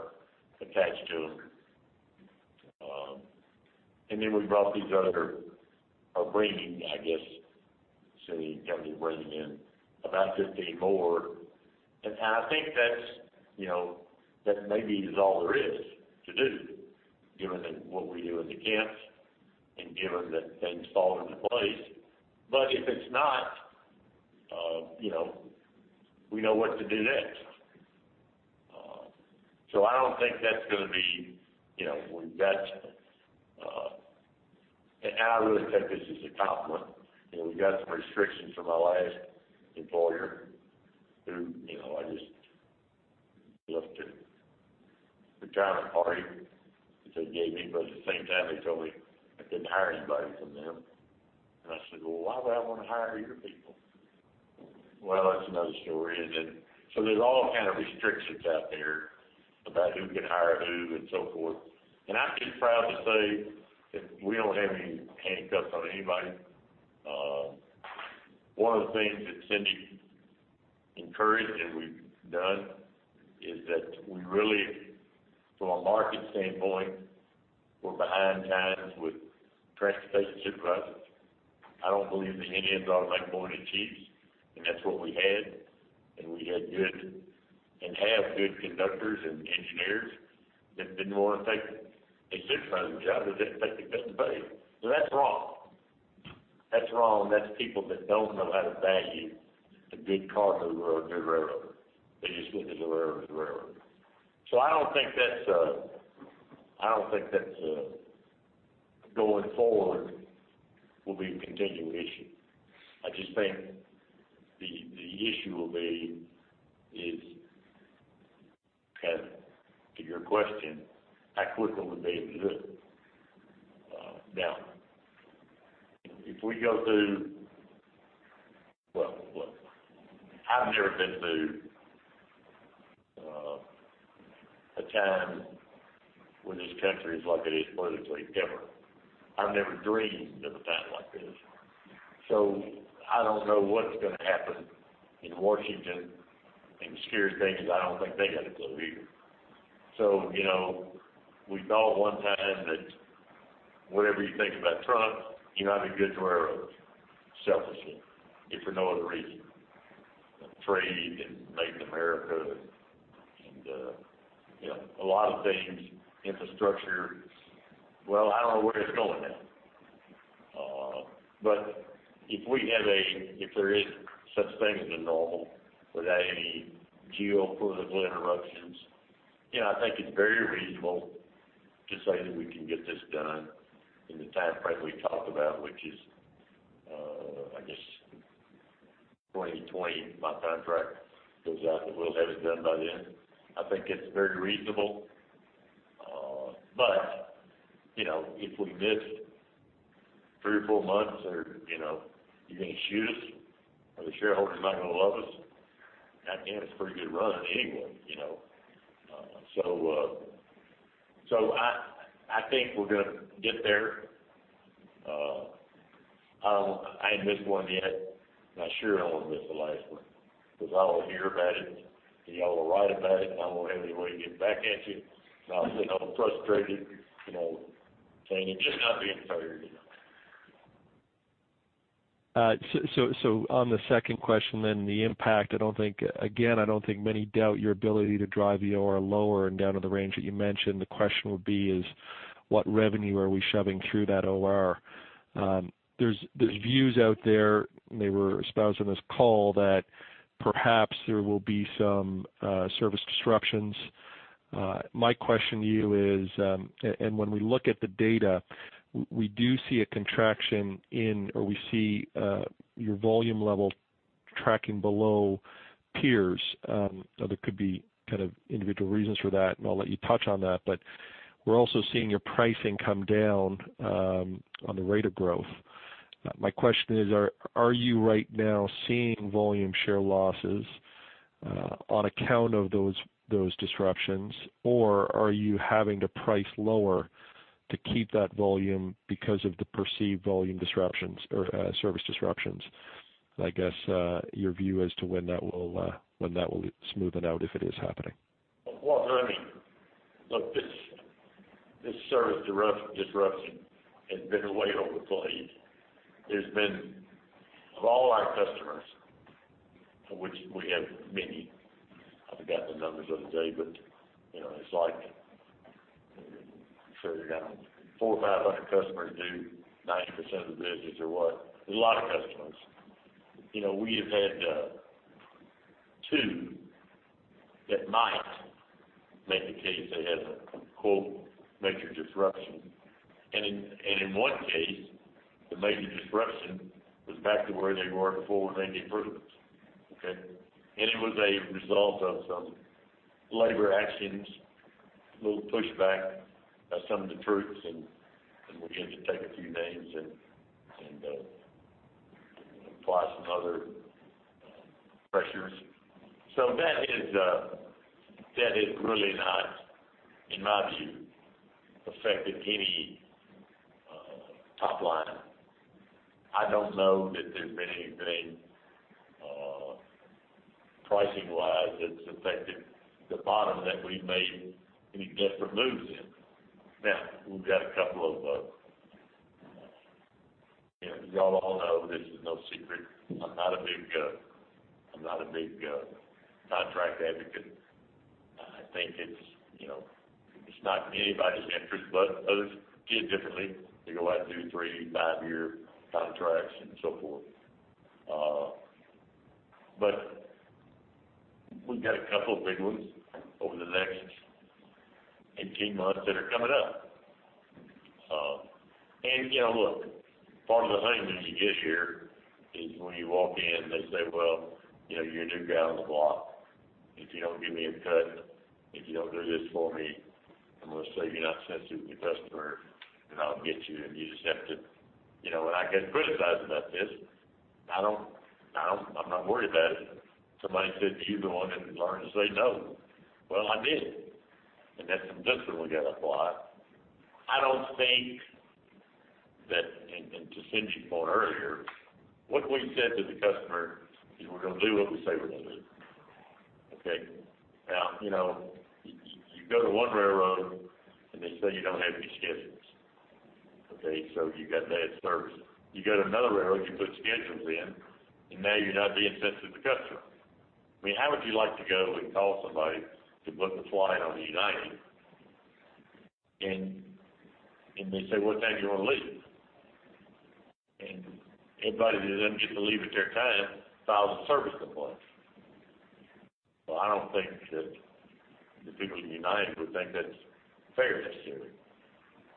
attached to them. And then we brought these other, or bringing, I guess, Cindy and Kevin are bringing in about 15 more. And I think that's, you know, that maybe is all there is to do, given that what we do in the camps and given that things fall into place. But if it's not, you know, we know what to do next. So I don't think that's gonna be, you know, we've got, and I really take this as a compliment, and we've got some restrictions from our last employer, who, you know, I just love the kind of party that they gave me, but at the same time, they told me I couldn't hire anybody from them. And I said, "Well, why would I want to hire your people?" Well, that's another story. And then, so there's all kind of restrictions out there about who can hire who and so forth. And I'm just proud to say that we don't have any handcuffs on anybody. One of the things that Cindy encouraged, and we've done, is that we really, from a market standpoint, we're behind the times with transportation supervisors. I don't believe that any of them are born to chiefs, and that's what we had, and we had good and have good conductors and engineers that didn't want to take a supervisor job because they couldn't pay them. So that's wrong. That's wrong. That's people that don't know how to value a good car, good railroad. They just want the railroad, railroad. So I don't think that's, I don't think that's, going forward, will be a continuing issue. I just think the, the issue will be is, kind of, to your question, how quickly will they look, down? If we go through. Well, look, I've never been through, a time when this country is like it is politically, ever. I've never dreamed of a time like this. So I don't know what's gonna happen in Washington, and the scary thing is, I don't think they got a clue either. So, you know, we thought one time that whatever you think about Trump, he might be good to railroads, selfishly, if for no other reason, than trade and making America good. And, you know, a lot of things, infrastructure. Well, I don't know where it's going now. But if there is such a thing as a normal, without any geopolitical interruptions, you know, I think it's very reasonable to say that we can get this done in the timeframe we talked about, which is, I guess, 2020, my contract goes out, that we'll have it done by then. I think it's very reasonable. But, you know, if we miss three or four months or, you know, you're going to shoot us, or the shareholders are not going to love us, I think it's a pretty good run anyway, you know? So, so I, I think we're gonna get there. I don't. I ain't missed one yet. I sure don't want to miss the last one because I will hear about it, and y'all will write about it, and I won't have any way to get back at you. I'll say I'm frustrated, you know, saying it's just not being fair enough. So, on the second question then, the impact, I don't think again, I don't think many doubt your ability to drive the OR lower and down to the range that you mentioned. The question would be is, what revenue are we shoving through that OR? There's views out there, they were espoused on this call, that perhaps there will be some service disruptions. My question to you is, and when we look at the data, we do see a contraction in, or we see, your volume level tracking below peers. Now, there could be kind of individual reasons for that, and I'll let you touch on that, but we're also seeing your pricing come down on the rate of growth. My question is, are you right now seeing volume share losses on account of those disruptions, or are you having to price lower to keep that volume because of the perceived volume disruptions or service disruptions? I guess, your view as to when that will smoothen out, if it is happening. Well, I mean, look, this service disruption has been way overplayed. There's been, of all our customers, of which we have many. I forgot the numbers the other day, but, you know, it's like, so you got 400 or 500 customers do 90% of the business or what? There's a lot of customers. You know, we have had two that might make the case. They had a quote, major disruption, and in one case, the major disruption was back to where they were before we made the improvements, okay? And it was a result of some labor actions a little pushback by some of the troops, and we're going to take a few names and apply some other pressures. So that is really not, in my view, affected any top line. I don't know that there's been anything, pricing-wise, that's affected the bottom, that we've made any different moves in. Now, we've got a couple of both. You know, you all know, this is no secret. I'm not a big gov. I'm not a big gov, contract advocate. I think it's, you know, it's not in anybody's interest, but others did differently. They go out and do 3, 5-year contracts and so forth. But we've got a couple of big ones over the next 18 months that are coming up. And, you know, look, part of the honeymoon you get here is when you walk in, they say, "Well, you know, you're a new guy on the block. If you don't give me a cut, if you don't do this for me, I'm going to say you're not sensitive to your customer, and I'll get you, and you just have to " You know, when I get criticized about this, I don't. I don't. I'm not worried about it. Somebody said, "You're the one who learned to say no." Well, I did, and that's some discipline we got up a lot. I don't think that, and to Cindy's point earlier, what we said to the customer is, we're going to do what we say we're going to do. Okay, now, you know, you go to one railroad, and they say you don't have any schedules. Okay, so you got bad service. You go to another railroad, you put schedules in, and now you're not being sensitive to customer. I mean, how would you like to go and call somebody to book a flight on United, and, and they say, "What time do you want to leave?" And everybody that doesn't get to leave at their time, files a service complaint. So I don't think that the people in United would think that's fair necessarily.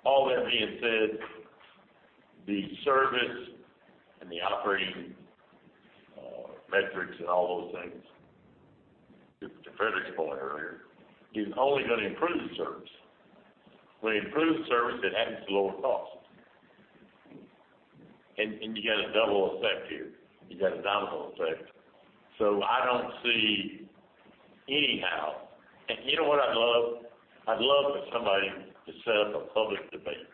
All that being said, the service and the operating, metrics, and all those things, to Fredrik's point earlier, is only going to improve the service. When you improve the service, it happens to lower costs. And, and you got a double effect here. You got a domino effect. So I don't see anyhow. And you know what I'd love? I'd love for somebody to set up a public debate,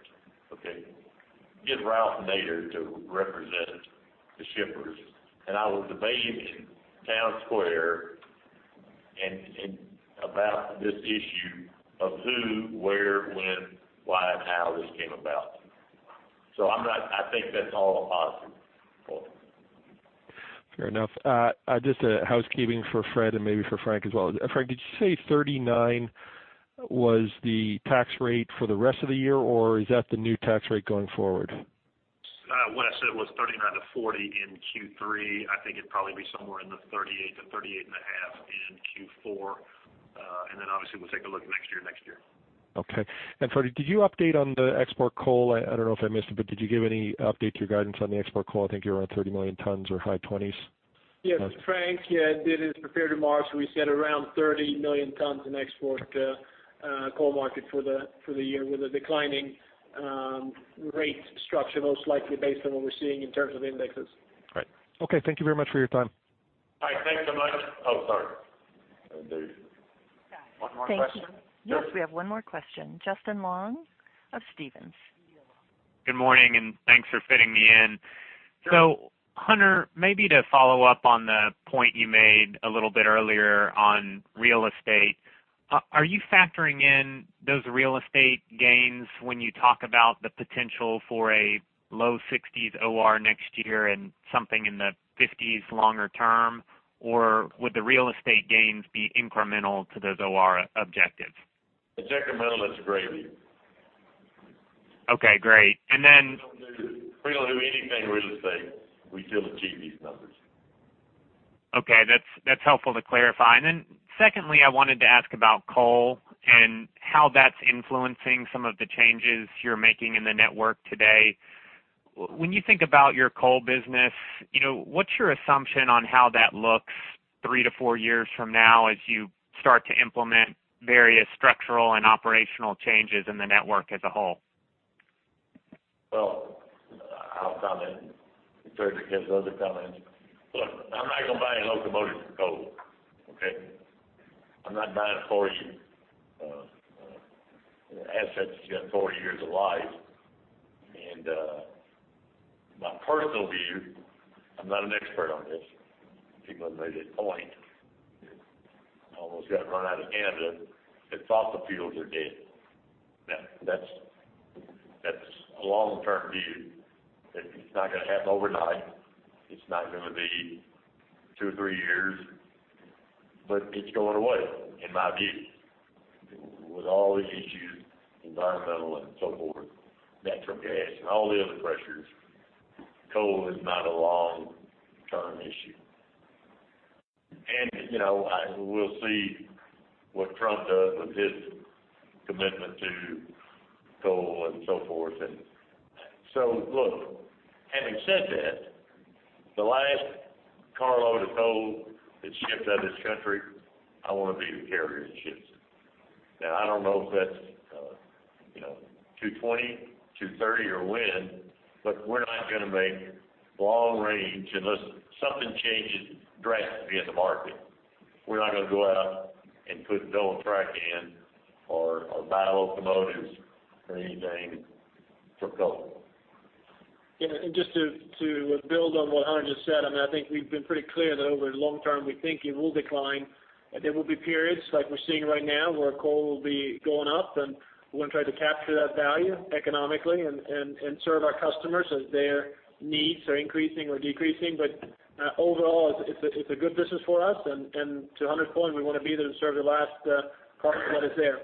okay? Get Ralph Nader to represent the shippers, and I will debate in town square and about this issue of who, where, when, why, and how this came about. So I'm not. I think that's all a positive point. Fair enough. Just a housekeeping for Fred, and maybe for Frank as well. Frank, did you say 39% was the tax rate for the rest of the year, or is that the new tax rate going forward? What I said was 39-40 in Q3. I think it'd probably be somewhere in the 38-38.5 in Q4. And then, obviously, we'll take a look next year, next year. Okay. And Freddy, did you update on the export coal? I don't know if I missed it, but did you give any update to your guidance on the export coal? I think you're around 30 million tons or high 20s. Yes, Frank, did his prepared remarks. We said around 30 million tons in export coal market for the year, with a declining rate structure, most likely based on what we're seeing in terms of indexes. Great. Okay, thank you very much for your time. All right, thanks so much. Oh, sorry. One more question? Thank you. Yes, we have one more question. Justin Long of Stephens. Good morning, and thanks for fitting me in. Sure. Hunter, maybe to follow up on the point you made a little bit earlier on real estate, are you factoring in those real estate gains when you talk about the potential for a low 60s OR next year and something in the 50s longer term, or would the real estate gains be incremental to those OR objectives? Incremental, that's gravy. Okay, great. And then- If we don't do anything in real estate, we still achieve these numbers. Okay, that's helpful to clarify. And then secondly, I wanted to ask about coal and how that's influencing some of the changes you're making in the network today. When you think about your coal business, you know, what's your assumption on how that looks 3-4 years from now, as you start to implement various structural and operational changes in the network as a whole? Well, I'll comment before he has other comments. Look, I'm not going to buy any locomotives for coal, okay? I'm not buying a 40, assets that's got 40 years of life. And, my personal view, I'm not an expert on this. People have made a point, I almost got run out of Canada, that fossil fuels are dead. Now, that's, that's a long-term view. It's not going to happen overnight. It's not going to be 2 or 3 years, but it's going away, in my view. With all the issues, environmental and so forth, natural gas and all the other pressures, coal is not a long-term issue. And, you know, we'll see what Trump does with his commitment to coal and so forth. And so look, having said that, the last carload of coal that's shipped out of this country, I want to be the carrier that ships it. Now, I don't know if that's, you know, 2020, 2030, or when, but we're not going to make long range unless something changes drastically in the market. We're not going to go out and put double track in or, or buy locomotives or anything for coal. And just to build on what Hunter just said, I mean, I think we've been pretty clear that over the long term, we think it will decline. There will be periods like we're seeing right now, where coal will be going up, and we're going to try to capture that value economically and serve our customers as their needs are increasing or decreasing. But overall, it's a good business for us, and to Hunter's point, we want to be there to serve the last carload that is there.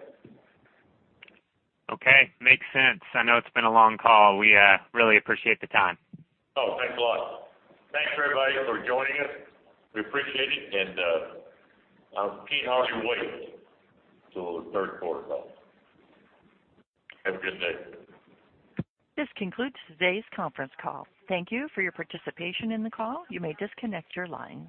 Okay, makes sense. I know it's been a long call. We really appreciate the time. Oh, thanks a lot. Thanks, everybody, for joining us. We appreciate it, and I'm keen, hardly wait till the Q3 comes. Have a good day. This concludes today's conference call. Thank you for your participation in the call. You may disconnect your lines.